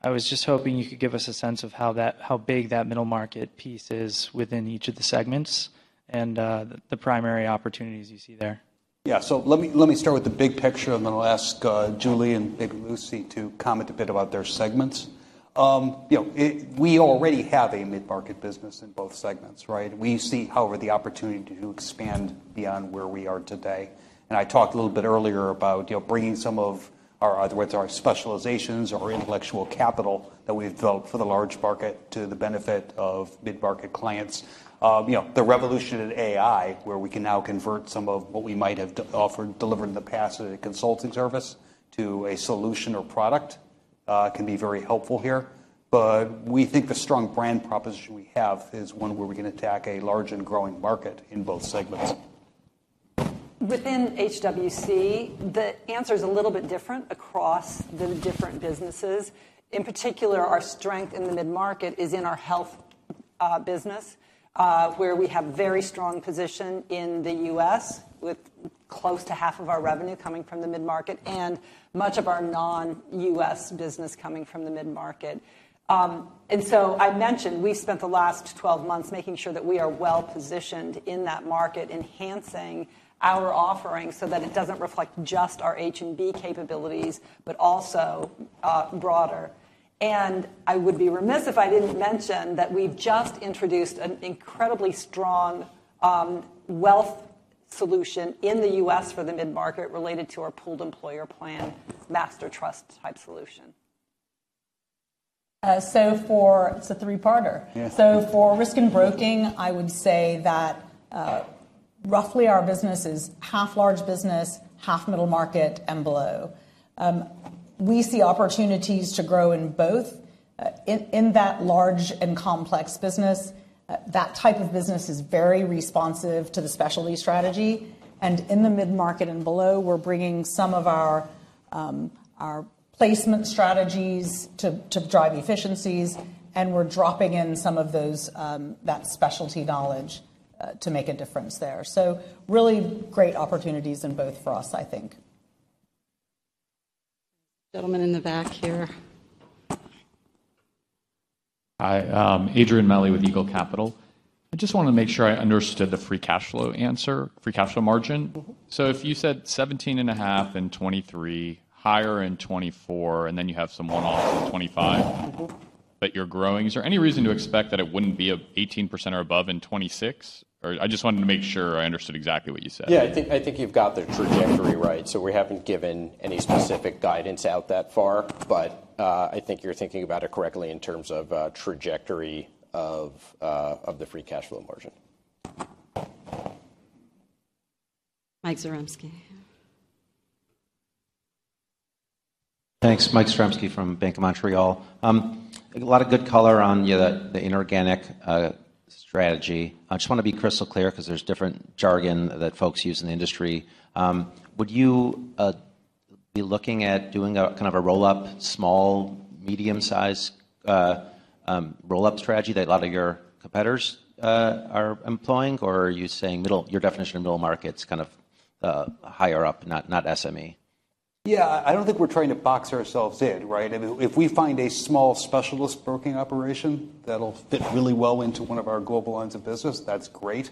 I was just hoping you could give us a sense of how big that middle market piece is within each of the segments and the primary opportunities you see there. Yeah, so let me start with the big picture and then I'll ask Julie and Lucy to comment a bit about their segments. We already have a mid-market business in both segments, right? We see, however, the opportunity to expand beyond where we are today, and I talked a little bit earlier about bringing some of our specializations or intellectual capital that we've developed for the large market to the benefit of mid-market clients. The revolution in AI, where we can now convert some of what we might have offered, delivered in the past as a consulting service to a solution or product, can be very helpful here. But we think the strong brand proposition we have is one where we can attack a large and growing market in both segments. Within HWC, the answer is a little bit different across the different businesses. In particular, our strength in the mid-market is in our health business, where we have a very strong position in the U.S., with close to half of our revenue coming from the mid-market and much of our non-U.S. business coming from the mid-market. And so I mentioned we spent the last 12 months making sure that we are well positioned in that market, enhancing our offering so that it doesn't reflect just our H&B capabilities, but also broader. And I would be remiss if I didn't mention that we've just introduced an incredibly strong wealth solution in the U.S. for the mid-market related to our pooled employer plan, Master Trust-type solution. So for it's a three-parter. So for risk and broking, I would say that roughly our business is half large business, half middle market, and below. We see opportunities to grow in both. In that large and complex business, that type of business is very responsive to the specialty strategy. And in the mid-market and below, we're bringing some of our placement strategies to drive efficiencies, and we're dropping in some of that specialty knowledge to make a difference there. So really great opportunities in both for us, I think. Gentlemen in the back here. Hi. Adrian Meli with Eagle Capital. I just wanted to make sure I understood the free cash flow answer, free cash flow margin. So if you said 17.5% in 2023, higher in 2024, and then you have some one-offs in 2025, but you're growing, is there any reason to expect that it wouldn't be 18% or above in 2026? Or I just wanted to make sure I understood exactly what you said. Yeah. I think you've got the trajectory right. So we haven't given any specific guidance out that far, but I think you're thinking about it correctly in terms of trajectory of the free cash flow margin. Mike Zaremski. Thanks. Mike Zaremski from Bank of Montreal. A lot of good color on the inorganic strategy. I just want to be crystal clear because there's different jargon that folks use in the industry. Would you be looking at doing kind of a roll-up, small, medium-sized roll-up strategy that a lot of your competitors are employing, or are you saying your definition of middle market's kind of higher up, not SME? Yeah. I don't think we're trying to box ourselves in, right? If we find a small specialist broking operation that'll fit really well into one of our global lines of business, that's great.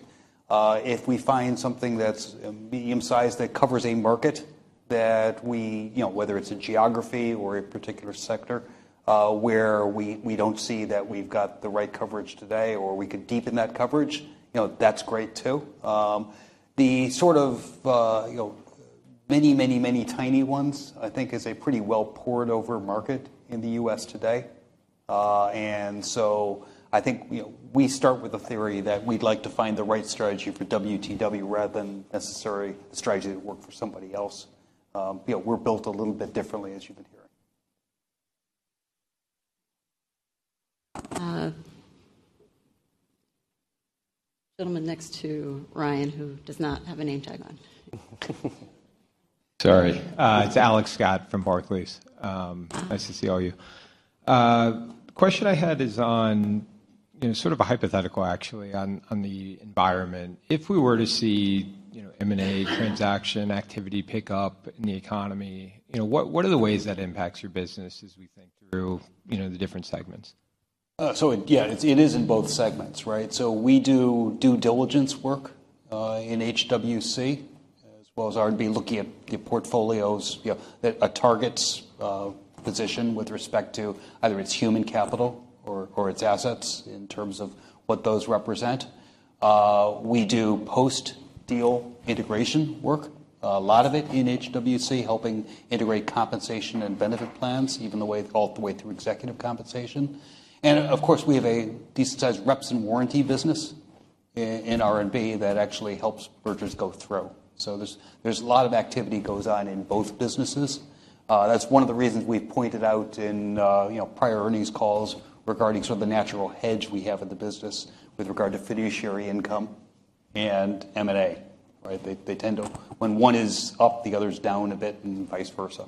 If we find something that's medium-sized that covers a market that we, whether it's a geography or a particular sector where we don't see that we've got the right coverage today or we could deepen that coverage, that's great too. The sort of many, many, many tiny ones, I think, is a pretty well-pored-over market in the U.S. today. And so I think we start with a theory that we'd like to find the right strategy for WTW rather than necessarily a strategy that would work for somebody else. We're built a little bit differently, as you've been hearing. Gentleman next to Ryan, who does not have a name tag on. Sorry. It's Alex Scott from Barclays. Nice to see all you. The question I had is on sort of a hypothetical, actually, on the environment. If we were to see M&A transaction activity pick up in the economy, what are the ways that impacts your business as we think through the different segments? So yeah, it is in both segments, right? So we do due diligence work in HWC, as well as R&B, looking at the portfolios that a target's position with respect to either its human capital or its assets in terms of what those represent. We do post-deal integration work, a lot of it in HWC, helping integrate compensation and benefit plans, even all the way through executive compensation. And of course, we have a decent-sized reps and warranties business in R&B that actually helps mergers go through. So there's a lot of activity that goes on in both businesses. That's one of the reasons we've pointed out in prior earnings calls regarding sort of the natural hedge we have in the business with regard to fiduciary income and M&A, right? They tend to, when one is up, the other is down a bit and vice versa.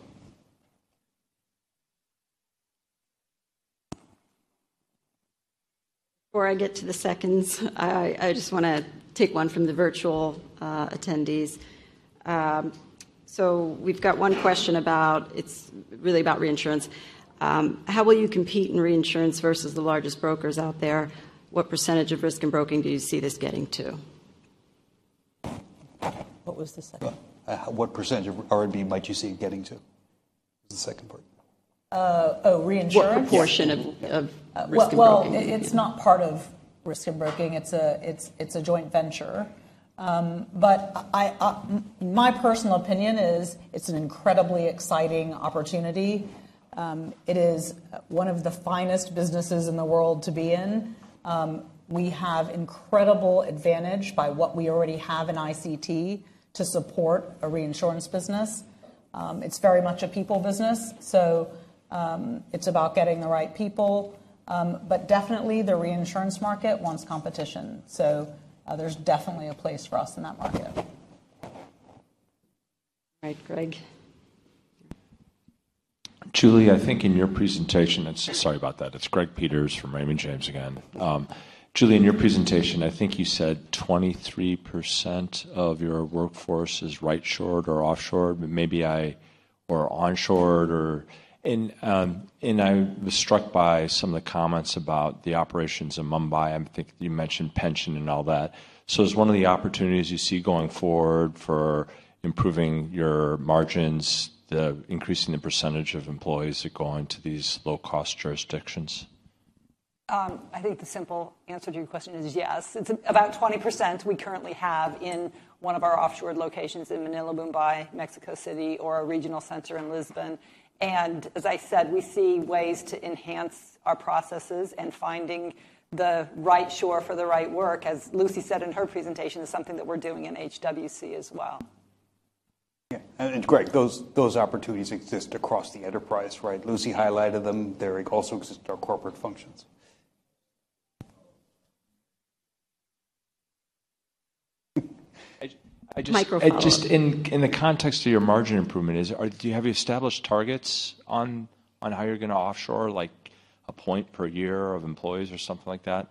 Before I get to the seconds, I just want to take one from the virtual attendees. So we've got one question about it. It's really about reinsurance. How will you compete in reinsurance versus the largest brokers out there? What percentage of risk and broking do you see this getting to? What was the second? What percentage of R&B might you see it getting to? What was the second part? Oh, reinsurance? What proportion of risk and broking? Well, it's not part of risk and broking. It's a joint venture. But my personal opinion is it's an incredibly exciting opportunity. It is one of the finest businesses in the world to be in. We have incredible advantage by what we already have in ICT to support a reinsurance business. It's very much a people business. So it's about getting the right people. But definitely, the reinsurance market wants competition. So there's definitely a place for us in that market. All right, Greg. Julie, I think in your presentation, sorry about that. It's Greg Peters from Raymond James again. Julie, in your presentation, I think you said 23% of your workforce is right-shored or offshored, but maybe onshored. And I was struck by some of the comments about the operations in Mumbai. I think you mentioned pension and all that. So is one of the opportunities you see going forward for improving your margins, increasing the percentage of employees that go into these low-cost jurisdictions? I think the simple answer to your question is yes. It's about 20% we currently have in one of our offshore locations in Manila, Mumbai, Mexico City, or a regional center in Lisbon. And as I said, we see ways to enhance our processes and finding the right shore for the right work, as Lucy said in her presentation, is something that we're doing in HWC as well. Yeah. And Greg, those opportunities exist across the enterprise, right? Lucy highlighted them. They also exist in our corporate functions. Just in the context of your margin improvement, do you have established targets on how you're going to offshore, like a point per year of employees or something like that?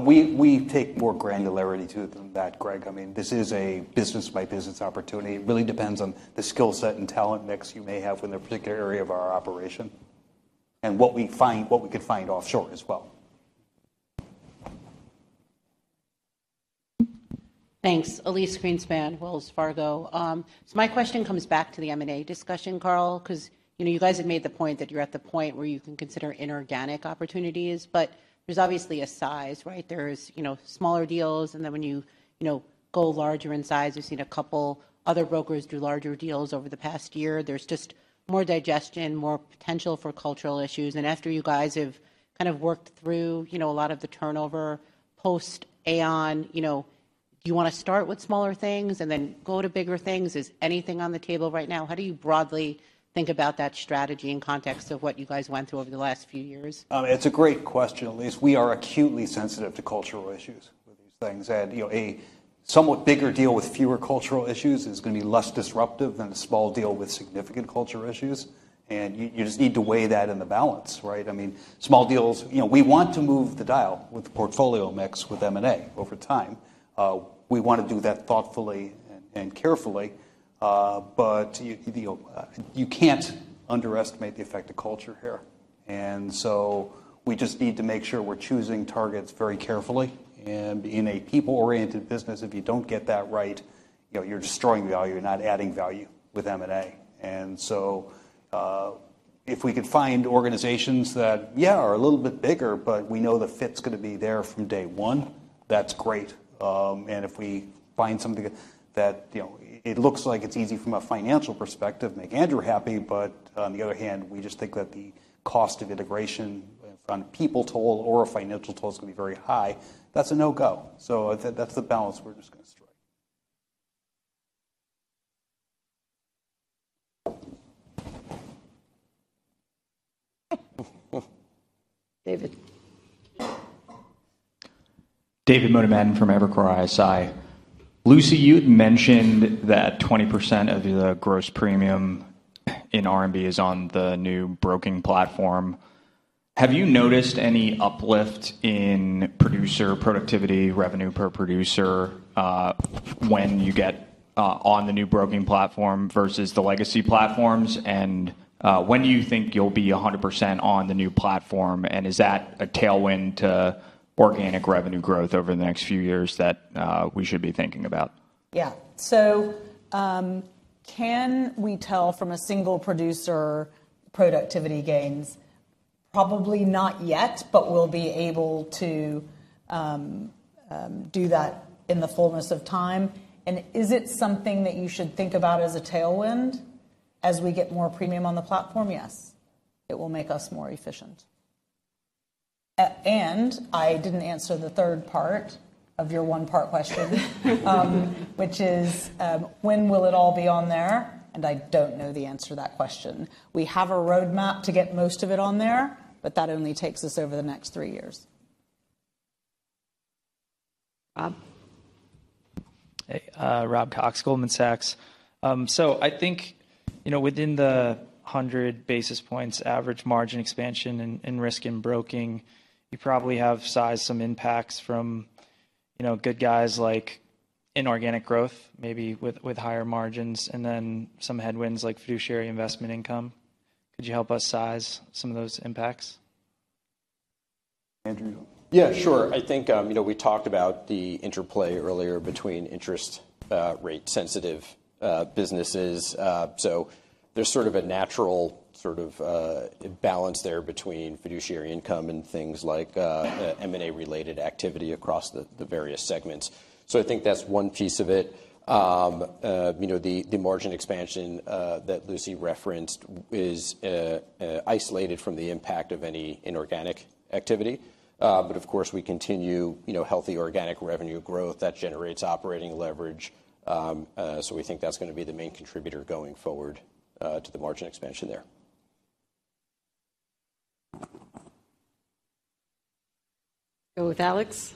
We take more granularity to it than that, Greg. I mean, this is a business-by-business opportunity. It really depends on the skill set and talent mix you may have in a particular area of our operation and what we could find offshore as well. Thanks. Elyse Greenspan, Wells Fargo. So my question comes back to the M&A discussion, Carl, because you guys had made the point that you're at the point where you can consider inorganic opportunities. But there's obviously a size, right? There's smaller deals. And then when you go larger in size, we've seen a couple of other brokers do larger deals over the past year. There's just more digestion, more potential for cultural issues. And after you guys have kind of worked through a lot of the turnover post-Aon, do you want to start with smaller things and then go to bigger things? Is anything on the table right now? How do you broadly think about that strategy in context of what you guys went through over the last few years? It's a great question, Elyse. We are acutely sensitive to cultural issues with these things. And a somewhat bigger deal with fewer cultural issues is going to be less disruptive than a small deal with significant cultural issues. And you just need to weigh that in the balance, right? I mean, small deals, we want to move the dial with the portfolio mix with M&A over time. We want to do that thoughtfully and carefully. But you can't underestimate the effect of culture here. And so we just need to make sure we're choosing targets very carefully. In a people-oriented business, if you don't get that right, you're destroying value. You're not adding value with M&A. If we could find organizations that, yeah, are a little bit bigger, but we know the fit's going to be there from day one, that's great. If we find something that it looks like it's easy from a financial perspective, make Andrew happy, but on the other hand, we just think that the cost of integration in front of people toll or a financial toll is going to be very high, that's a no-go. That's the balance we're just going to strike. David. David Motemaden from Evercore ISI. Lucy, you mentioned that 20% of the gross premium in R&B is on the new broking platform. Have you noticed any uplift in producer productivity, revenue per producer when you get on the new broking platform versus the legacy platforms? And when do you think you'll be 100% on the new platform? And is that a tailwind to organic revenue growth over the next few years that we should be thinking about? Yeah. So can we tell from a single producer productivity gains? Probably not yet, but we'll be able to do that in the fullness of time. And is it something that you should think about as a tailwind as we get more premium on the platform? Yes. It will make us more efficient. And I didn't answer the third part of your one-part question, which is, when will it all be on there? And I don't know the answer to that question. We have a roadmap to get most of it on there, but that only takes us over the next three years. Rob. Hey. Rob Cox, Goldman Sachs. So I think within the 100 basis points average margin expansion in Risk and Broking, you probably have sized some impacts from good guys like inorganic growth, maybe with higher margins, and then some headwinds like fiduciary investment income. Could you help us size some of those impacts? Andrew. Yeah, sure. I think we talked about the interplay earlier between interest rate-sensitive businesses. So there's sort of a natural sort of balance there between fiduciary income and things like M&A-related activity across the various segments. So I think that's one piece of it. The margin expansion that Lucy referenced is isolated from the impact of any inorganic activity. But of course, we continue healthy organic revenue growth that generates operating leverage. So we think that's going to be the main contributor going forward to the margin expansion there. Go with Alex.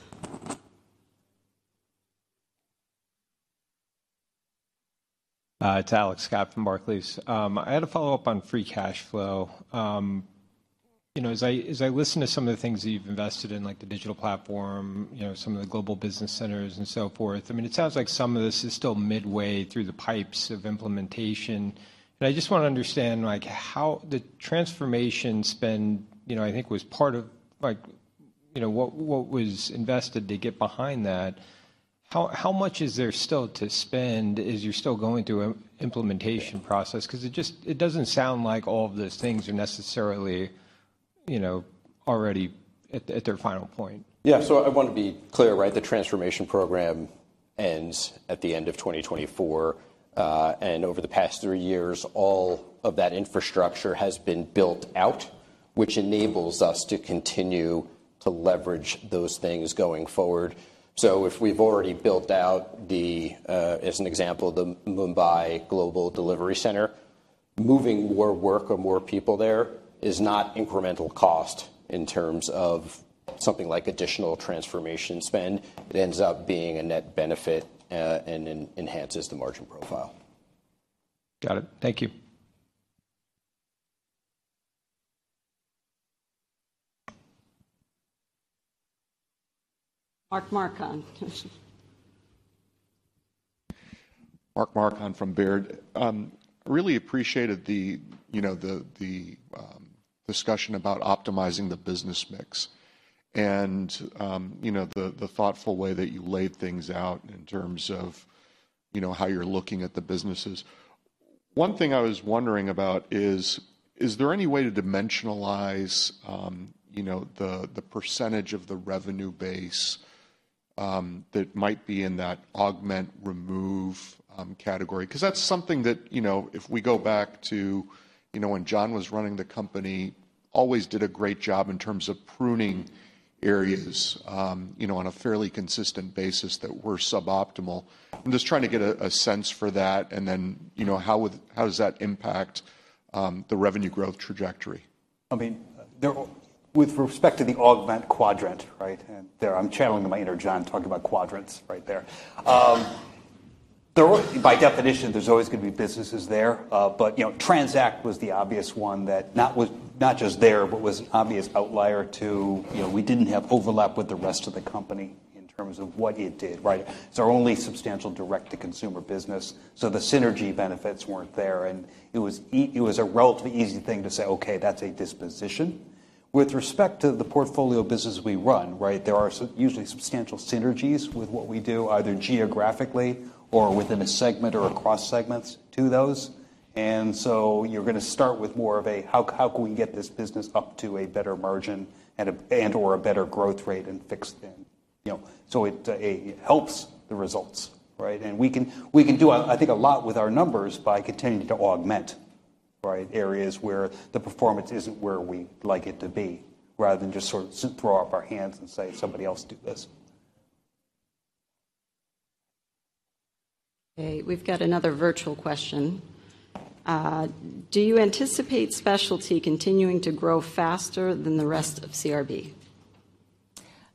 It's Alex Scott from Barclays. I had a follow-up on free cash flow. As I listen to some of the things you've invested in, like the digital platform, some of the global business centers and so forth, I mean, it sounds like some of this is still midway through the pipes of implementation. And I just want to understand how the transformation spend, I think, was part of what was invested to get behind that. How much is there still to spend as you're still going through an implementation process? Because it doesn't sound like all of those things are necessarily already at their final point. Yeah. So I want to be clear, right? The transformation program ends at the end of 2024. Over the past three years, all of that infrastructure has been built out, which enables us to continue to leverage those things going forward. If we've already built out, as an example, the Mumbai Global Delivery Center, moving more work or more people there is not incremental cost in terms of something like additional transformation spend. It ends up being a net benefit and enhances the margin profile. Got it. Thank you. Mark Marcon. Mark Marcon from Baird. I really appreciated the discussion about optimizing the business mix and the thoughtful way that you laid things out in terms of how you're looking at the businesses. One thing I was wondering about is, is there any way to dimensionalize the percentage of the revenue base that might be in that augment-remove category? Because that's something that if we go back to when John was running the company, always did a great job in terms of pruning areas on a fairly consistent basis that were suboptimal. I'm just trying to get a sense for that. And then how does that impact the revenue growth trajectory? I mean, with respect to the augment quadrant, right? And I'm channeling my inner John talking about quadrants right there. By definition, there's always going to be businesses there. But TRANZACT was the obvious one that not just there, but was an obvious outlier too. We didn't have overlap with the rest of the company in terms of what it did, right? It's our only substantial direct-to-consumer business. So the synergy benefits weren't there. It was a relatively easy thing to say, "Okay, that's a disposition." With respect to the portfolio business we run, right, there are usually substantial synergies with what we do, either geographically or within a segment or across segments to those. And so you're going to start with more of a, "How can we get this business up to a better margin and/or a better growth rate and fixed spend?" So it helps the results, right? And we can do, I think, a lot with our numbers by continuing to augment, right, areas where the performance isn't where we'd like it to be, rather than just sort of throw up our hands and say, "Somebody else do this." Okay. We've got another virtual question. Do you anticipate specialty continuing to grow faster than the rest of CRB?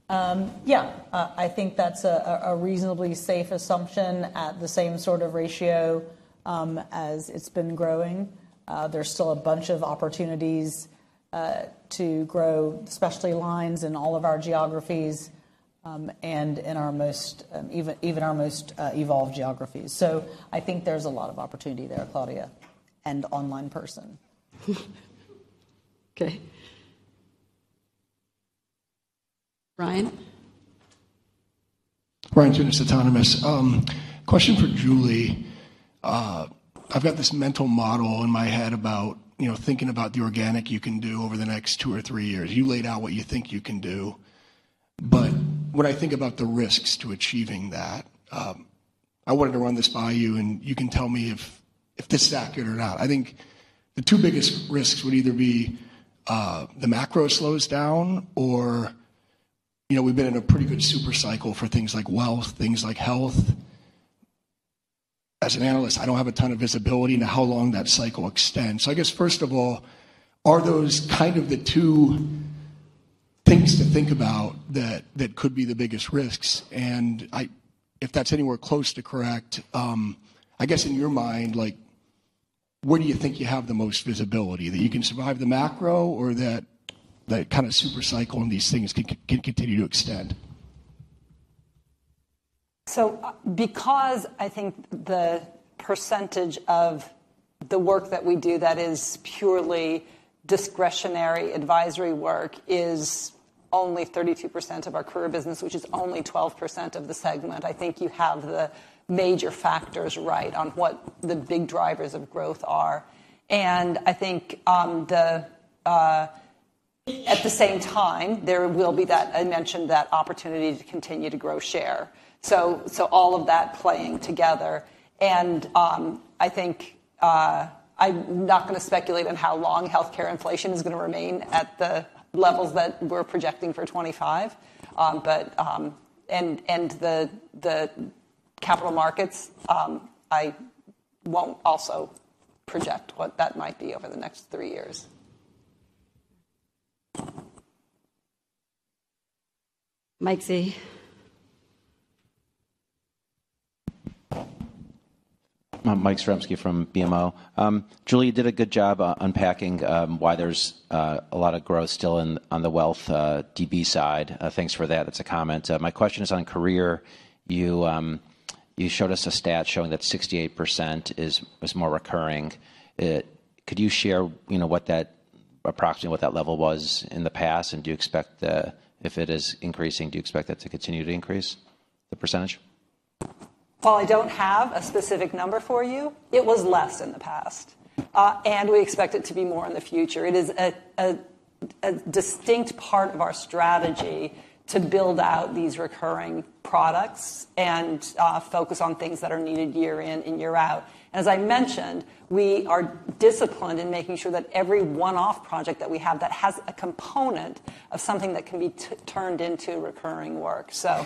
Yeah. I think that's a reasonably safe assumption at the same sort of ratio as it's been growing. There's still a bunch of opportunities to grow, especially lines in all of our geographies and in even our most evolved geographies. So I think there's a lot of opportunity there, Claudia, and online person. Okay. Ryan. Ryan Tunis Autonomous. Question for Julie. I've got this mental model in my head about thinking about the organic you can do over the next two or three years. You laid out what you think you can do. But when I think about the risks to achieving that, I wanted to run this by you, and you can tell me if this is accurate or not. I think the two biggest risks would either be the macro slows down, or we've been in a pretty good supercycle for things like wealth, things like health. As an analyst, I don't have a ton of visibility into how long that cycle extends. So I guess, first of all, are those kind of the two things to think about that could be the biggest risks? And if that's anywhere close to correct, I guess in your mind, where do you think you have the most visibility? That you can survive the macro or that kind of supercycle and these things can continue to extend? So because I think the percentage of the work that we do that is purely discretionary advisory work is only 32% of our career business, which is only 12% of the segment, I think you have the major factors right on what the big drivers of growth are. And I think at the same time, there will be that, I mentioned, that opportunity to continue to grow share. So all of that playing together. And I think I'm not going to speculate on how long healthcare inflation is going to remain at the levels that we're projecting for 2025. And the capital markets, I won't also project what that might be over the next three years. Mike Zaremski from BMO. Julie did a good job unpacking why there's a lot of growth still on the wealth DB side. Thanks for that. That's a comment. My question is on career. You showed us a stat showing that 68% is more recurring. Could you share approximately what that level was in the past? And do you expect that if it is increasing, do you expect that to continue to increase, the percentage? While I don't have a specific number for you, it was less in the past. And we expect it to be more in the future. It is a distinct part of our strategy to build out these recurring products and focus on things that are needed year in and year out. And as I mentioned, we are disciplined in making sure that every one-off project that we have that has a component of something that can be turned into recurring work. So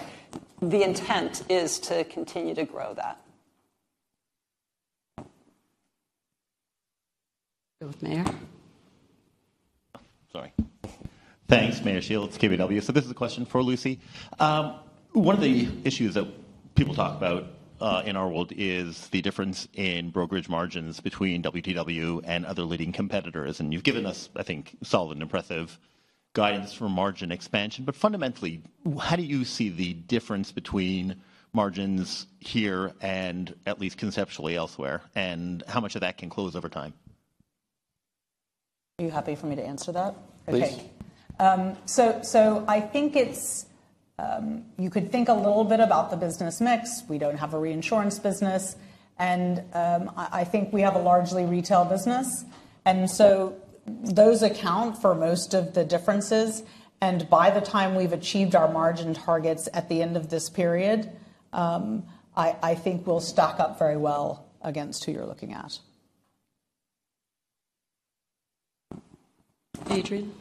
the intent is to continue to grow that. Go with Meyer. Sorry. Thanks, Meyer Shields of KBW. So this is a question for Lucy. One of the issues that people talk about in our world is the difference in brokerage margins between WTW and other leading competitors. And you've given us, I think, solid and impressive guidance for margin expansion. But fundamentally, how do you see the difference between margins here and at least conceptually elsewhere? And how much of that can close over time? Are you happy for me to answer that? Okay. So I think you could think a little bit about the business mix. We don't have a reinsurance business. And I think we have a largely retail business. And so those account for most of the differences. And by the time we've achieved our margin targets at the end of this period, I think we'll stack up very well against who you're looking at. Adrian.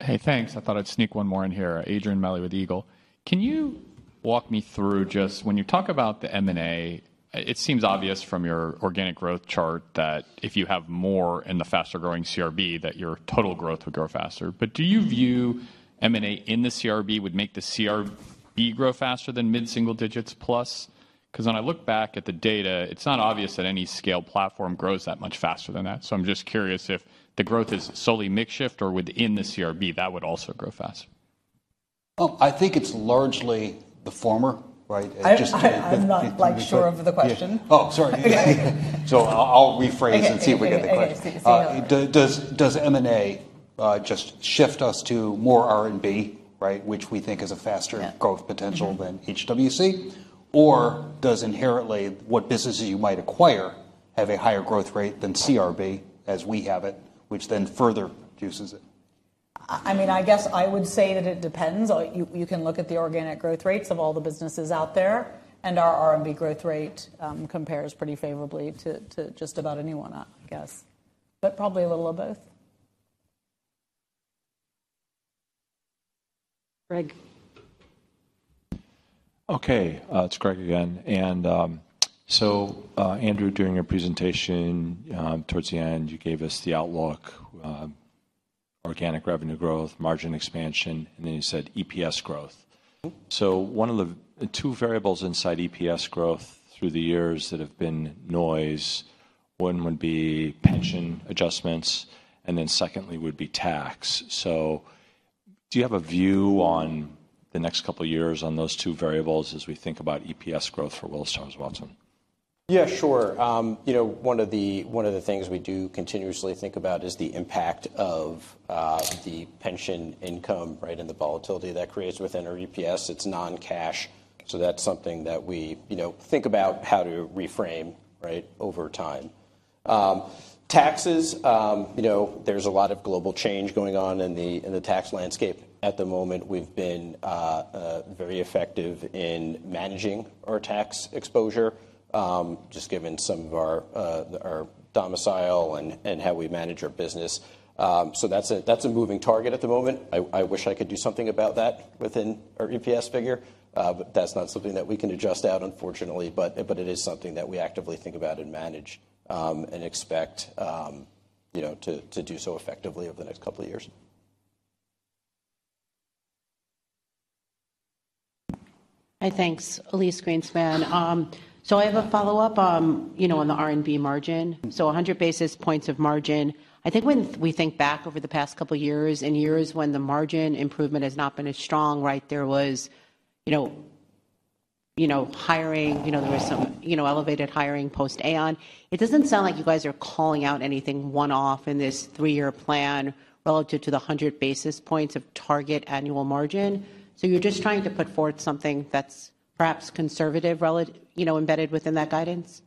Hey, thanks. I thought I'd sneak one more in here. Adrian Meli with Eagle. Can you walk me through just when you talk about the M&A? It seems obvious from your organic growth chart that if you have more in the faster-growing CRB, that your total growth would grow faster. But do you view M&A in the CRB would make the CRB grow faster than mid-single digits plus? Because when I look back at the data, it's not obvious that any scale platform grows that much faster than that. So I'm just curious if the growth is solely M&A shift or within the CRB, that would also grow faster. Well, I think it's largely the former, right? I'm not sure of the question. Oh, sorry. So I'll rephrase and see if we get the question. Does M&A just shift us to more R&B, right, which we think has a faster growth potential than HWC? Or does inherently what businesses you might acquire have a higher growth rate than CRB as we have it, which then further juices it? I mean, I guess I would say that it depends. You can look at the organic growth rates of all the businesses out there, and our R&B growth rate compares pretty favorably to just about anyone, I guess. But probably a little of both. Greg. Okay. It's Greg again. And so, Andrew, during your presentation towards the end, you gave us the outlook, organic revenue growth, margin expansion, and then you said EPS growth. So one of the two variables inside EPS growth through the years that have been noise, one would be pension adjustments, and then secondly would be tax. So do you have a view on the next couple of years on those two variables as we think about EPS growth for Willis Towers Watson? Yeah, sure. One of the things we do continuously think about is the impact of the pension income, right, and the volatility that creates within our EPS. It's non-cash. So that's something that we think about how to reframe, right, over time. Taxes, there's a lot of global change going on in the tax landscape at the moment. We've been very effective in managing our tax exposure, just given some of our domicile and how we manage our business. So that's a moving target at the moment. I wish I could do something about that within our EPS figure, but that's not something that we can adjust out, unfortunately. But it is something that we actively think about and manage and expect to do so effectively over the next couple of years. Hi, thanks. Elyse Greenspan. So I have a follow-up on the R&B margin. So 100 basis points of margin. I think when we think back over the past couple of years and years when the margin improvement has not been as strong, right, there was hiring. There was some elevated hiring post Aon. It doesn't sound like you guys are calling out anything one-off in this three-year plan relative to the 100 basis points of target annual margin. So you're just trying to put forth something that's perhaps conservative embedded within that guidance?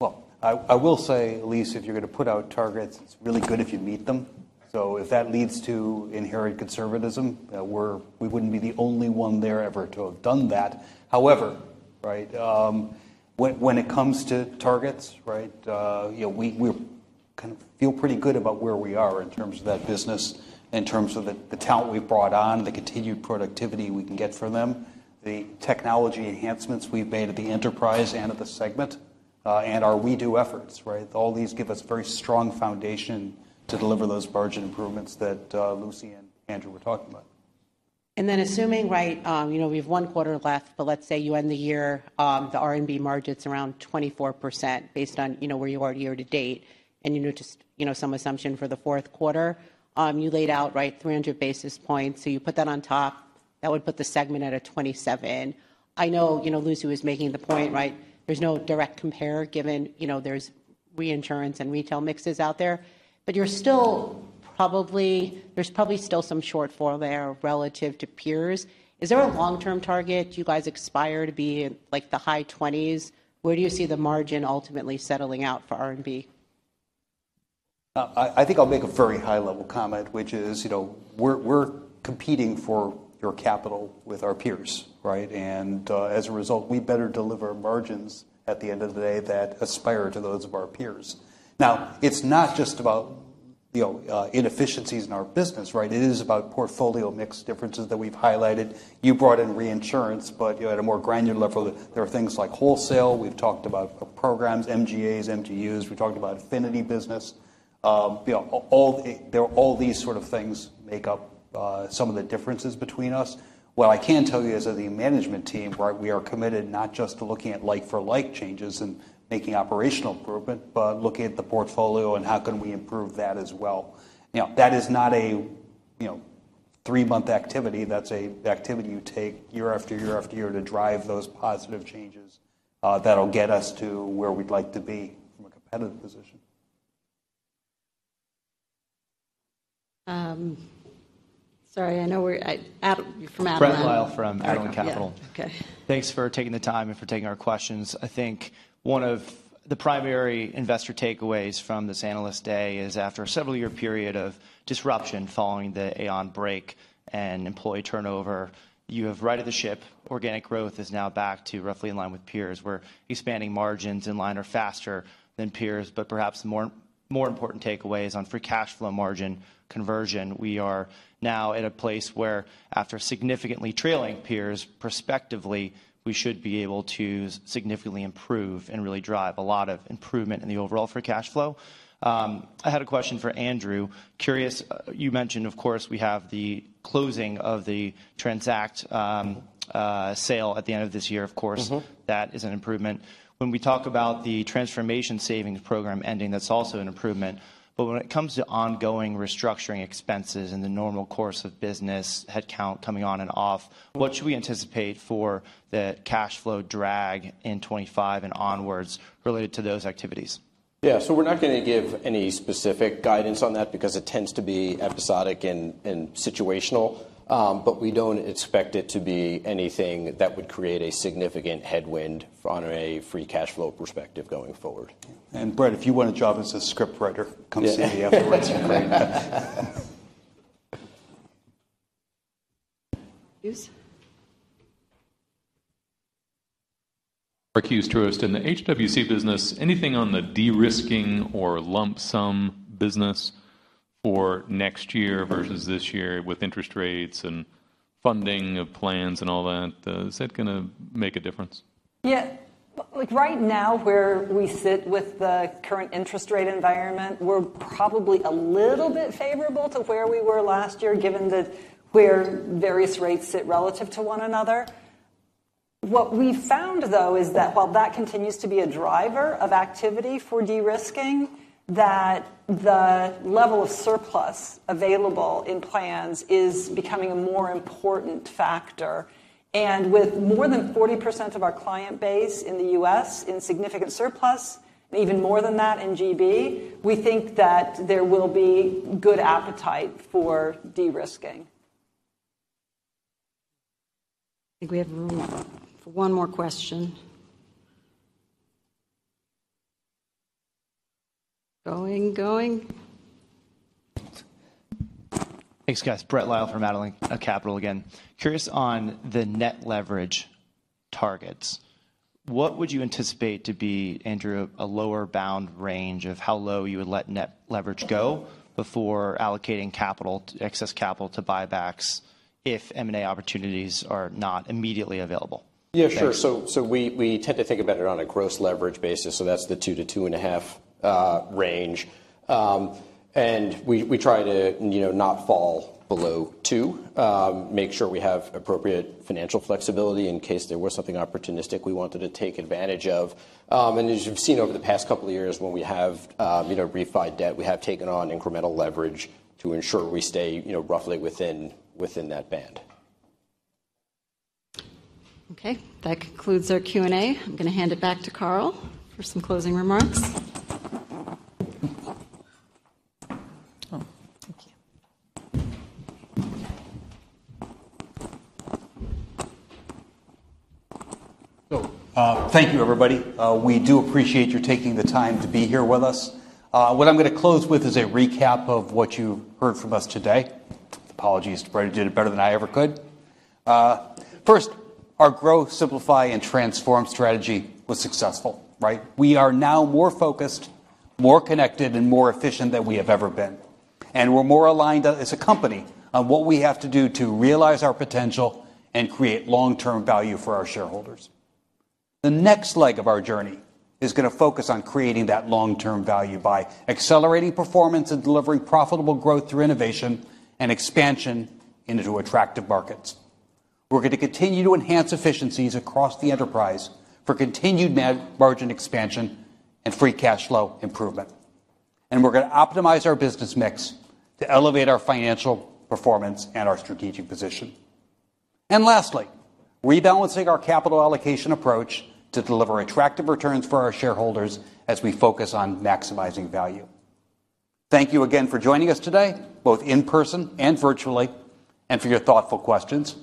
Well, I will say, Elyse, if you're going to put out targets, it's really good if you meet them. So if that leads to inherent conservatism, we wouldn't be the only one there ever to have done that. However, right, when it comes to targets, right, we kind of feel pretty good about where we are in terms of that business, in terms of the talent we've brought on, the continued productivity we can get from them, the technology enhancements we've made at the enterprise and at the segment, and our WEDO efforts, right? All these give us a very strong foundation to deliver those margin improvements that Lucy and Andrew were talking about. And then assuming, right, we have one quarter left, but let's say you end the year, the R&B margin's around 24% based on where you are year to date. And you know just some assumption for the fourth quarter, you laid out, right, 300 basis points. So you put that on top, that would put the segment at a 27%. I know Lucy was making the point, right? There's no direct comparison given there's reinsurance and retail mixes out there. But there's probably still some shortfall there relative to peers. Is there a long-term target? Do you guys aspire to be like the high 20s? Where do you see the margin ultimately settling out for R&B? I think I'll make a very high-level comment, which is we're competing for your capital with our peers, right? And as a result, we better deliver margins at the end of the day that aspire to those of our peers. Now, it's not just about inefficiencies in our business, right? It is about portfolio mix differences that we've highlighted. You brought in reinsurance, but at a more granular level, there are things like wholesale. We've talked about programs, MGAs, MGUs. We've talked about affinity business. All these sort of things make up some of the differences between us. What I can tell you is that the management team, right, we are committed not just to looking at like-for-like changes and making operational improvement, but looking at the portfolio and how can we improve that as well. Now, that is not a three-month activity. That's an activity you take year after year after year to drive those positive changes that'll get us to where we'd like to be from a competitive position. Sorry, I know we're from Adage. Brett Lyle from Adage Capital. Thanks for taking the time and for taking our questions. I think one of the primary investor takeaways from this analyst day is after a several-year period of disruption following the Aon break and employee turnover, you have righted the ship. Organic growth is now back to roughly in line with peers. We're expanding margins in line or faster than peers. But perhaps the more important takeaway is on free cash flow margin conversion. We are now at a place where after significantly trailing peers prospectively, we should be able to significantly improve and really drive a lot of improvement in the overall free cash flow. I had a question for Andrew. Curious, you mentioned, of course, we have the closing of the TRANZACT sale at the end of this year, of course. That is an improvement. When we talk about the transformation savings program ending, that's also an improvement. But when it comes to ongoing restructuring expenses and the normal course of business headcount coming on and off, what should we anticipate for the cash flow drag in 2025 and onwards related to those activities? Yeah, so we're not going to give any specific guidance on that because it tends to be episodic and situational. But we don't expect it to be anything that would create a significant headwind on a free cash flow perspective going forward. And Brett, if you want a job as a scriptwriter, come see me afterwards. Hughes.? Mark Hughes, Truist. In the HWC business, anything on the derisking or lump sum business for next year versus this year with interest rates and funding of plans and all that, is that going to make a difference? Yeah. Right now, where we sit with the current interest rate environment, we're probably a little bit favorable to where we were last year, given that where various rates sit relative to one another. What we found, though, is that while that continues to be a driver of activity for derisking, that the level of surplus available in plans is becoming a more important factor. And with more than 40% of our client base in the U.S. in significant surplus, even more than that in G.B., we think that there will be good appetite for derisking. I think we have room for one more question. Going, going. Thanks, guys. Brett Lyle from Adage Capital again. Curious on the net leverage targets. What would you anticipate to be, Andrew, a lower bound range of how low you would let net leverage go before allocating excess capital to buybacks if M&A opportunities are not immediately available? Yeah, sure. So we tend to think about it on a gross leverage basis. So that's the two to two and a half range. And we try to not fall below two, make sure we have appropriate financial flexibility in case there was something opportunistic we wanted to take advantage of. And as you've seen over the past couple of years, when we have refined debt, we have taken on incremental leverage to ensure we stay roughly within that band. Okay. That concludes our Q&A. I'm going to hand it back to Carl for some closing remarks. Thank you. Thank you, everybody. We do appreciate your taking the time to be here with us. What I'm going to close with is a recap of what you heard from us today. Apologies to Brett, did it better than I ever could. First, our grow, simplify, and transform strategy was successful, right? We are now more focused, more connected, and more efficient than we have ever been. And we're more aligned as a company on what we have to do to realize our potential and create long-term value for our shareholders. The next leg of our journey is going to focus on creating that long-term value by accelerating performance and delivering profitable growth through innovation and expansion into attractive markets. We're going to continue to enhance efficiencies across the enterprise for continued net margin expansion and free cash flow improvement. And we're going to optimize our business mix to elevate our financial performance and our strategic position. And lastly, rebalancing our capital allocation approach to deliver attractive returns for our shareholders as we focus on maximizing value. Thank you again for joining us today, both in person and virtually, and for your thoughtful questions.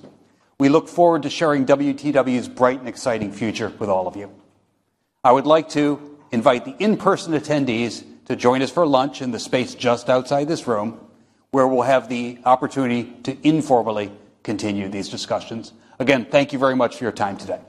We look forward to sharing WTW's bright and exciting future with all of you. I would like to invite the in-person attendees to join us for lunch in the space just outside this room, where we'll have the opportunity to informally continue these discussions. Again, thank you very much for your time today.